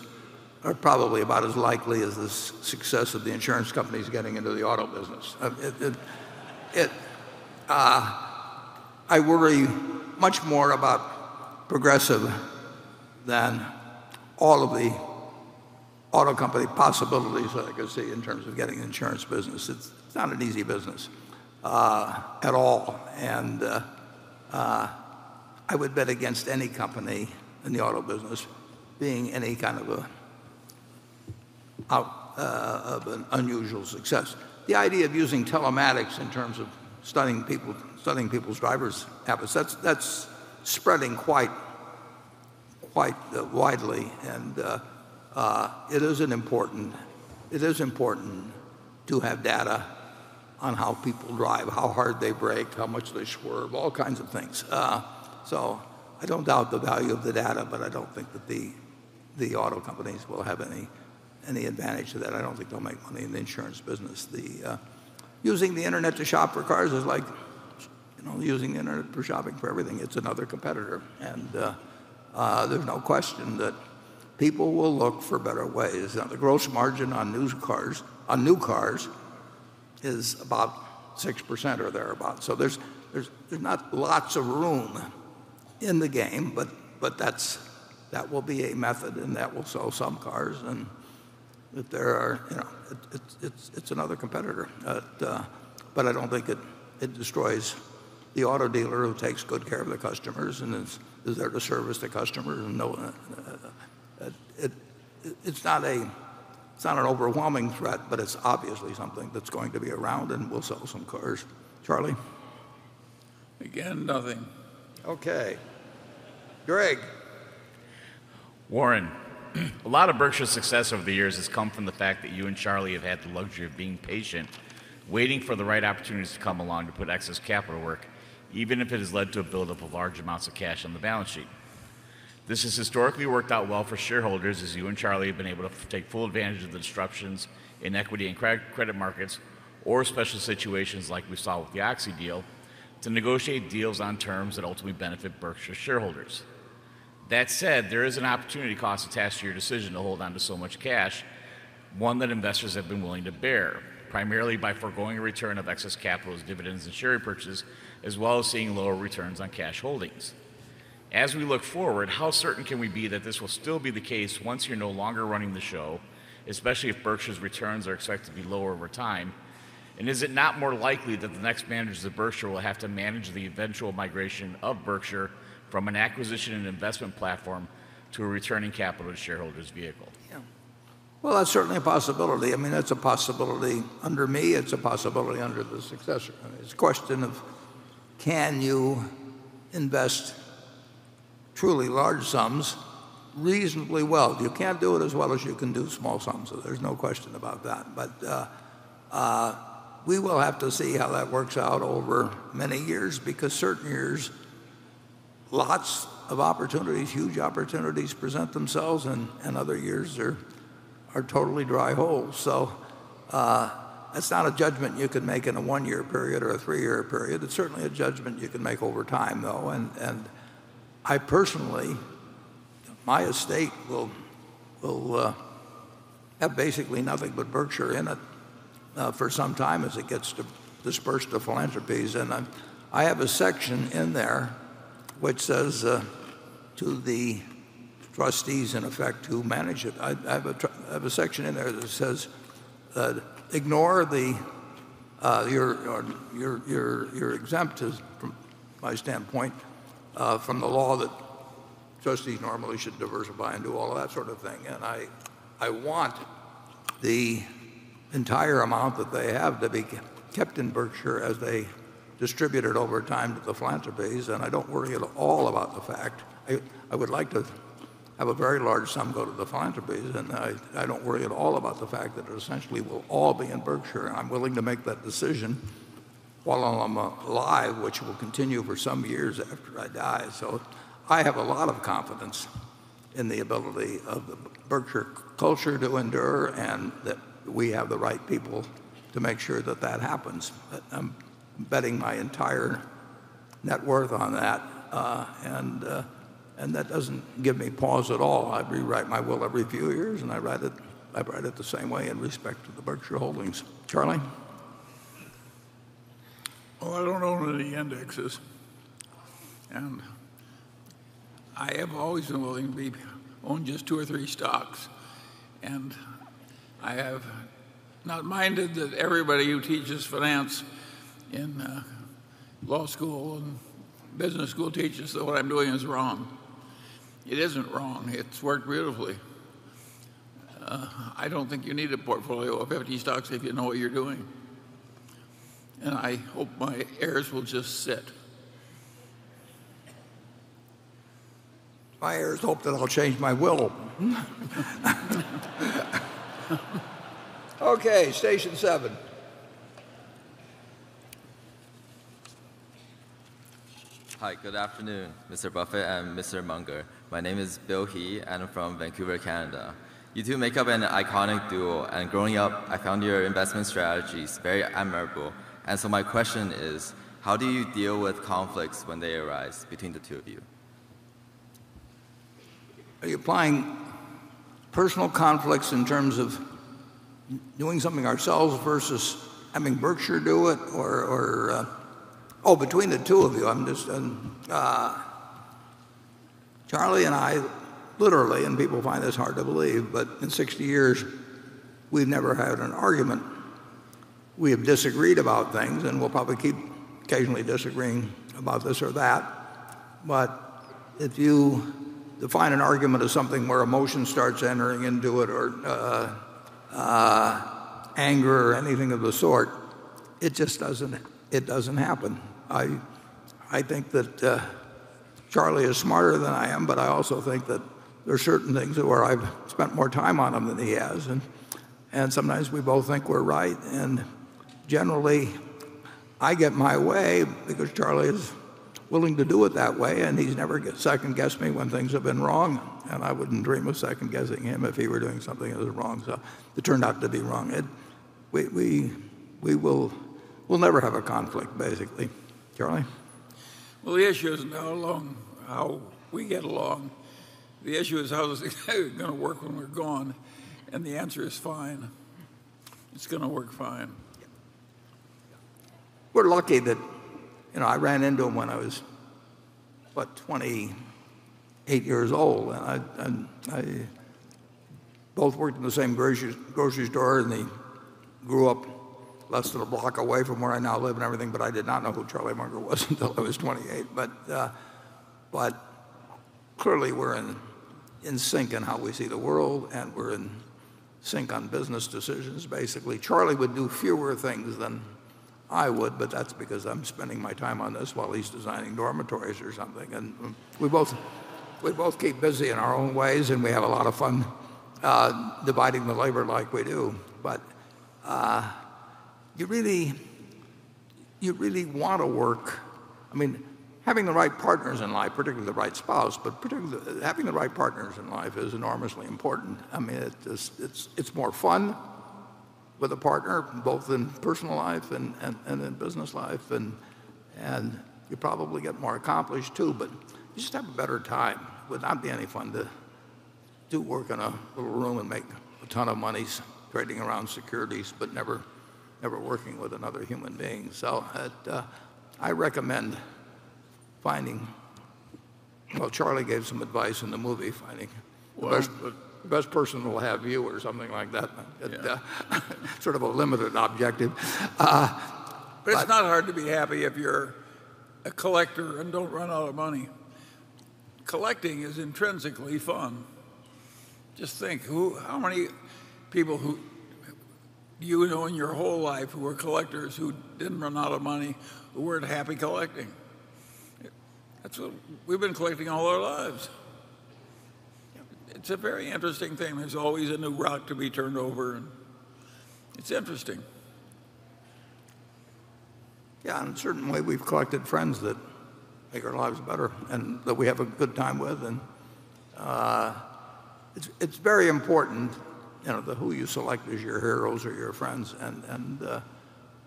are probably about as likely as the success of the insurance companies getting into the auto business. I worry much more about Progressive than all of the auto company possibilities that I could see in terms of getting insurance business. It's not an easy business at all. I would bet against any company in the auto business being any kind of an unusual success. The idea of using telematics in terms of studying people's drivers habits, that's spreading quite widely. It is important to have data on how people drive, how hard they brake, how much they swerve, all kinds of things. I don't doubt the value of the data. I don't think that the auto companies will have any advantage to that. I don't think they'll make money in the insurance business. Using the internet to shop for cars is like using the internet for shopping for everything. It's another competitor. There's no question that people will look for better ways. The gross margin on new cars is about 6% or thereabout. There's not lots of room in the game. That will be a method. That will sell some cars. It's another competitor. I don't think it destroys the auto dealer who takes good care of their customers and is there to service the customer. It's not an overwhelming threat. It's obviously something that's going to be around. Will sell some cars. Charlie? Again, nothing. Okay. Greg? Warren, a lot of Berkshire's success over the years has come from the fact that you and Charlie have had the luxury of being patient, waiting for the right opportunities to come along to put excess capital to work, even if it has led to a build-up of large amounts of cash on the balance sheet. This has historically worked out well for shareholders as you and Charlie have been able to take full advantage of the disruptions in equity and credit markets or special situations like we saw with the Oxy deal to negotiate deals on terms that ultimately benefit Berkshire shareholders. That said, there is an opportunity cost attached to your decision to hold onto so much cash, one that investors have been willing to bear, primarily by foregoing a return of excess capital as dividends and share repurchases, as well as seeing lower returns on cash holdings. As we look forward, how certain can we be that this will still be the case once you're no longer running the show, especially if Berkshire's returns are expected to be lower over time? Is it not more likely that the next managers of Berkshire will have to manage the eventual migration of Berkshire from an acquisition and investment platform to a returning capital to shareholders vehicle? That's certainly a possibility. It's a possibility under me. It's a possibility under the successor. It's a question of can you invest truly large sums reasonably well? You can't do it as well as you can do small sums. There's no question about that. We will have to see how that works out over many years because certain years, lots of opportunities, huge opportunities present themselves, and other years are totally dry holes. That's not a judgment you can make in a one-year period or a three-year period. It's certainly a judgment you can make over time, though. Personally, my estate will have basically nothing but Berkshire in it for some time as it gets dispersed to philanthropies. I have a section in there which says to the trustees, in effect, who manage it, I have a section in there that says, "Ignore the"You're exempt, from my standpoint, from the law that trustees normally should diversify and do all of that sort of thing. I want the entire amount that they have to be kept in Berkshire as they distribute it over time to the philanthropies, and I don't worry at all about the fact. I would like to have a very large sum go to the philanthropies, and I don't worry at all about the fact that it essentially will all be in Berkshire. I'm willing to make that decision while I'm alive, which will continue for some years after I die. I have a lot of confidence in the ability of the Berkshire culture to endure, and that we have the right people to make sure that that happens. I'm betting my entire net worth on that, and that doesn't give me pause at all. I rewrite my will every few years, and I write it the same way in respect to the Berkshire holdings. Charlie? I don't own any indexes, and I have always been willing to own just two or three stocks. I have not minded that everybody who teaches finance in law school and business school teaches that what I'm doing is wrong. It isn't wrong. It's worked beautifully. I don't think you need a portfolio of 50 stocks if you know what you're doing. I hope my heirs will just sit. My heirs hope that I'll change my will. Okay, station 7. Hi, good afternoon, Mr. Buffett and Mr. Munger. My name is Bill He, and I'm from Vancouver, Canada. You two make up an iconic duo, and growing up, I found your investment strategies very admirable. My question is, how do you deal with conflicts when they arise between the two of you? Are you applying personal conflicts in terms of doing something ourselves versus having Berkshire do it, or? Oh, between the two of you Charlie and I literally, and people find this hard to believe, but in 60 years, we've never had an argument. We have disagreed about things, and we'll probably keep occasionally disagreeing about this or that. If you define an argument as something where emotion starts entering into it or anger or anything of the sort, it just doesn't happen. I think that Charlie is smarter than I am, but I also think that there are certain things where I've spent more time on them than he has. Sometimes we both think we're right, and generally, I get my way because Charlie is willing to do it that way, and he's never second-guessed me when things have been wrong, and I wouldn't dream of second-guessing him if he were doing something that was wrong, so it turned out to be wrong. We'll never have a conflict, basically. Charlie? Well, the issue isn't how we get along. The issue is how is it going to work when we're gone? The answer is fine. It's going to work fine. We're lucky that I ran into him when I was, what, 28 years old, and I both worked in the same grocery store, and he grew up less than a block away from where I now live and everything, but I did not know who Charlie Munger was until I was 28. Clearly, we're in sync in how we see the world, and we're in sync on business decisions, basically. Charlie would do fewer things than I would, but that's because I'm spending my time on this while he's designing dormitories or something. We both keep busy in our own ways, and we have a lot of fun dividing the labor like we do. Having the right partners in life, particularly the right spouse, but particularly having the right partners in life is enormously important. It's more fun with a partner, both in personal life and in business life, and you probably get more accomplished, too, but you just have a better time. Would not be any fun to do work in a little room and make a ton of money trading around securities but never working with another human being. I recommend finding. Well, Charlie gave some advice in the movie. The best person who will have you or something like that. Sort of a limited objective. It's not hard to be happy if you're a collector and don't run out of money. Collecting is intrinsically fun. Just think, how many people who you know in your whole life who are collectors who didn't run out of money, who weren't happy collecting? We've been collecting all our lives. Yeah. It's a very interesting thing. There's always a new rock to be turned over, and it's interesting. Yeah, certainly, we've collected friends that make our lives better and that we have a good time with. It's very important who you select as your heroes or your friends, and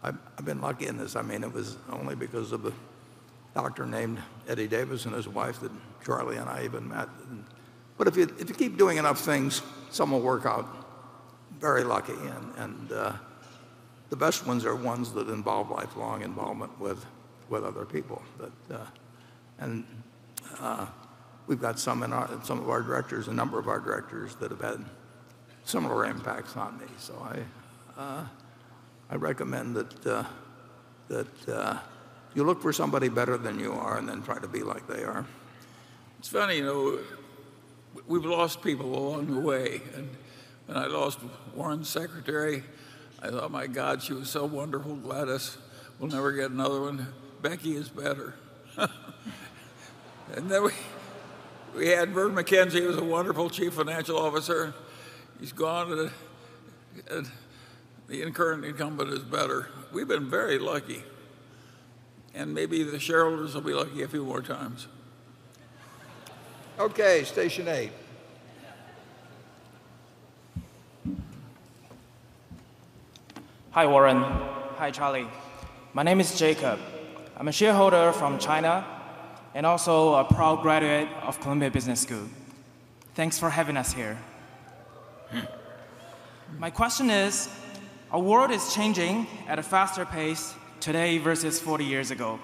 I've been lucky in this. It was only because of a doctor named Eddie Davis and his wife that Charlie and I even met. If you keep doing enough things, some will work out very lucky. The best ones are ones that involve lifelong involvement with other people. We've got some of our directors, a number of our directors that have had similar impacts on me. I recommend that you look for somebody better than you are and then try to be like they are. It's funny, we've lost people along the way, and when I lost Warren's secretary, I thought, "My God, she was so wonderful, Gladys. We'll never get another one." Becky is better. Then we had Verne McKenzie, who was a wonderful Chief Financial Officer. He's gone, and the current incumbent is better. We've been very lucky, and maybe the shareholders will be lucky a few more times. Okay, station eight. Hi, Warren. Hi, Charlie. My name is Jacob. I'm a shareholder from China, and also a proud graduate of Columbia Business School. Thanks for having us here. My question is, our world is changing at a faster pace today versus 40 years ago,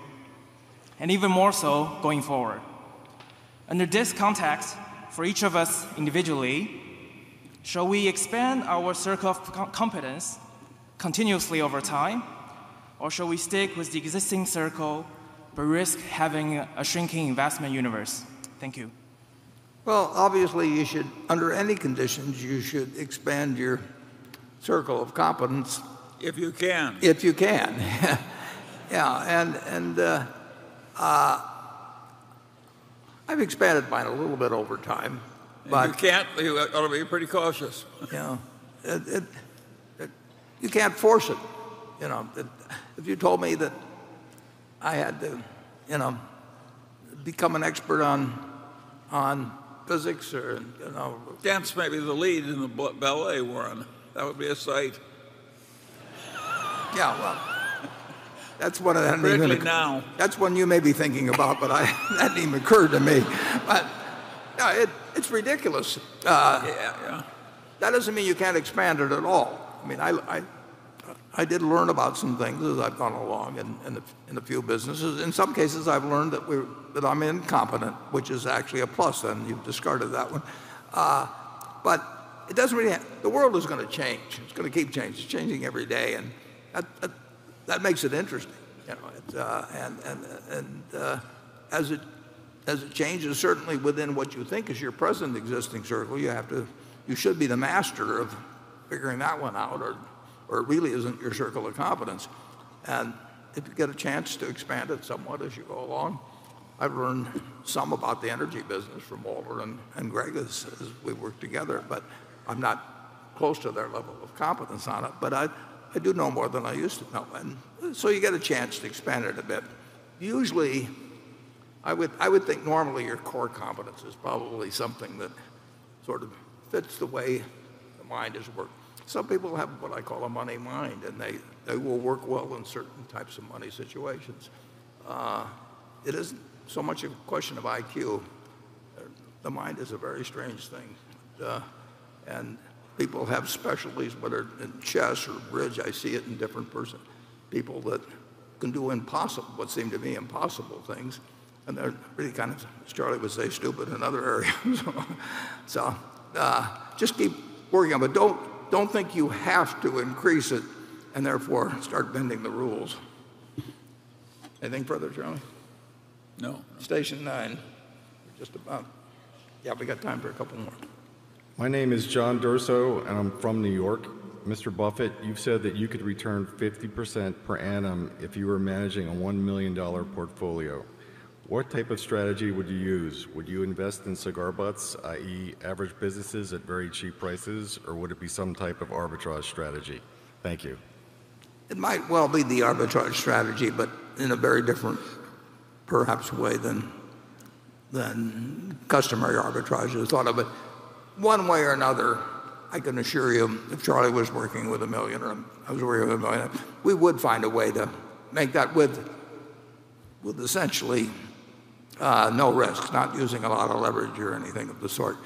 and even more so going forward. Under this context, for each of us individually, shall we expand our circle of competence continuously over time, or shall we stick with the existing circle, but risk having a shrinking investment universe? Thank you. Well, obviously, under any conditions, you should expand your circle of competence. If you can. If you can. Yeah, I've expanded mine a little bit over time. If you can't, you ought to be pretty cautious. Yeah. You can't force it. If you told me that I had to become an expert on physics or- Dance may be the lead in the ballet, Warren. That would be a sight. Yeah, well. That's one I hadn't even- Particularly now. That's one you may be thinking about, that hadn't even occurred to me. It's ridiculous. Yeah. That doesn't mean you can't expand it at all. I did learn about some things as I've gone along in a few businesses. In some cases, I've learned that I'm incompetent, which is actually a plus, and you've discarded that one. The world is going to change. It's going to keep changing. It's changing every day, and that makes it interesting. As it changes, certainly within what you think is your present existing circle, you should be the master of figuring that one out, or it really isn't your circle of competence. If you get a chance to expand it somewhat as you go along, I've learned some about the energy business from Oliver and Greg as we worked together, but I'm not close to their level of competence on it. I do know more than I used to know. You get a chance to expand it a bit. Usually, I would think normally your core competence is probably something that sort of fits the way the mind is worked. Some people have what I call a money mind, and they will work well in certain types of money situations. It isn't so much a question of IQ. The mind is a very strange thing, and people have specialties, whether in chess or bridge, I see it in different people that can do impossible, what seem to me, impossible things, and they're really kind of, as Charlie would say, stupid in other areas. Just keep working on it. Don't think you have to increase it, and therefore start bending the rules. Anything further, Charlie? No. Station 9. Just about. Yeah, we got time for a couple more. My name is John Durso, and I'm from New York. Mr. Buffett, you've said that you could return 50% per annum if you were managing a $1 million portfolio. What type of strategy would you use? Would you invest in cigar butts, i.e. average businesses at very cheap prices, or would it be some type of arbitrage strategy? Thank you. It might well be the arbitrage strategy, but in a very different, perhaps, way than customary arbitrage is thought of. One way or another, I can assure you, if Charlie was working with $1 million or I was working with $1 million, we would find a way to make that with essentially no risk, not using a lot of leverage or anything of the sort.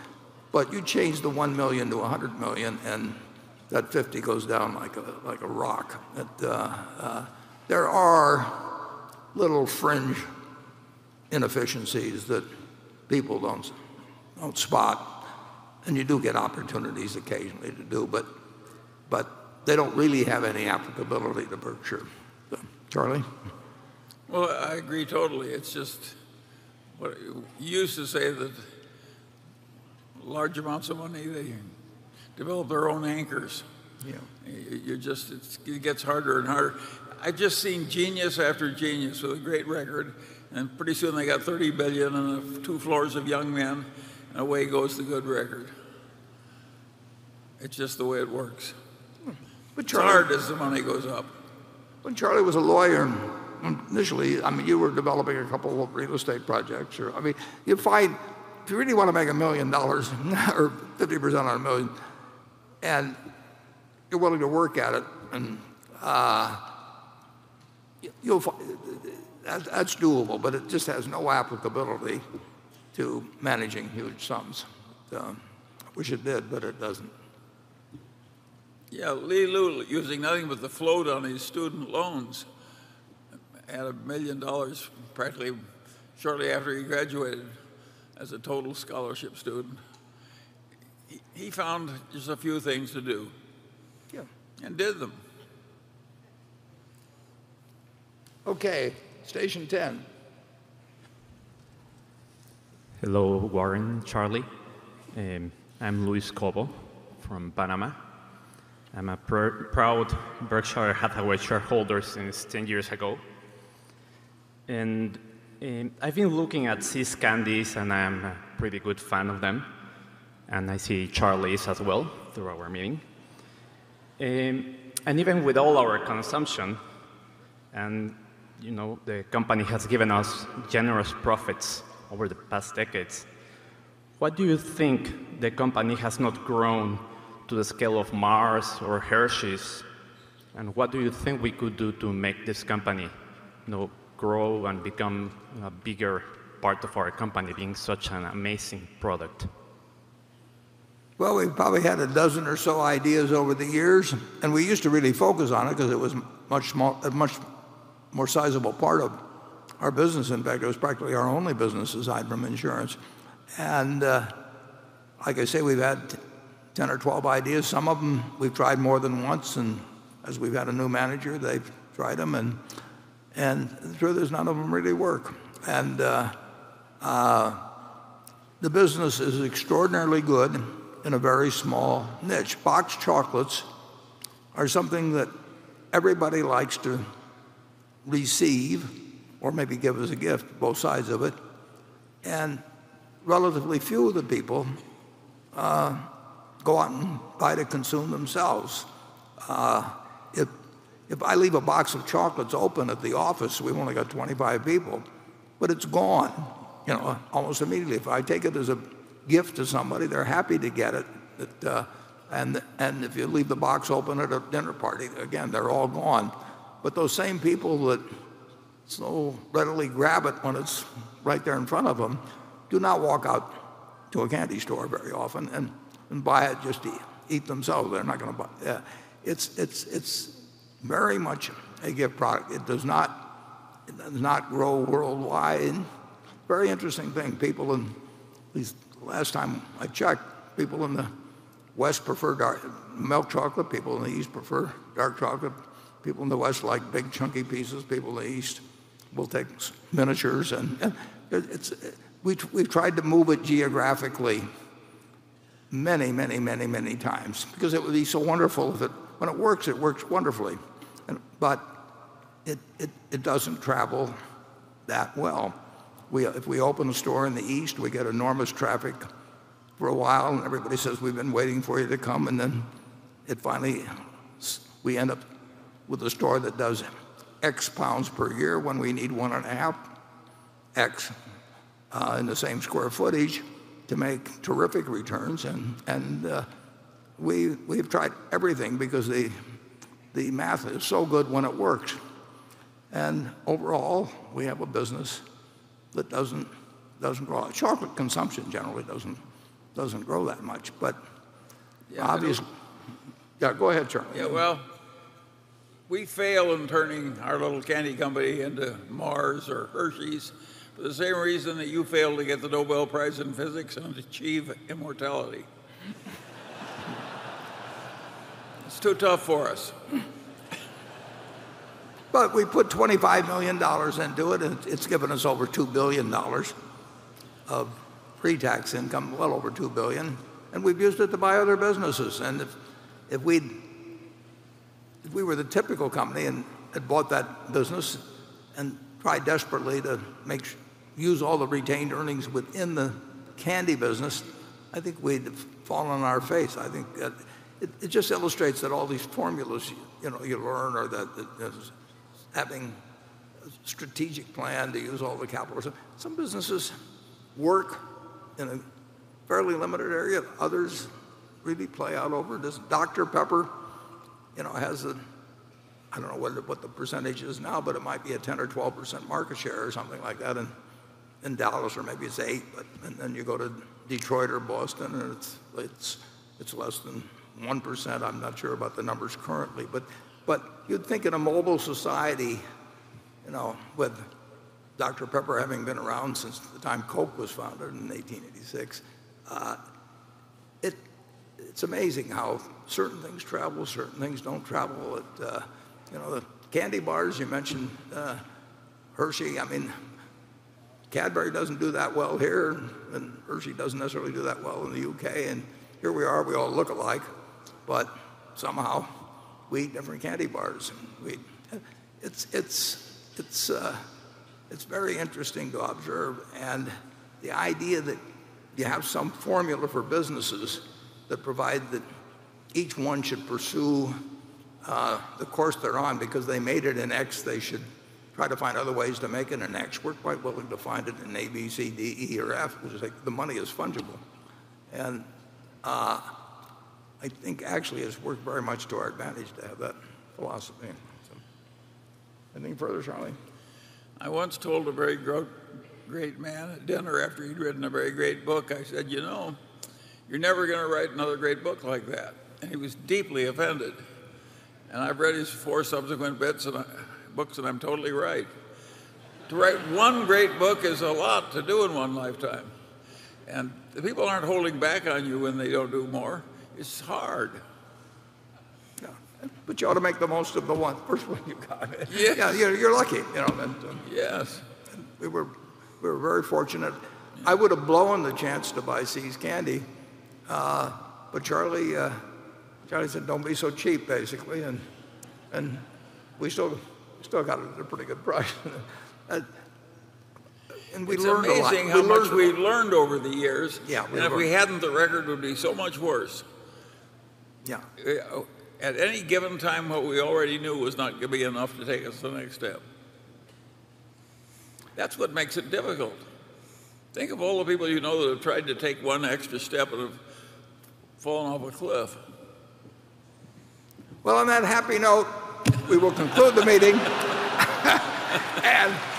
You change the $1 million to $100 million, and that 50 goes down like a rock. There are little fringe inefficiencies that people don't spot, and you do get opportunities occasionally to do, but they don't really have any applicability to Berkshire. Charlie? Well, I agree totally. It's just you used to say that large amounts of money, they develop their own anchors. Yeah. It gets harder and harder. I've just seen genius after genius with a great record, pretty soon they got $30 billion and have two floors of young men, away goes the good record. It's just the way it works. Well, when Charlie- It's harder as the money goes up When Charlie was a lawyer, initially, you were developing a couple of real estate projects. If you really want to make $1 million or 50% on $1 million, and you're willing to work at it, that's doable, but it just has no applicability to managing huge sums. I wish it did, but it doesn't. Yeah, Li Lu using nothing but the float on his student loans had $1 million practically shortly after he graduated as a total scholarship student. He found just a few things to do. Yeah. Did them. Okay, station 10. Hello, Warren, Charlie. I'm Luis Cobo from Panama. I'm a proud Berkshire Hathaway shareholder since 10 years ago. I've been looking at See's Candies, and I am a pretty good fan of them, and I see Charlie's as well through our meeting. Even with all our consumption, and the company has given us generous profits over the past decades, why do you think the company has not grown to the scale of Mars or Hershey's? What do you think we could do to make this company grow and become a bigger part of our company, being such an amazing product? Well, we've probably had a dozen or so ideas over the years. We used to really focus on it because it was a much more sizable part of our business. In fact, it was practically our only business aside from insurance. Like I say, we've had 10 or 12 ideas. Some of them we've tried more than once. As we've had a new manager, they've tried them, and the truth is none of them really work. The business is extraordinarily good in a very small niche. Boxed chocolates are something that everybody likes to receive or maybe give as a gift, both sides of it. Relatively few of the people go out and buy to consume themselves. If I leave a box of chocolates open at the office, we've only got 25 people, but it's gone almost immediately. If I take it as a gift to somebody, they're happy to get it. If you leave the box open at a dinner party, again, they're all gone. Those same people that so readily grab it when it's right there in front of them, do not walk out to a candy store very often and buy it just to eat themselves. It's very much a gift product. It does not grow worldwide. Very interesting thing. At least last time I checked, people in the West prefer milk chocolate, people in the East prefer dark chocolate. People in the West like big chunky pieces, people in the East will take miniatures. We've tried to move it geographically many times because it would be so wonderful when it works, it works wonderfully, but it doesn't travel that well. If we open a store in the East, we get enormous traffic for a while. Everybody says, "We've been waiting for you to come." We end up with a store that does X GBP per year when we need one and a half X in the same square footage to make terrific returns. We've tried everything because the math is so good when it works. Overall, we have a business that doesn't grow. Chocolate consumption generally doesn't grow that much. Obvious Yeah- Yeah, go ahead, Charlie. Yeah, well, we fail in turning our little candy company into Mars or Hershey's for the same reason that you fail to get the Nobel Prize in physics and achieve immortality. It's too tough for us. We put $25 million into it, and it's given us over $2 billion of pre-tax income, well over $2 billion, and we've used it to buy other businesses. If we were the typical company and had bought that business and tried desperately to use all the retained earnings within the candy business, I think we'd have fallen on our face. I think it just illustrates that all these formulas you learn are that having a strategic plan to use all the capital or something. Some businesses work in a fairly limited area, others really play out over. Dr. Pepper has a, I don't know what the percentage is now, but it might be a 10% or 12% market share or something like that in Dallas, or maybe it's eight. You go to Detroit or Boston, and it's less than 1%. I'm not sure about the numbers currently. You'd think in a mobile society with Dr. Pepper having been around since the time Coke was founded in 1886, it's amazing how certain things travel, certain things don't travel. The candy bars you mentioned, Hershey, I mean, Cadbury doesn't do that well here, and Hershey doesn't necessarily do that well in the U.K., and here we are. We all look alike, but somehow we eat different candy bars. It's very interesting to observe. The idea that you have some formula for businesses that provide that each one should pursue the course they're on because they made it in X, they should try to find other ways to make it in X. We're quite willing to find it in A, B, C, D, E, or F, which is like the money is fungible. I think actually it's worked very much to our advantage to have that philosophy. Anything further, Charlie? I once told a very great man at dinner after he'd written a very great book, I said, "You know, you're never going to write another great book like that." He was deeply offended. I've read his four subsequent books, and I'm totally right. To write one great book is a lot to do in one lifetime. The people aren't holding back on you when they don't do more. It's hard. Yeah. You ought to make the most of the one first one you got. Yes. Yeah, you're lucky. Yes. We were very fortunate. I would have blown the chance to buy See's Candies. Charlie said don't be so cheap, basically, we still got it at a pretty good price. We learned a lot. It's amazing how much we've learned over the years. Yeah. If we hadn't, the record would be so much worse. Yeah. At any given time, what we already knew was not going to be enough to take us to the next step. That's what makes it difficult. Think of all the people you know that have tried to take one extra step and have fallen off a cliff. Well, on that happy note, we will conclude the meeting. Thank you. Thank you. Thank you. Thank you.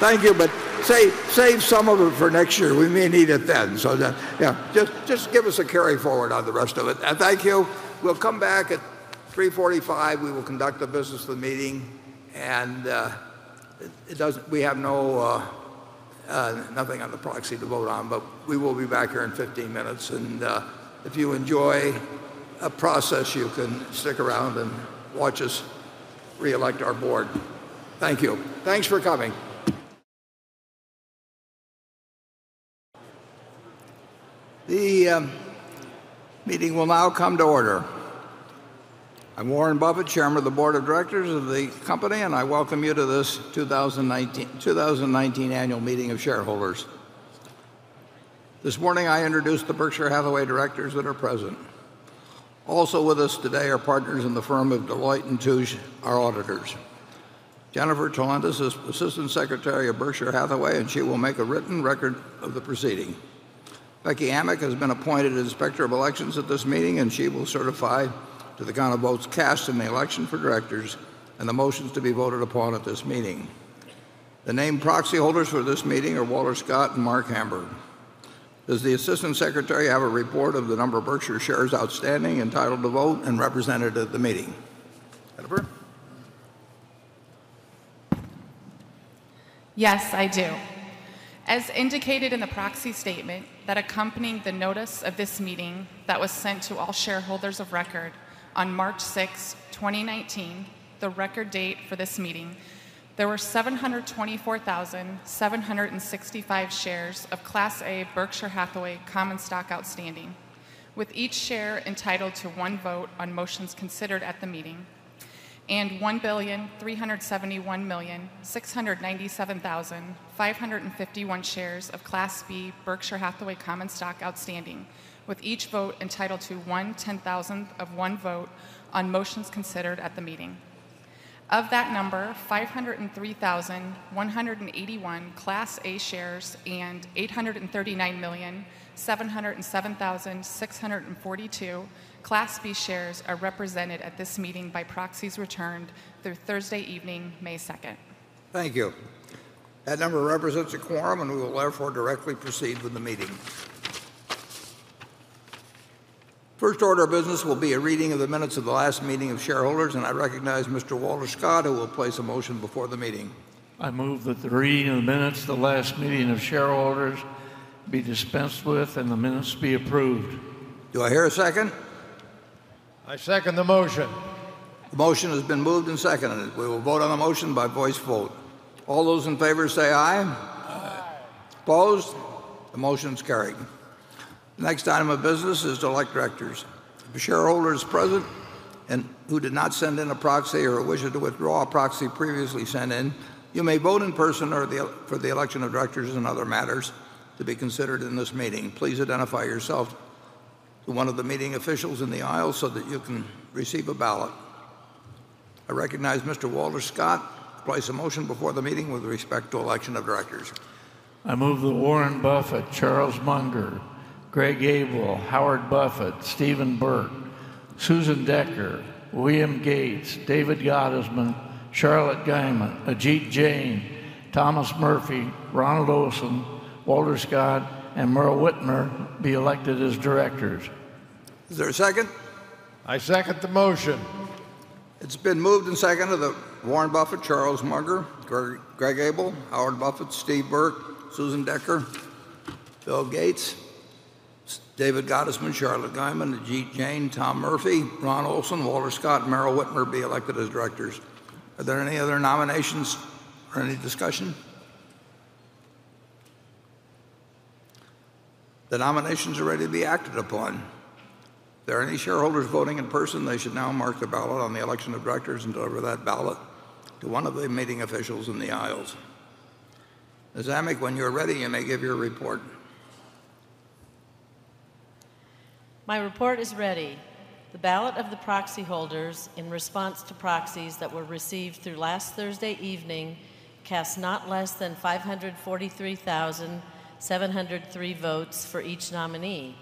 Thank you, but save some of it for next year. We may need it then. Yeah, just give us a carry forward on the rest of it. Thank you. We'll come back at 3:45. We will conduct the business of the meeting. We have nothing on the proxy to vote on, but we will be back here in 15 minutes. If you enjoy a process, you can stick around and watch us reelect our board. Thank you. Thanks for coming. The meeting will now come to order. I'm Warren Buffett, Chairman of the board of directors of the company, and I welcome you to this 2019 annual meeting of shareholders. This morning, I introduced the Berkshire Hathaway directors that are present. Also with us today are partners in the firm of Deloitte & Touche, our auditors. Jennifer Toland is assistant secretary of Berkshire Hathaway, and she will make a written record of the proceeding. Becky Amick has been appointed inspector of elections at this meeting, and she will certify to the count of votes cast in the election for directors and the motions to be voted upon at this meeting. The named proxy holders for this meeting are Walter Scott and Marc Hamburg. Does the assistant secretary have a report of the number of Berkshire shares outstanding, entitled to vote, and represented at the meeting? Jennifer? Yes, I do. As indicated in the proxy statement that accompanied the notice of this meeting that was sent to all shareholders of record on March 6th, 2019, the record date for this meeting, there were 724,765 shares of Class A Berkshire Hathaway common stock outstanding, with each share entitled to one vote on motions considered at the meeting, and 1,371,697,551 shares of Class B Berkshire Hathaway common stock outstanding, with each vote entitled to 1/10,000 of one vote on motions considered at the meeting. Of that number, 503,181 Class A shares and 839,707,642 Class B shares are represented at this meeting by proxies returned through Thursday evening, May 2nd. Thank you. That number represents a quorum, we will therefore directly proceed with the meeting. First order of business will be a reading of the minutes of the last meeting of shareholders. I recognize Mr. Walter Scott, who will place a motion before the meeting. I move that the reading of the minutes of the last meeting of shareholders be dispensed with and the minutes be approved. Do I hear a second? I second the motion. The motion has been moved and seconded. We will vote on the motion by voice vote. All those in favor say aye. Aye. Opposed? The motion's carried. The next item of business is to elect directors. If a shareholder is present and who did not send in a proxy or wishes to withdraw a proxy previously sent in, you may vote in person for the election of directors and other matters to be considered in this meeting. Please identify yourself to one of the meeting officials in the aisle so that you can receive a ballot. I recognize Mr. Walter Scott to place a motion before the meeting with respect to election of directors. I move that Warren Buffett, Charles Munger, Greg Abel, Howard Buffett, Stephen Burke, Susan Decker, William Gates, David Gottesman, Charlotte Guyman, Ajit Jain, Thomas Murphy, Ronald Olson, Walter Scott, and Meryl Witmer be elected as directors. Is there a second? I second the motion. It's been moved and seconded that Warren Buffett, Charlie Munger, Greg Abel, Howard Buffett, Steve Burke, Susan Decker, Bill Gates, David Gottesman, Charlotte Guyman, Ajit Jain, Tom Murphy, Ron Olson, Walter Scott, and Meryl Witmer be elected as directors. Are there any other nominations or any discussion? The nominations are ready to be acted upon. If there are any shareholders voting in person, they should now mark the ballot on the election of directors and deliver that ballot to one of the meeting officials in the aisles. Ms. Amick, when you're ready, you may give your report. My report is ready. The ballot of the proxy holders in response to proxies that were received through last Thursday evening cast not less than 543,703 votes for each nominee.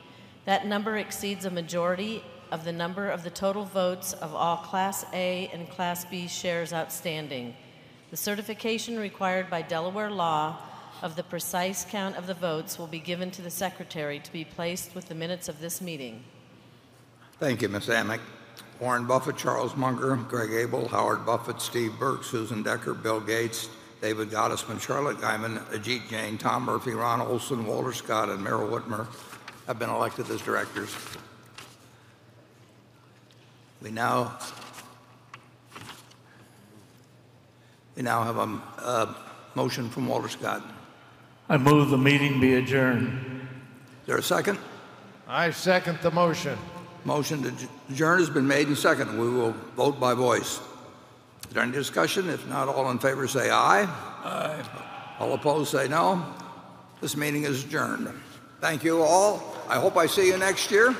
That number exceeds a majority of the number of the total votes of all Class A and Class B shares outstanding. The certification required by Delaware law of the precise count of the votes will be given to the secretary to be placed with the minutes of this meeting. Thank you, Ms. Amick. Warren Buffett, Charlie Munger, Greg Abel, Howard Buffett, Steve Burke, Susan Decker, Bill Gates, David Gottesman, Charlotte Guyman, Ajit Jain, Tom Murphy, Ron Olson, Walter Scott, and Meryl Witmer have been elected as directors. We now have a motion from Walter Scott. I move the meeting be adjourned. Is there a second? I second the motion. Motion to adjourn has been made and seconded. We will vote by voice. Is there any discussion? If not, all in favor say aye. Aye. All opposed say no. This meeting is adjourned. Thank you all. I hope I see you next year.